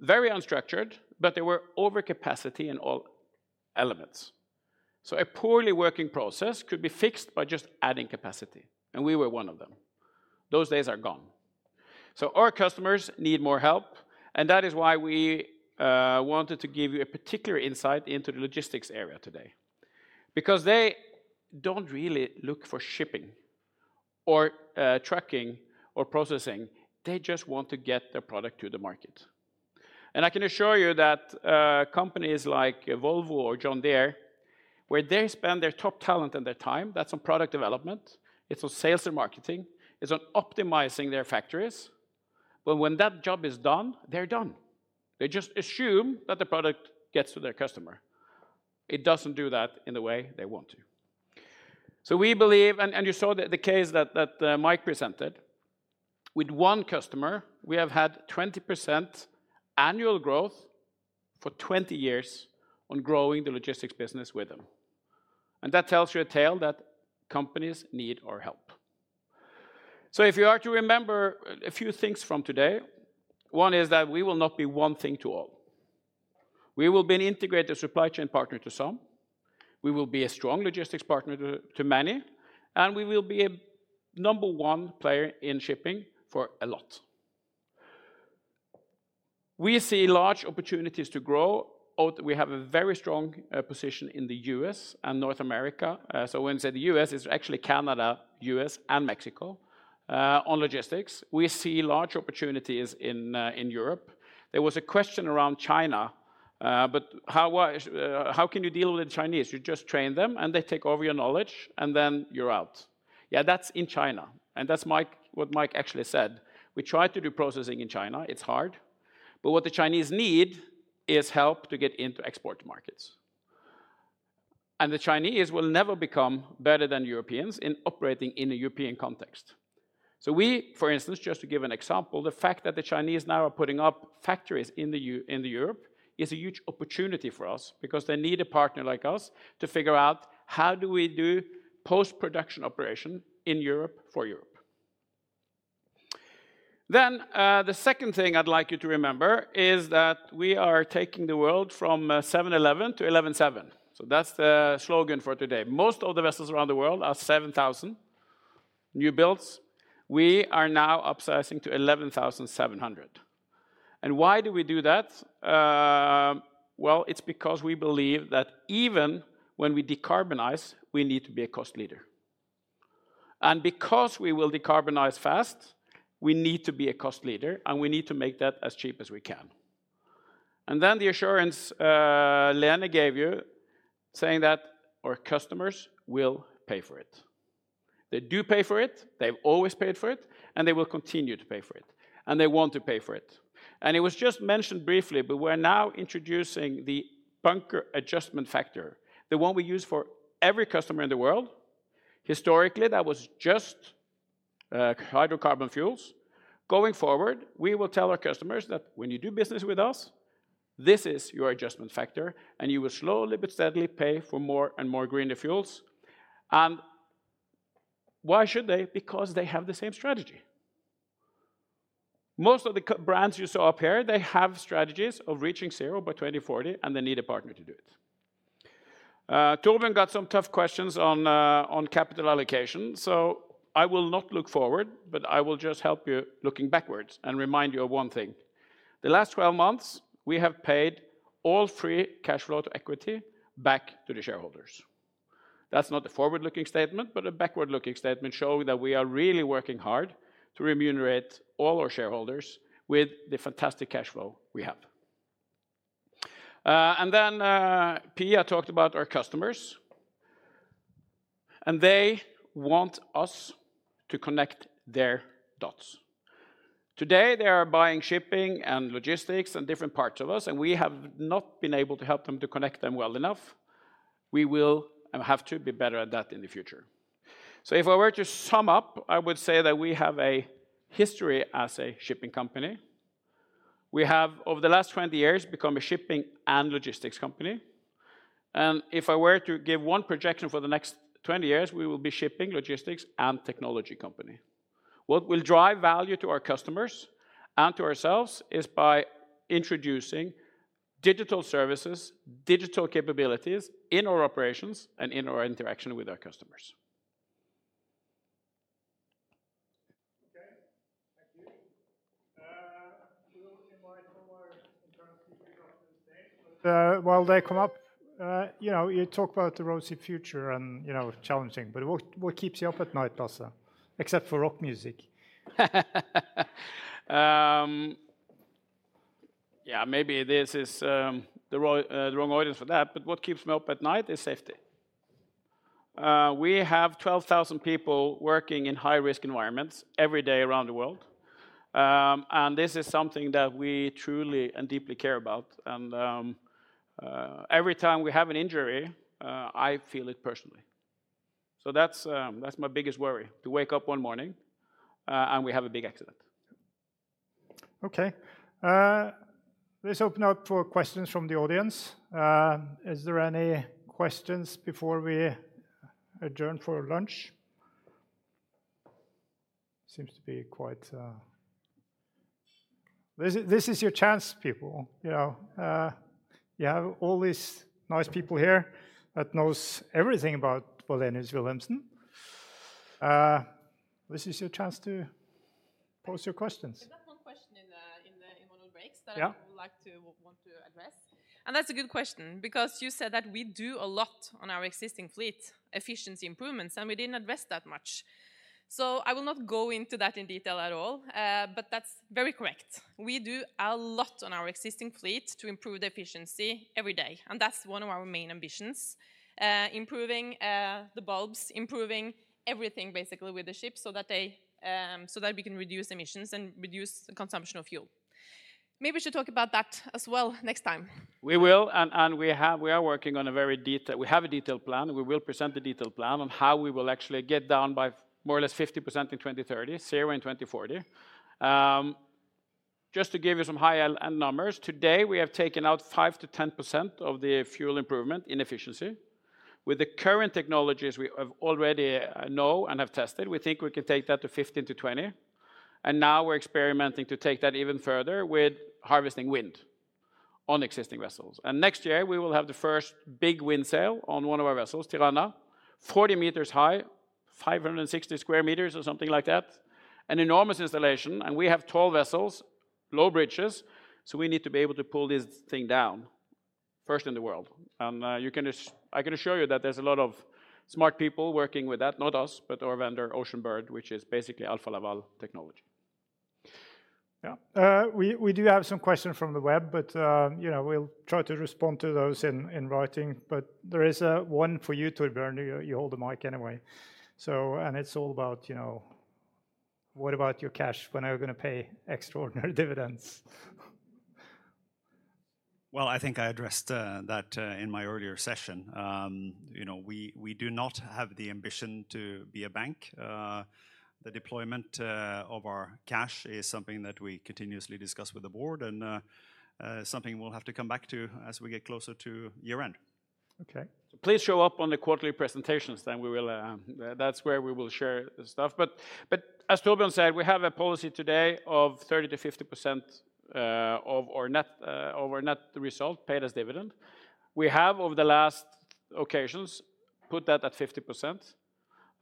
very unstructured, but there were overcapacity in all elements. So a poorly working process could be fixed by just adding capacity, and we were one of them. Those days are gone. So our customers need more help, and that is why we wanted to give you a particular insight into the logistics area today. Because they don't really look for shipping or trucking or processing. They just want to get their product to the market. And I can assure you that, companies like Volvo or John Deere, where they spend their top talent and their time, that's on product development, it's on sales and marketing, it's on optimizing their factories. But when that job is done, they're done. They just assume that the product gets to their customer. It doesn't do that in the way they want to. So we believe, and you saw the case that Mike presented. With one customer, we have had 20% annual growth for 20 years on growing the logistics business with them. And that tells you a tale that companies need our help. So if you are to remember a few things from today, one is that we will not be one thing to all. We will be an integrated supply chain partner to some, we will be a strong logistics partner to many, and we will be a number one player in shipping for a lot. We see large opportunities to grow, or we have a very strong position in the U.S. and North America. So when I say the U.S., it's actually Canada, U.S., and Mexico on logistics. We see large opportunities in Europe. There was a question around China, but how can you deal with the Chinese? You just train them, and they take over your knowledge, and then you're out. Yeah, that's in China, and that's Mike, what Mike actually said. We tried to do processing in China. It's hard, but what the Chinese need is help to get into export markets. And the Chinese will never become better than Europeans in operating in a European context. So we, for instance, just to give an example, the fact that the Chinese now are putting up factories in Europe, is a huge opportunity for us because they need a partner like us to figure out, how do we do post-production operation in Europe for Europe? Then, the second thing I'd like you to remember is that we are taking the world from seven eleven to eleven seven. So that's the slogan for today. Most of the vessels around the world are 7,000 new builds. We are now upsizing to 11,700. And why do we do that? Well, it's because we believe that even when we decarbonize, we need to be a cost leader. Because we will decarbonize fast, we need to be a cost leader, and we need to make that as cheap as we can. Then the assurance Lene gave you, saying that our customers will pay for it. They do pay for it, they've always paid for it, and they will continue to pay for it, and they want to pay for it. It was just mentioned briefly, but we're now introducing the Bunker Adjustment Factor, the one we use for every customer in the world. Historically, that was just hydrocarbon fuels. Going forward, we will tell our customers that when you do business with us, this is your adjustment factor, and you will slowly but steadily pay for more and more greener fuels. Why should they? Because they have the same strategy. Most of the car brands you saw up here, they have strategies of reaching zero by 2040, and they need a partner to do it. Torbjørn got some tough questions on capital allocation, so I will not look forward, but I will just help you looking backwards and remind you of one thing. The last twelve months, we have paid all free cash flow to equity back to the shareholders. That's not a forward-looking statement, but a backward-looking statement, showing that we are really working hard to remunerate all our shareholders with the fantastic cash flow we have. Then Pia talked about our customers, and they want us to connect their dots. Today, they are buying shipping and logistics and different parts of us, and we have not been able to help them to connect them well enough. We will and have to be better at that in the future. So if I were to sum up, I would say that we have a history as a shipping company. We have, over the last 20 years, become a shipping and logistics company, and if I were to give one projection for the next 20 years, we will be shipping, logistics, and technology company. What will drive value to our customers and to ourselves is by introducing digital services, digital capabilities in our operations and in our interaction with our customers. Okay, thank you. We will invite some more internal speakers up to the stage, but while they come up, you know, you talk about the rosy future and, you know, challenging, but what, what keeps you up at night, Lasse? Except for rock music. Yeah, maybe this is the wrong audience for that, but what keeps me up at night is safety. We have 12,000 people working in high-risk environments every day around the world, and this is something that we truly and deeply care about. Every time we have an injury, I feel it personally. So that's my biggest worry, to wake up one morning and we have a big accident. Okay. Let's open up for questions from the audience. Is there any questions before we adjourn for lunch? Seems to be quite. This is, this is your chance, people. You know, you have all these nice people here that knows everything about Wallenius Wilhelmsen. This is your chance to pose your questions. There's that one question in one of the breaks- Yeah... that I want to address, and that's a good question because you said that we do a lot on our existing fleet, efficiency improvements, and we didn't address that much. So I will not go into that in detail at all, but that's very correct. We do a lot on our existing fleet to improve the efficiency every day, and that's one of our main ambitions. Improving the bulbs, improving everything, basically, with the ships so that they so that we can reduce emissions and reduce the consumption of fuel.... maybe we should talk about that as well next time. We are working on a detailed plan, and we will present the detailed plan on how we will actually get down by more or less 50% in 2030, zero in 2040. Just to give you some high-level numbers, today we have taken out 5%-10% of the fuel improvement in efficiency. With the current technologies we have already know and have tested, we think we can take that to 15-20, and now we're experimenting to take that even further with harvesting wind on existing vessels. Next year, we will have the first big wind sail on one of our vessels, Tirana, 40 m high, 560 sq m or something like that, an enormous installation, and we have tall vessels, low bridges, so we need to be able to pull this thing down. First in the world. You can just. I can assure you that there's a lot of smart people working with that. Not us, but our vendor, Oceanbird, which is basically Alfa Laval technology. Yeah. We do have some questions from the web, but you know, we'll try to respond to those in writing. But there is one for you, Torbjørn. You hold the mic anyway. So it's all about, you know, what about your cash? When are you gonna pay extraordinary dividends? I think I addressed that in my earlier session. You know, we do not have the ambition to be a bank. The deployment of our cash is something that we continuously discuss with the board and something we'll have to come back to as we get closer to year-end. Okay. Please show up on the quarterly presentations, then we will. That's where we will share the stuff. But as Torbjørn said, we have a policy today of 30%-50% of our net result paid as dividend. We have, over the last occasions, put that at 50%.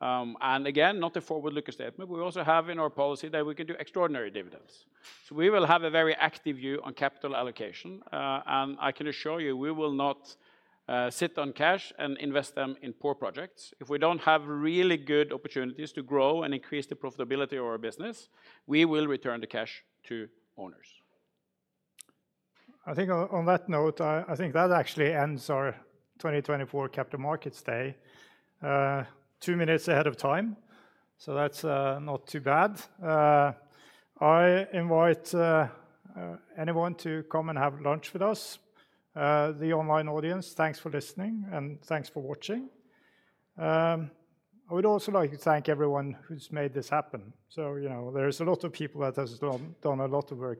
And again, not a forward-looking statement, we also have in our policy that we can do extraordinary dividends. So we will have a very active view on capital allocation. And I can assure you, we will not sit on cash and invest them in poor projects. If we don't have really good opportunities to grow and increase the profitability of our business, we will return the cash to owners. I think on that note that actually ends our 2024 Capital Markets Day, two minutes ahead of time, so that's not too bad. I invite anyone to come and have lunch with us. The online audience, thanks for listening, and thanks for watching. I would also like to thank everyone who's made this happen. So, you know, there is a lot of people that has done a lot of work-